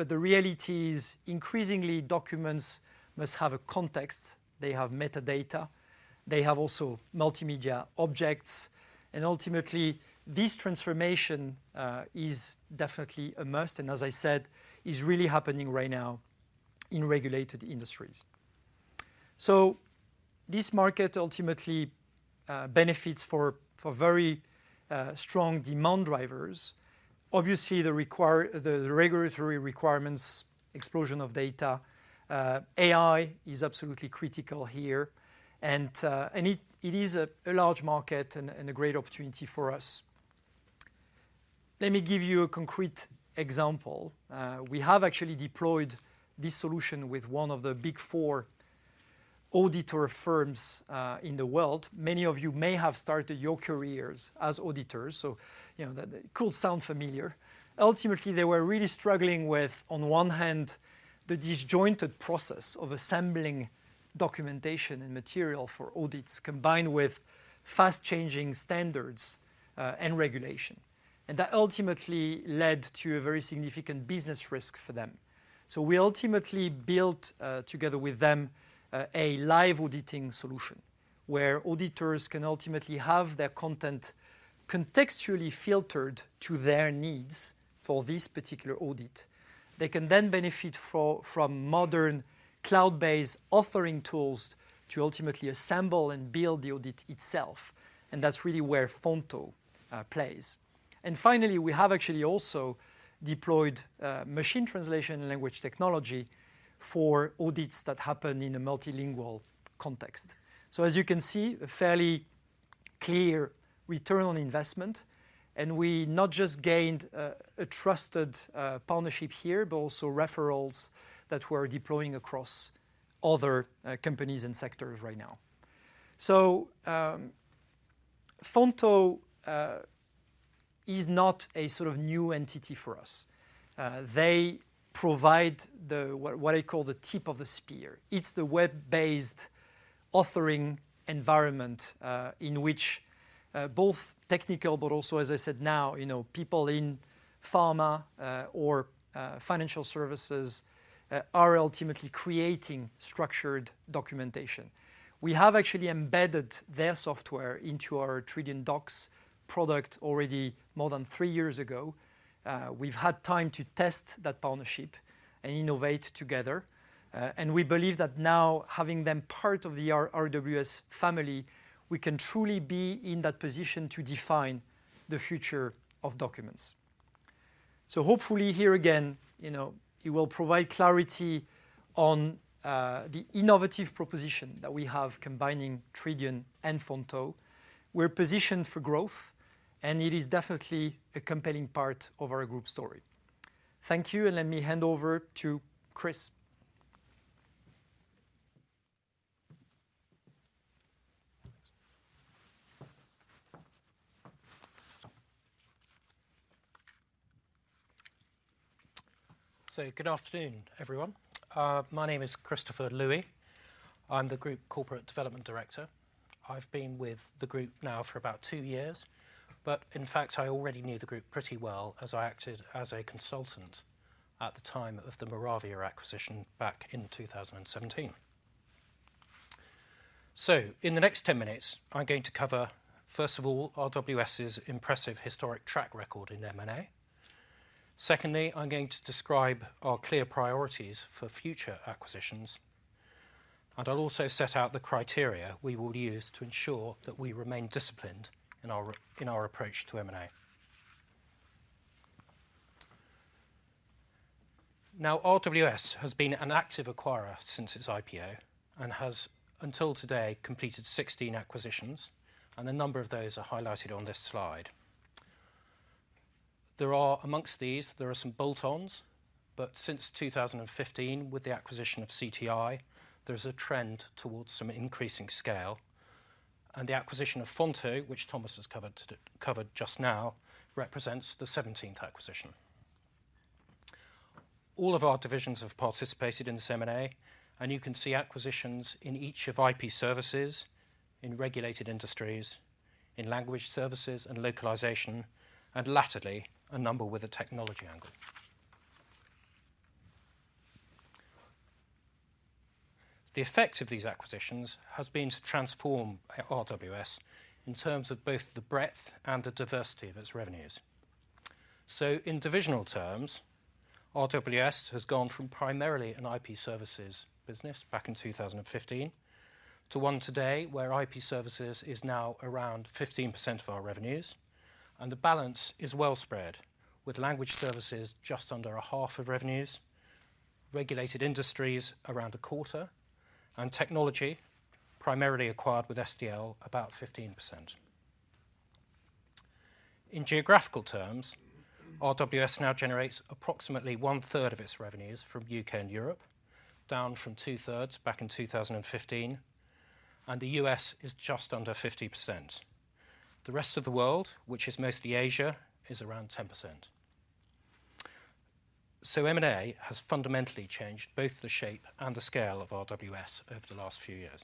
The reality is, increasingly, documents must have a context. They have metadata. They have also multimedia objects. Ultimately, this transformation is definitely a must and, as I said, is really happening right now in Regulated Industries. This market ultimately benefits for very strong demand drivers. Obviously, the regulatory requirements, explosion of data, AI is absolutely critical here. And it is a large market and a great opportunity for us. Let me give you a concrete example. We have actually deployed this solution with one of the big four auditor firms in the world. Many of you may have started your careers as auditors, so, you know, that could sound familiar. Ultimately, they were really struggling with, on one hand, the disjointed process of assembling documentation and material for audits combined with fast-changing standards and regulation. That ultimately led to a very significant business risk for them. We ultimately built, together with them, a live auditing solution where auditors can ultimately have their content contextually filtered to their needs for this particular audit. They can then benefit from modern cloud-based authoring tools to ultimately assemble and build the audit itself. That's really where Fonto plays. Finally, we have actually also deployed machine translation and language technology for audits that happen in a multilingual context. As you can see, a fairly clear return on investment, and we not just gained a trusted partnership here, but also referrals that we're deploying across other companies and sectors right now. Fonto is not a sort of new entity for us. They provide the what I call the tip of the spear. It's the web-based authoring environment in which both technical, but also, as I said now, you know, people in pharma or financial services are ultimately creating structured documentation. We have actually embedded their software into our Tridion Docs product already more than three years ago. We've had time to test that partnership and innovate together. And we believe that now having them part of the RWS family, we can truly be in that position to define the future of documents. Hopefully here again, you know, it will provide clarity on the innovative proposition that we have combining Tridion and Fonto. We're positioned for growth, and it is definitely a compelling part of our group story. Thank you, and let me hand over to Chris. Good afternoon, everyone. My name is Christopher Lewey. I'm the Group Corporate Development Director. I've been with the group now for about two years, but in fact, I already knew the group pretty well as I acted as a consultant at the time of the Moravia acquisition back in 2017. In the next 10 minutes, I'm going to cover, first of all, RWS' impressive historic track record in M&A. Secondly, I'm going to describe our clear priorities for future acquisitions, and I'll also set out the criteria we will use to ensure that we remain disciplined in our approach to M&A. Now, RWS has been an active acquirer since its IPO and has, until today, completed 16 acquisitions, and a number of those are highlighted on this slide. There are among these some bolt-ons, but since 2015, with the acquisition of CTi, there is a trend towards some increasing scale. The acquisition of Fonto, which Thomas has covered just now, represents the 17th acquisition. All of our divisions have participated in this M&A, and you can see acquisitions in each of IP Services, in Regulated Industries, in Language Services and Localization, and latterly, a number with a technology angle. The effect of these acquisitions has been to transform RWS in terms of both the breadth and the diversity of its revenues. In divisional terms, RWS has gone from primarily an IP Services business back in 2015 to one today where IP Services is now around 15% of our revenues. The balance is well spread with Language Services just under half of revenues, Regulated Industries around a quarter, and technology primarily acquired with SDL about 15%. In geographical terms, RWS now generates approximately 1/3 of its revenues from U.K. and Europe, down from 2/3 back in 2015, and the U.S. is just under 50%. The rest of the world, which is mostly Asia, is around 10%. M&A has fundamentally changed both the shape and the scale of RWS over the last few years.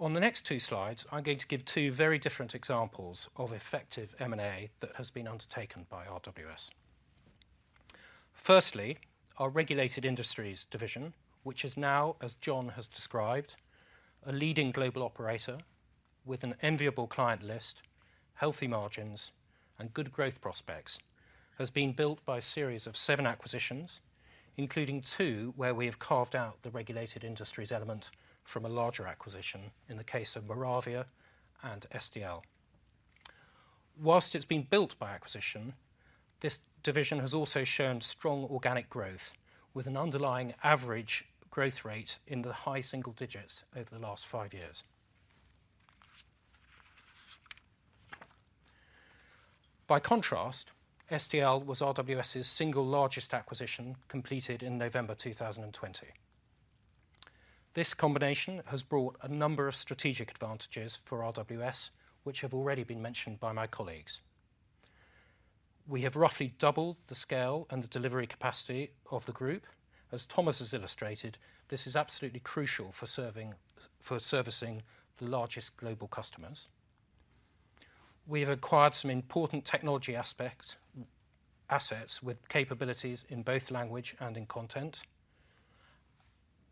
On the next two slides, I'm going to give two very different examples of effective M&A that has been undertaken by RWS. Our Regulated Industries Division, which is now, as Jon has described, a leading global operator with an enviable client list, healthy margins, and good growth prospects, has been built by a series of seven acquisitions, including two where we have carved out the Regulated Industries element from a larger acquisition in the case of Moravia and SDL. While it's been built by acquisition, this division has also shown strong organic growth with an underlying average growth rate in the high single digits over the last five years. By contrast, SDL was RWS' single largest acquisition completed in November 2020. This combination has brought a number of strategic advantages for RWS, which have already been mentioned by my colleagues. We have roughly doubled the scale and the delivery capacity of the group. Thomas has illustrated, this is absolutely crucial for servicing the largest global customers. We've acquired some important technology assets with capabilities in both language and in content.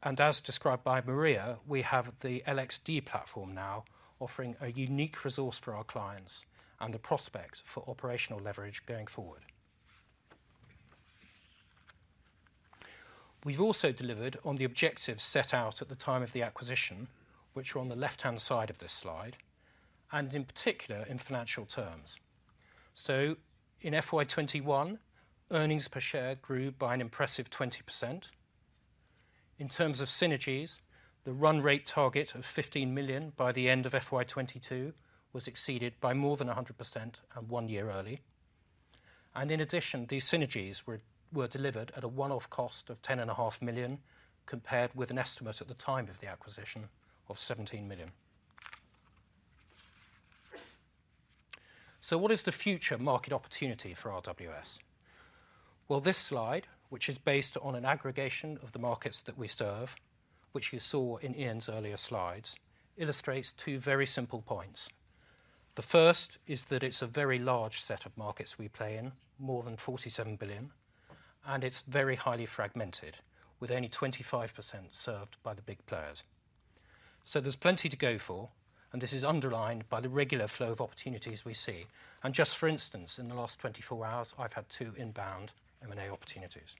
As described by Maria, we have the LXD platform now offering a unique resource for our clients and the prospect for operational leverage going forward. We've also delivered on the objectives set out at the time of the acquisition, which are on the left-hand side of this slide, and in particular in financial terms. In FY 2021, earnings per share grew by an impressive 20%. In terms of synergies, the run rate target of 15 million by the end of FY 2022 was exceeded by more than 100% and one year early. In addition, these synergies were delivered at a one-off cost of 10.5 million, compared with an estimate at the time of the acquisition of 17 million. What is the future market opportunity for RWS? Well, this slide, which is based on an aggregation of the markets that we serve, which you saw in Ian's earlier slides, illustrates two very simple points. The first is that it's a very large set of markets we play in, more than 47 billion, and it's very highly fragmented with only 25% served by the big players. There's plenty to go for, and this is underlined by the regular flow of opportunities we see. Just for instance, in the last 24 hours, I've had two inbound M&A opportunities.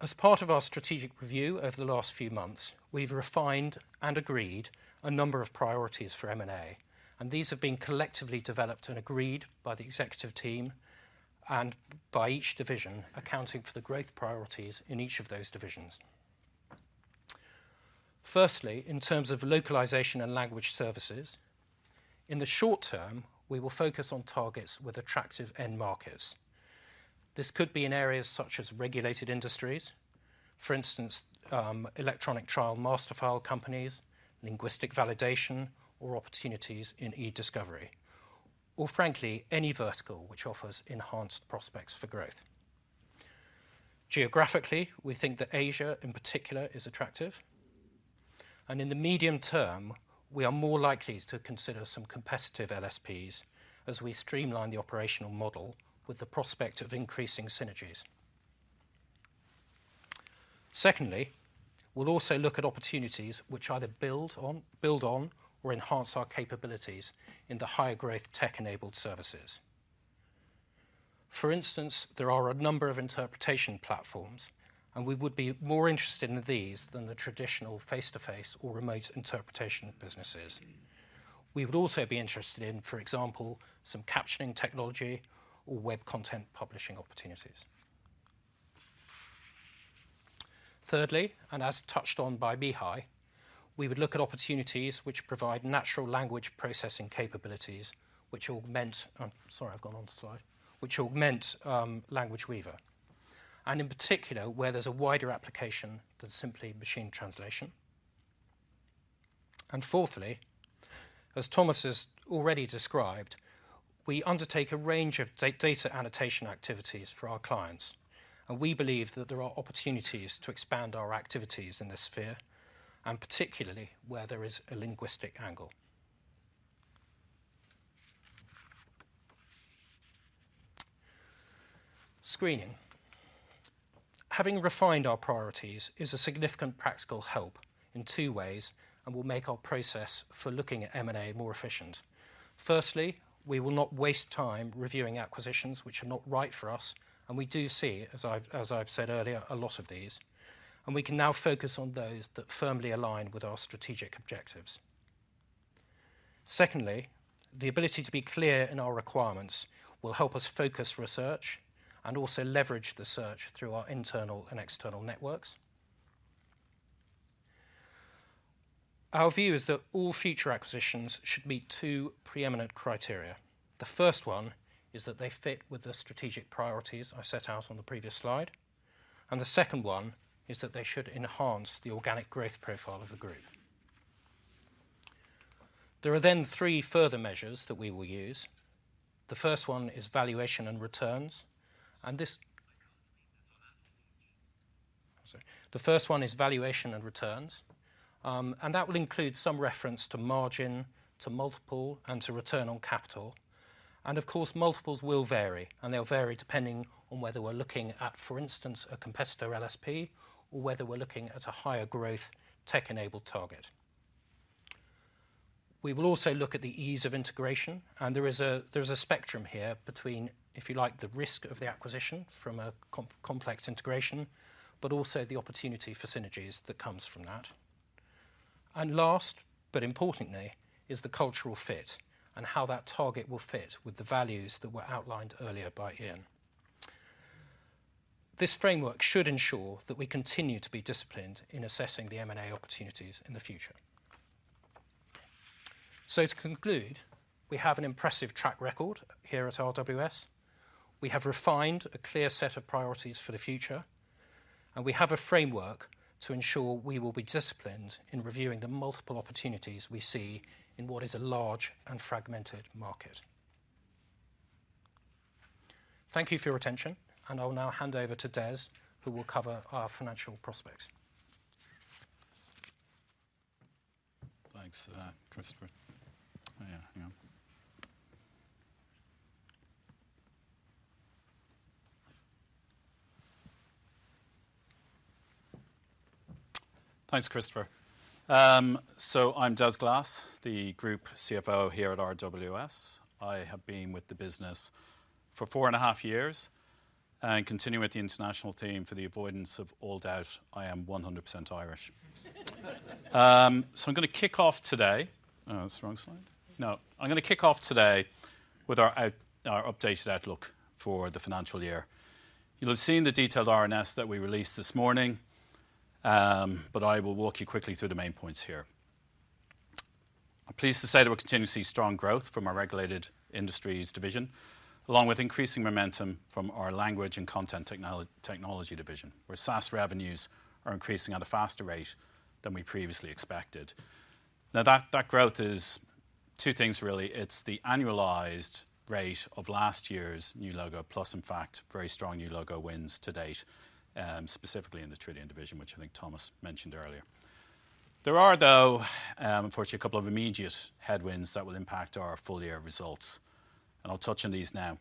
As part of our strategic review over the last few months, we've refined and agreed a number of priorities for M&A, and these have been collectively developed and agreed by the executive team and by each division accounting for the growth priorities in each of those divisions. Firstly, in terms of Localization and Language Services. In the short term, we will focus on targets with attractive end markets. This could be in areas such as Regulated Industries, for instance, electronic trial master file companies, linguistic validation, or opportunities in e-discovery, or frankly, any vertical which offers enhanced prospects for growth. Geographically, we think that Asia in particular is attractive, and in the medium term, we are more likely to consider some competitive LSPs as we streamline the operational model with the prospect of increasing synergies. Secondly, we'll also look at opportunities which either build on or enhance our capabilities in the higher growth tech-enabled services. For instance, there are a number of interpretation platforms, and we would be more interested in these than the traditional face-to-face or remote interpretation businesses. We would also be interested in, for example, some captioning technology or web content publishing opportunities. Thirdly, and as touched on by Mihai, we would look at opportunities which provide natural language processing capabilities which augment Language Weaver, and in particular, where there's a wider application than simply machine translation. Fourthly, as Thomas has already described, we undertake a range of data annotation activities for our clients, and we believe that there are opportunities to expand our activities in this sphere, and particularly where there is a linguistic angle. Screening. Having refined our priorities is a significant practical help in two ways and will make our process for looking at M&A more efficient. Firstly, we will not waste time reviewing acquisitions which are not right for us, and we do see, as I've said earlier, a lot of these, and we can now focus on those that firmly align with our strategic objectives. Secondly, the ability to be clear in our requirements will help us focus research and also leverage the search through our internal and external networks. Our view is that all future acquisitions should meet two preeminent criteria. The first one is that they fit with the strategic priorities I set out on the previous slide, and the second one is that they should enhance the organic growth profile of the group. There are then three further measures that we will use. The first one is valuation and returns, and that will include some reference to margin, to multiple, and to return on capital. Of course, multiples will vary, and they'll vary depending on whether we're looking at, for instance, a competitor LSP or whether we're looking at a higher growth tech-enabled target. We will also look at the ease of integration, and there is a spectrum here between, if you like, the risk of the acquisition from a complex integration, but also the opportunity for synergies that comes from that. Last, but importantly, is the cultural fit and how that target will fit with the values that were outlined earlier by Ian. This framework should ensure that we continue to be disciplined in assessing the M&A opportunities in the future. To conclude, we have an impressive track record here at RWS. We have refined a clear set of priorities for the future, and we have a framework to ensure we will be disciplined in reviewing the multiple opportunities we see in what is a large and fragmented market. Thank you for your attention, and I'll now hand over to Des, who will cover our financial prospects. Thanks, Christopher. I'm Des Glass, the Group CFO here at RWS. I have been with the business for 4.5 Years, and continuing with the international theme for the avoidance of all doubt, I am 100% Irish. I'm gonna kick off today with our updated outlook for the financial year. You'll have seen the detailed RNS that we released this morning, but I will walk you quickly through the main points here. I'm pleased to say that we're continuing to see strong growth from our Regulated Industries division, along with increasing momentum from our Language and Content Technology division, where SaaS revenues are increasing at a faster rate than we previously expected. Now that growth is two things really. It's the annualized rate of last year's new logo plus, in fact, very strong new logo wins to date, specifically in the Tridion division, which I think Thomas mentioned earlier. There are, though, unfortunately a couple of immediate headwinds that will impact our full year results, and I'll touch on these now.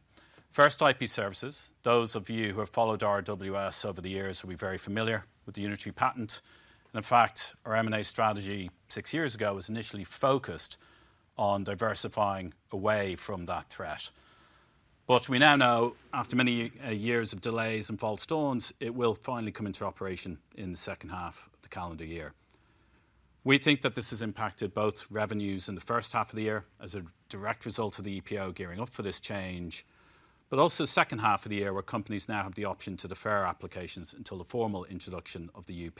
First, IP Services. Those of you who have followed RWS over the years will be very familiar with the Unitary Patent. In fact, our M&A strategy six years ago was initially focused on diversifying away from that threat. We now know after many years of delays and false dawns, it will finally come into operation in the second half of the calendar year. We think that this has impacted both revenues in the first half of the year as a direct result of the EPO gearing up for this change. Also the second half of the year, where companies now have the option to defer applications until the formal introduction of the UP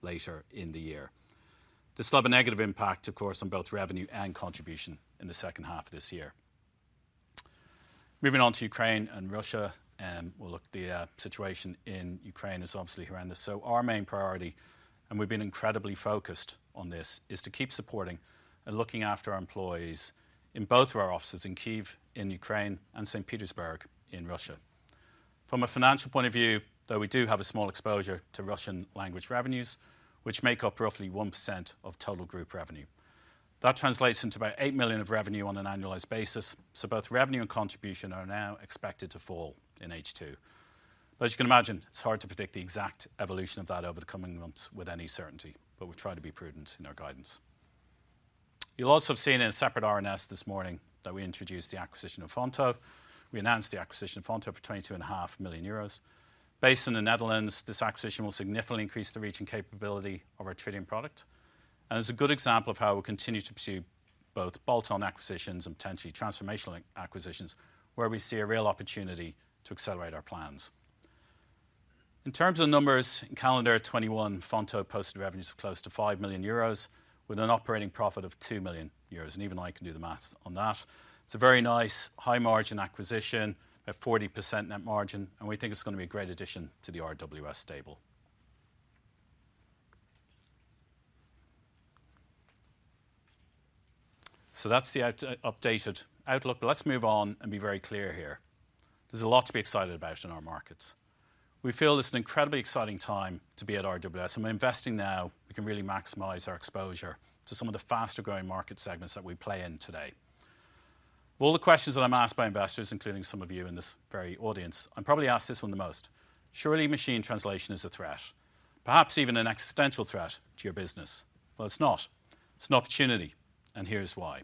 later in the year. This will have a negative impact, of course, on both revenue and contribution in the second half of this year. Moving on to Ukraine and Russia, well, look, the situation in Ukraine is obviously horrendous, so our main priority, and we've been incredibly focused on this, is to keep supporting and looking after our employees in both of our offices in Kyiv, in Ukraine, and Saint Petersburg in Russia. From a financial point of view, though, we do have a small exposure to Russian language revenues, which make up roughly 1% of total group revenue. That translates into about 8 million of revenue on an annualized basis, so both revenue and contribution are now expected to fall in H2. As you can imagine, it's hard to predict the exact evolution of that over the coming months with any certainty. We've tried to be prudent in our guidance. You'll also have seen in a separate RNS this morning that we introduced the acquisition of Fonto. We announced the acquisition of Fonto for 22.5 million euros. Based in the Netherlands, this acquisition will significantly increase the reach and capability of our Tridion product. It's a good example of how we'll continue to pursue both bolt-on acquisitions and potentially transformational acquisitions, where we see a real opportunity to accelerate our plans. In terms of numbers, in calendar 2021, Fonto posted revenues of close to 5 million euros with an operating profit of 2 million euros, and even I can do the math on that. It's a very nice high-margin acquisition at 40% net margin, and we think it's gonna be a great addition to the RWS stable. That's the updated outlook, but let's move on and be very clear here. There's a lot to be excited about in our markets. We feel it's an incredibly exciting time to be at RWS, and by investing now, we can really maximize our exposure to some of the faster-growing market segments that we play in today. Of all the questions that I'm asked by investors, including some of you in this very audience, I'm probably asked this one the most. Surely machine translation is a threat, perhaps even an existential threat to your business. Well, it's not. It's an opportunity, and here's why.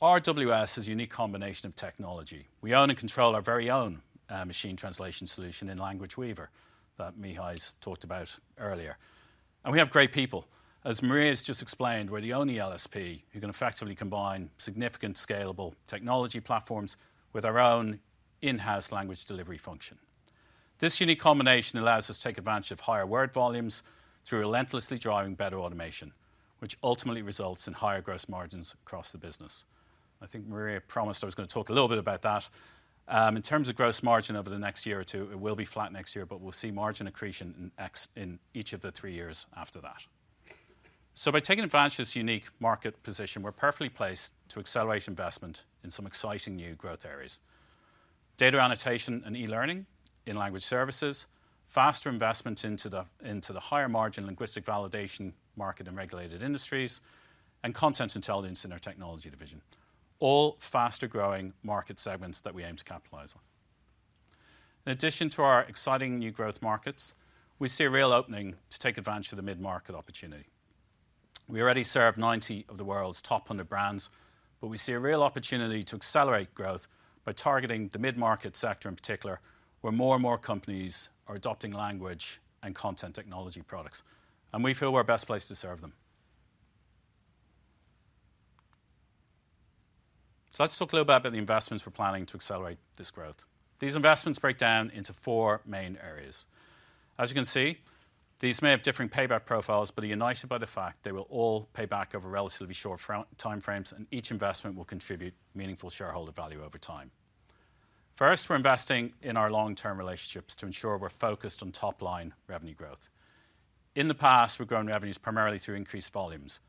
RWS has a unique combination of technology. We own and control our very own machine translation solution in Language Weaver that Mihai's talked about earlier. We have great people. As Maria has just explained, we're the only LSP who can effectively combine significant scalable technology platforms with our own in-house language delivery function. This unique combination allows us to take advantage of higher word volumes through relentlessly driving better automation, which ultimately results in higher gross margins across the business. I think Maria promised I was gonna talk a little bit about that. In terms of gross margin over the next year or two, it will be flat next year, but we'll see margin accretion in each of the three years after that. By taking advantage of this unique market position, we're perfectly placed to accelerate investment in some exciting new growth areas. Data annotation and e-learning in Language Services, faster investment into the higher margin linguistic validation market in Regulated Industries, and content intelligence in our Technology Division. All faster-growing market segments that we aim to capitalize on. In addition to our exciting new growth markets, we see a real opening to take advantage of the mid-market opportunity. We already serve 90 of the world's top 100 brands, but we see a real opportunity to accelerate growth by targeting the mid-market sector in particular, where more and more companies are adopting language and content technology products, and we feel we're best placed to serve them. Let's talk a little bit about the investments we're planning to accelerate this growth. These investments break down into four main areas. As you can see, these may have differing payback profiles, but are united by the fact they will all pay back over relatively short time frames, and each investment will contribute meaningful shareholder value over time. First, we're investing in our long-term relationships to ensure we're focused on top-line revenue growth. In the past, we've grown revenues primarily through increased volumes,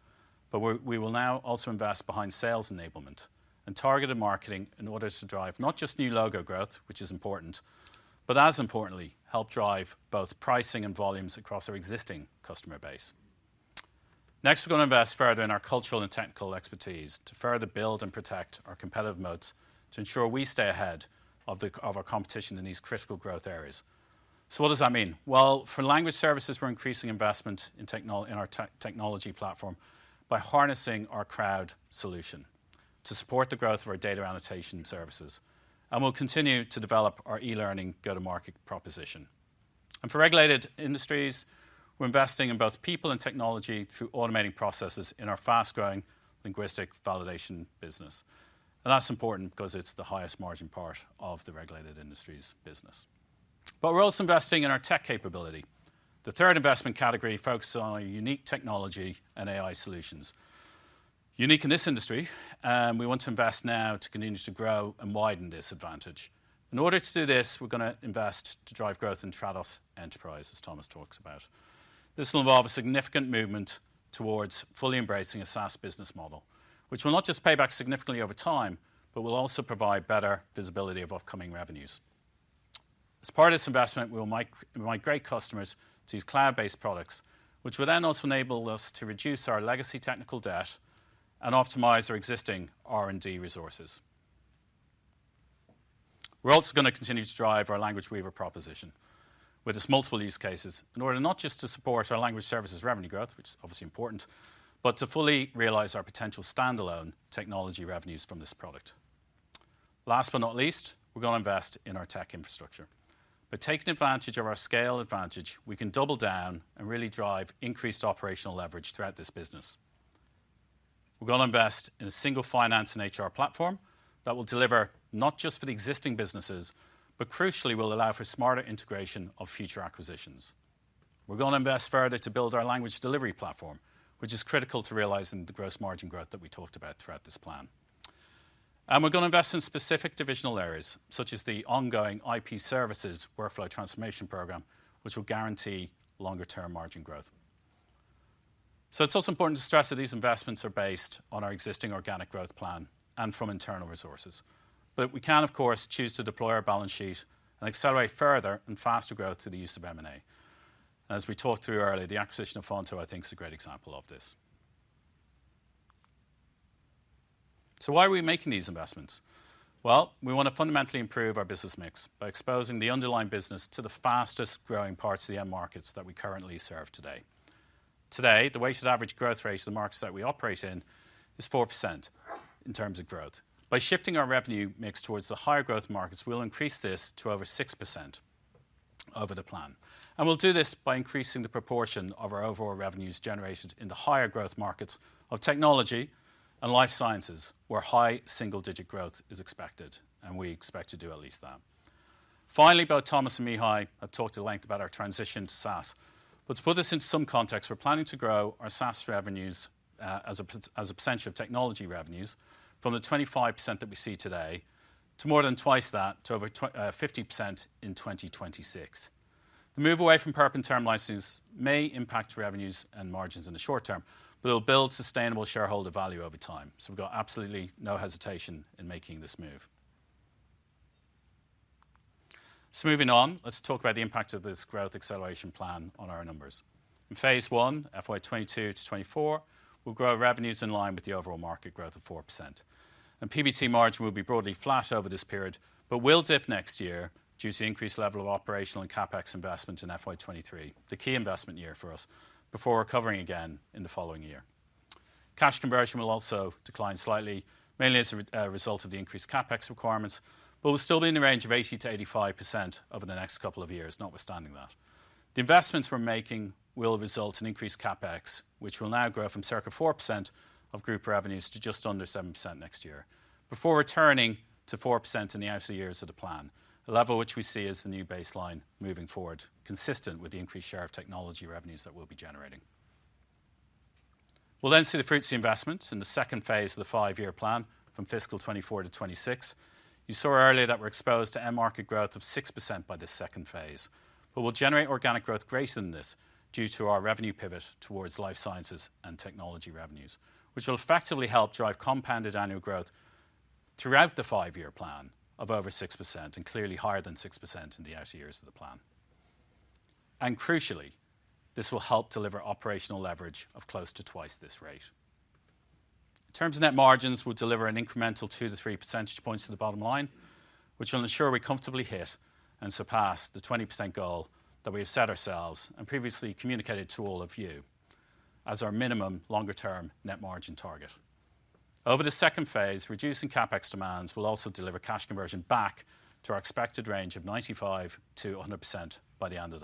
but we will now also invest behind sales enablement and targeted marketing in order to drive not just new logo growth, which is important, but as importantly, help drive both pricing and volumes across our existing customer base. Next, we're gonna invest further in our cultural and technical expertise to further build and protect our competitive moats to ensure we stay ahead of our competition in these critical growth areas. So what does that mean? Well, for Language Services, we're increasing investment in our technology platform by harnessing our crowd solution to support the growth of our data annotation services. We'll continue to develop our e-learning go-to-market proposition. For Regulated Industries, we're investing in both people and technology through automating processes in our fast-growing linguistic validation business. That's important because it's the highest margin part of the Regulated Industries business. We're also investing in our tech capability. The third investment category focuses on our unique technology and AI solutions. Unique in this industry, we want to invest now to continue to grow and widen this advantage. In order to do this, we're gonna invest to drive growth in Trados Enterprise, as Thomas talked about. This will involve a significant movement towards fully embracing a SaaS business model, which will not just pay back significantly over time, but will also provide better visibility of upcoming revenues. As part of this investment, we will migrate customers to use cloud-based products, which will then also enable us to reduce our legacy technical debt and optimize our existing R&D resources. We're also gonna continue to drive our Language Weaver proposition with its multiple use cases in order not just to support our Language Services revenue growth, which is obviously important, but to fully realize our potential standalone technology revenues from this product. Last but not least, we're gonna invest in our tech infrastructure. By taking advantage of our scale advantage, we can double down and really drive increased operational leverage throughout this business. We're gonna invest in a single finance and HR platform that will deliver not just for the existing businesses, but crucially will allow for smarter integration of future acquisitions. We're gonna invest further to build our language delivery platform, which is critical to realizing the gross margin growth that we talked about throughout this plan. We're gonna invest in specific divisional areas, such as the ongoing IP Services workflow transformation program, which will guarantee longer term margin growth. It's also important to stress that these investments are based on our existing organic growth plan and from internal resources. We can of course, choose to deploy our balance sheet and accelerate further and faster growth through the use of M&A. As we talked through earlier, the acquisition of Fonto I think is a great example of this. Why are we making these investments? Well, we wanna fundamentally improve our business mix by exposing the underlying business to the fastest-growing parts of the end markets that we currently serve today. Today, the weighted average growth rate of the markets that we operate in is 4% in terms of growth. By shifting our revenue mix towards the higher growth markets, we'll increase this to over 6% over the plan. We'll do this by increasing the proportion of our overall revenues generated in the higher growth markets of technology and life sciences, where high single-digit growth is expected, and we expect to do at least that. Finally, both Thomas and Mihai have talked at length about our transition to SaaS. To put this in some context, we're planning to grow our SaaS revenues as a percentage of technology revenues from the 25% that we see today to more than twice that, to over 50% in 2026. The move away from perpetual and term license may impact revenues and margins in the short term, but it'll build sustainable shareholder value over time. We've got absolutely no hesitation in making this move. Moving on, let's talk about the impact of this growth acceleration plan on our numbers. In phase one, FY 2022-2024, we'll grow revenues in line with the overall market growth of 4%. PBT margin will be broadly flat over this period, but will dip next year due to increased level of operational and CapEx investment in FY 2023, the key investment year for us, before recovering again in the following year. Cash conversion will also decline slightly, mainly as a result of the increased CapEx requirements, but we'll still be in the range of 80%-85% over the next couple of years notwithstanding that. The investments we're making will result in increased CapEx, which will now grow from circa 4% of group revenues to just under 7% next year, before returning to 4% in the outer years of the plan, the level which we see as the new baseline moving forward, consistent with the increased share of technology revenues that we'll be generating. We'll then see the fruits of the investment in the second phase of the five-year plan from FY 2024-2026. You saw earlier that we're exposed to end market growth of 6% by this second phase. We'll generate organic growth greater than this due to our revenue pivot towards life sciences and technology revenues, which will effectively help drive compounded annual growth throughout the five-year plan of over 6%, and clearly higher than 6% in the outer years of the plan. Crucially, this will help deliver operational leverage of close to twice this rate. In terms of net margins, we'll deliver an incremental 2-3 percentage points to the bottom line, which will ensure we comfortably hit and surpass the 20% goal that we have set ourselves and previously communicated to all of you as our minimum longer term net margin target. Over the second phase, reducing CapEx demands will also deliver cash conversion back to our expected range of 95%-100% by the end of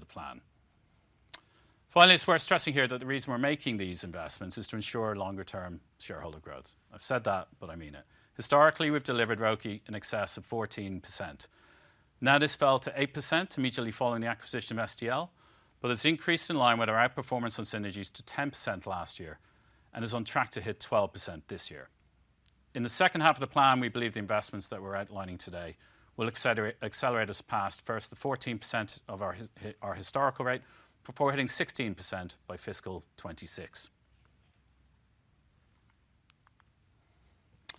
the plan. Finally, it's worth stressing here that the reason we're making these investments is to ensure longer term shareholder growth. I've said that, but I mean it. Historically, we've delivered ROCE in excess of 14%. Now, this fell to 8% immediately following the acquisition of SDL, but it's increased in line with our outperformance on synergies to 10% last year and is on track to hit 12% this year. In the second half of the plan, we believe the investments that we're outlining today will accelerate us past the 14% of our historical rate, before hitting 16% by fiscal 2026.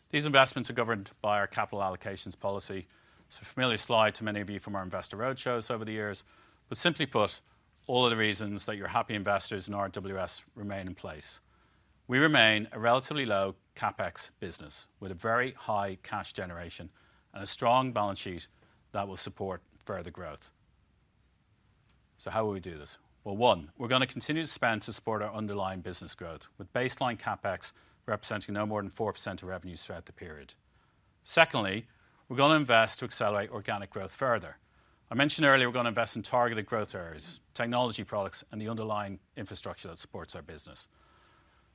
These investments are governed by our capital allocations policy. It's a familiar slide to many of you from our investor roadshows over the years. But simply put, all of the reasons that you're happy investors in RWS remain in place. We remain a relatively low CapEx business with a very high cash generation and a strong balance sheet that will support further growth. How will we do this? Well, one, we're gonna continue to spend to support our underlying business growth with baseline CapEx representing no more than 4% of revenues throughout the period. Secondly, we're gonna invest to accelerate organic growth further. I mentioned earlier we're gonna invest in targeted growth areas, technology products, and the underlying infrastructure that supports our business.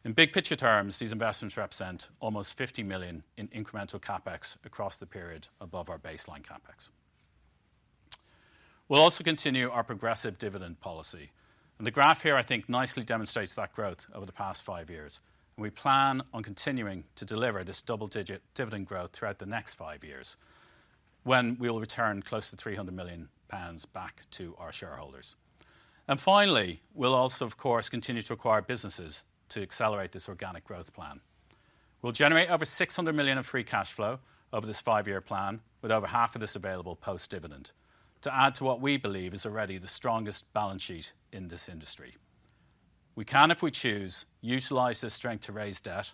In big picture terms, these investments represent almost 50 million in incremental CapEx across the period above our baseline CapEx. We'll also continue our progressive dividend policy. The graph here I think nicely demonstrates that growth over the past five years, and we plan on continuing to deliver this double-digit dividend growth throughout the next five years, when we'll return close to 300 million pounds back to our shareholders. Finally, we'll also, of course, continue to acquire businesses to accelerate this organic growth plan. We'll generate over 600 million of free cash flow over this five-year plan with over half of this available post-dividend to add to what we believe is already the strongest balance sheet in this industry. We can, if we choose, utilize this strength to raise debt,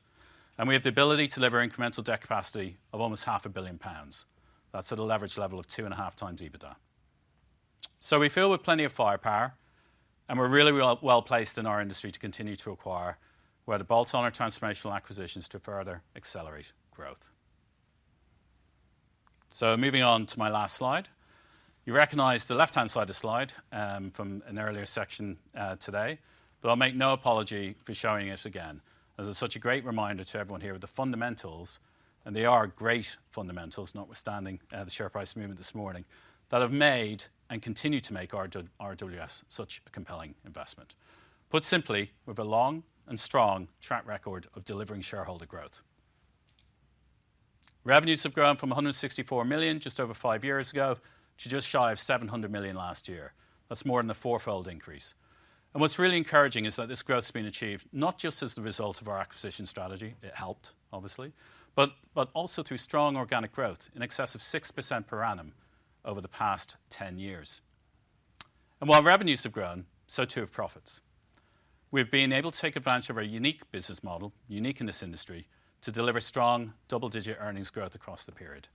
and we have the ability to leverage incremental debt capacity of almost 500 million pounds. That's at a leverage level of 2.5x EBITDA. We're filled with plenty of firepower, and we're really well, well-placed in our industry to continue to acquire, whether to bolt on our transformational acquisitions to further accelerate growth. Moving on to my last slide. You recognize the left-hand side of the slide from an earlier section today, but I'll make no apology for showing it again as it's such a great reminder to everyone here of the fundamentals, and they are great fundamentals, notwithstanding the share price movement this morning, that have made and continue to make RWS such a compelling investment. Put simply, we've a long and strong track record of delivering shareholder growth. Revenues have grown from 164 million just over five years ago to just shy of 700 million last year. That's more than a four-fold increase. What's really encouraging is that this growth's been achieved not just as the result of our acquisition strategy, it helped obviously, but also through strong organic growth in excess of 6% per annum over the past 10 years. While revenues have grown, so too have profits. We've been able to take advantage of our unique business model, unique in this industry, to deliver strong double-digit earnings growth across the period,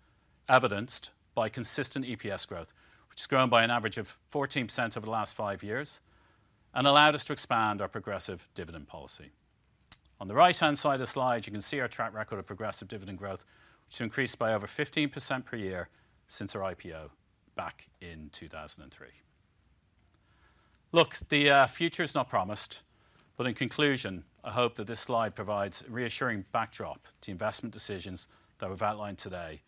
evidenced by consistent EPS growth, which has grown by an average of 14% over the last five years and allowed us to expand our progressive dividend policy. On the right-hand side of the slide, you can see our track record of progressive dividend growth, which increased by over 15% per year since our IPO back in 2003. Look, the future is not promised, but in conclusion, I hope that this slide provides reassuring backdrop to investment decisions that we've outlined today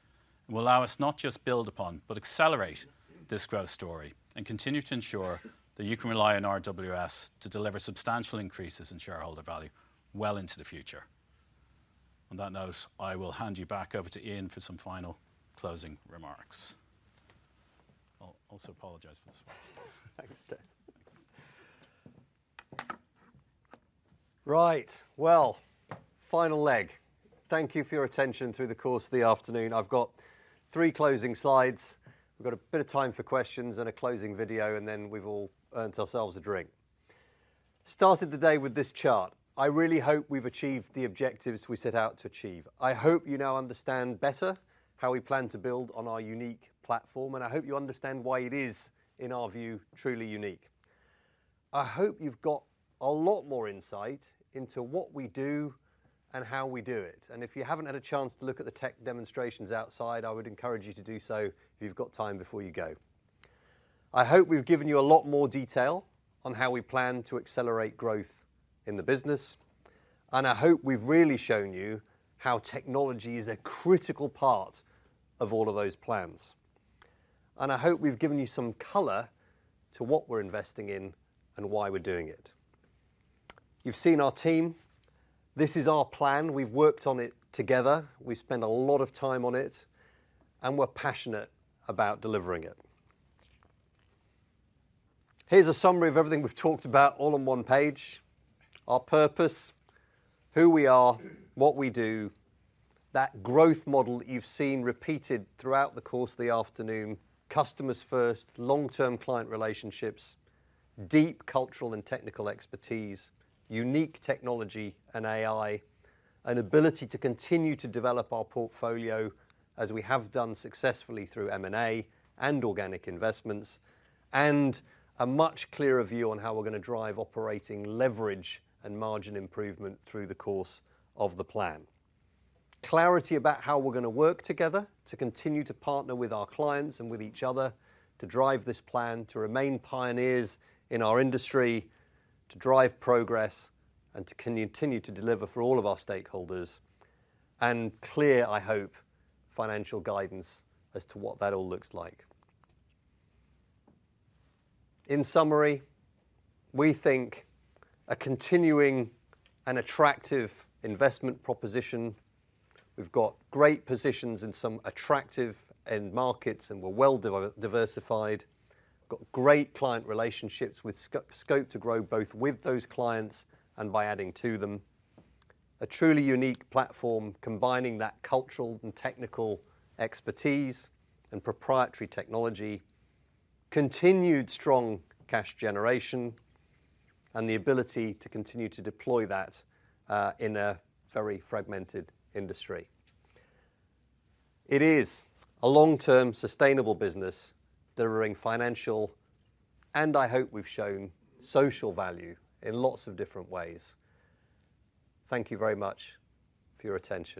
and will allow us not just build upon, but accelerate this growth story and continue to ensure that you can rely on RWS to deliver substantial increases in shareholder value well into the future. On that note, I will hand you back over to Ian for some final closing remarks. I'll also apologize for the slide. Thanks, Des. Right. Well, final leg. Thank you for your attention through the course of the afternoon. I've got three closing slides. We've got a bit of time for questions and a closing video, and then we've all earned ourselves a drink. Started the day with this chart. I really hope we've achieved the objectives we set out to achieve. I hope you now understand better how we plan to build on our unique platform, and I hope you understand why it is, in our view, truly unique. I hope you've got a lot more insight into what we do and how we do it. If you haven't had a chance to look at the tech demonstrations outside, I would encourage you to do so if you've got time before you go. I hope we've given you a lot more detail on how we plan to accelerate growth in the business, and I hope we've really shown you how technology is a critical part of all of those plans. I hope we've given you some color to what we're investing in and why we're doing it. You've seen our team. This is our plan. We've worked on it together. We've spent a lot of time on it, and we're passionate about delivering it. Here's a summary of everything we've talked about all on one page. Our purpose, who we are, what we do, that growth model that you've seen repeated throughout the course of the afternoon, customers first, long-term client relationships, deep cultural and technical expertise, unique technology and AI, an ability to continue to develop our portfolio as we have done successfully through M&A and organic investments, and a much clearer view on how we're gonna drive operating leverage and margin improvement through the course of the plan. Clarity about how we're gonna work together to continue to partner with our clients and with each other to drive this plan, to remain pioneers in our industry, to drive progress, and to continue to deliver for all of our stakeholders. Clear, I hope, financial guidance as to what that all looks like. In summary, we think a continuing and attractive investment proposition. We've got great positions in some attractive end markets, and we're well diversified. Got great client relationships with scope to grow, both with those clients and by adding to them. A truly unique platform combining that cultural and technical expertise and proprietary technology. Continued strong cash generation, and the ability to continue to deploy that in a very fragmented industry. It is a long-term sustainable business delivering financial, and I hope we've shown social value in lots of different ways. Thank you very much for your attention.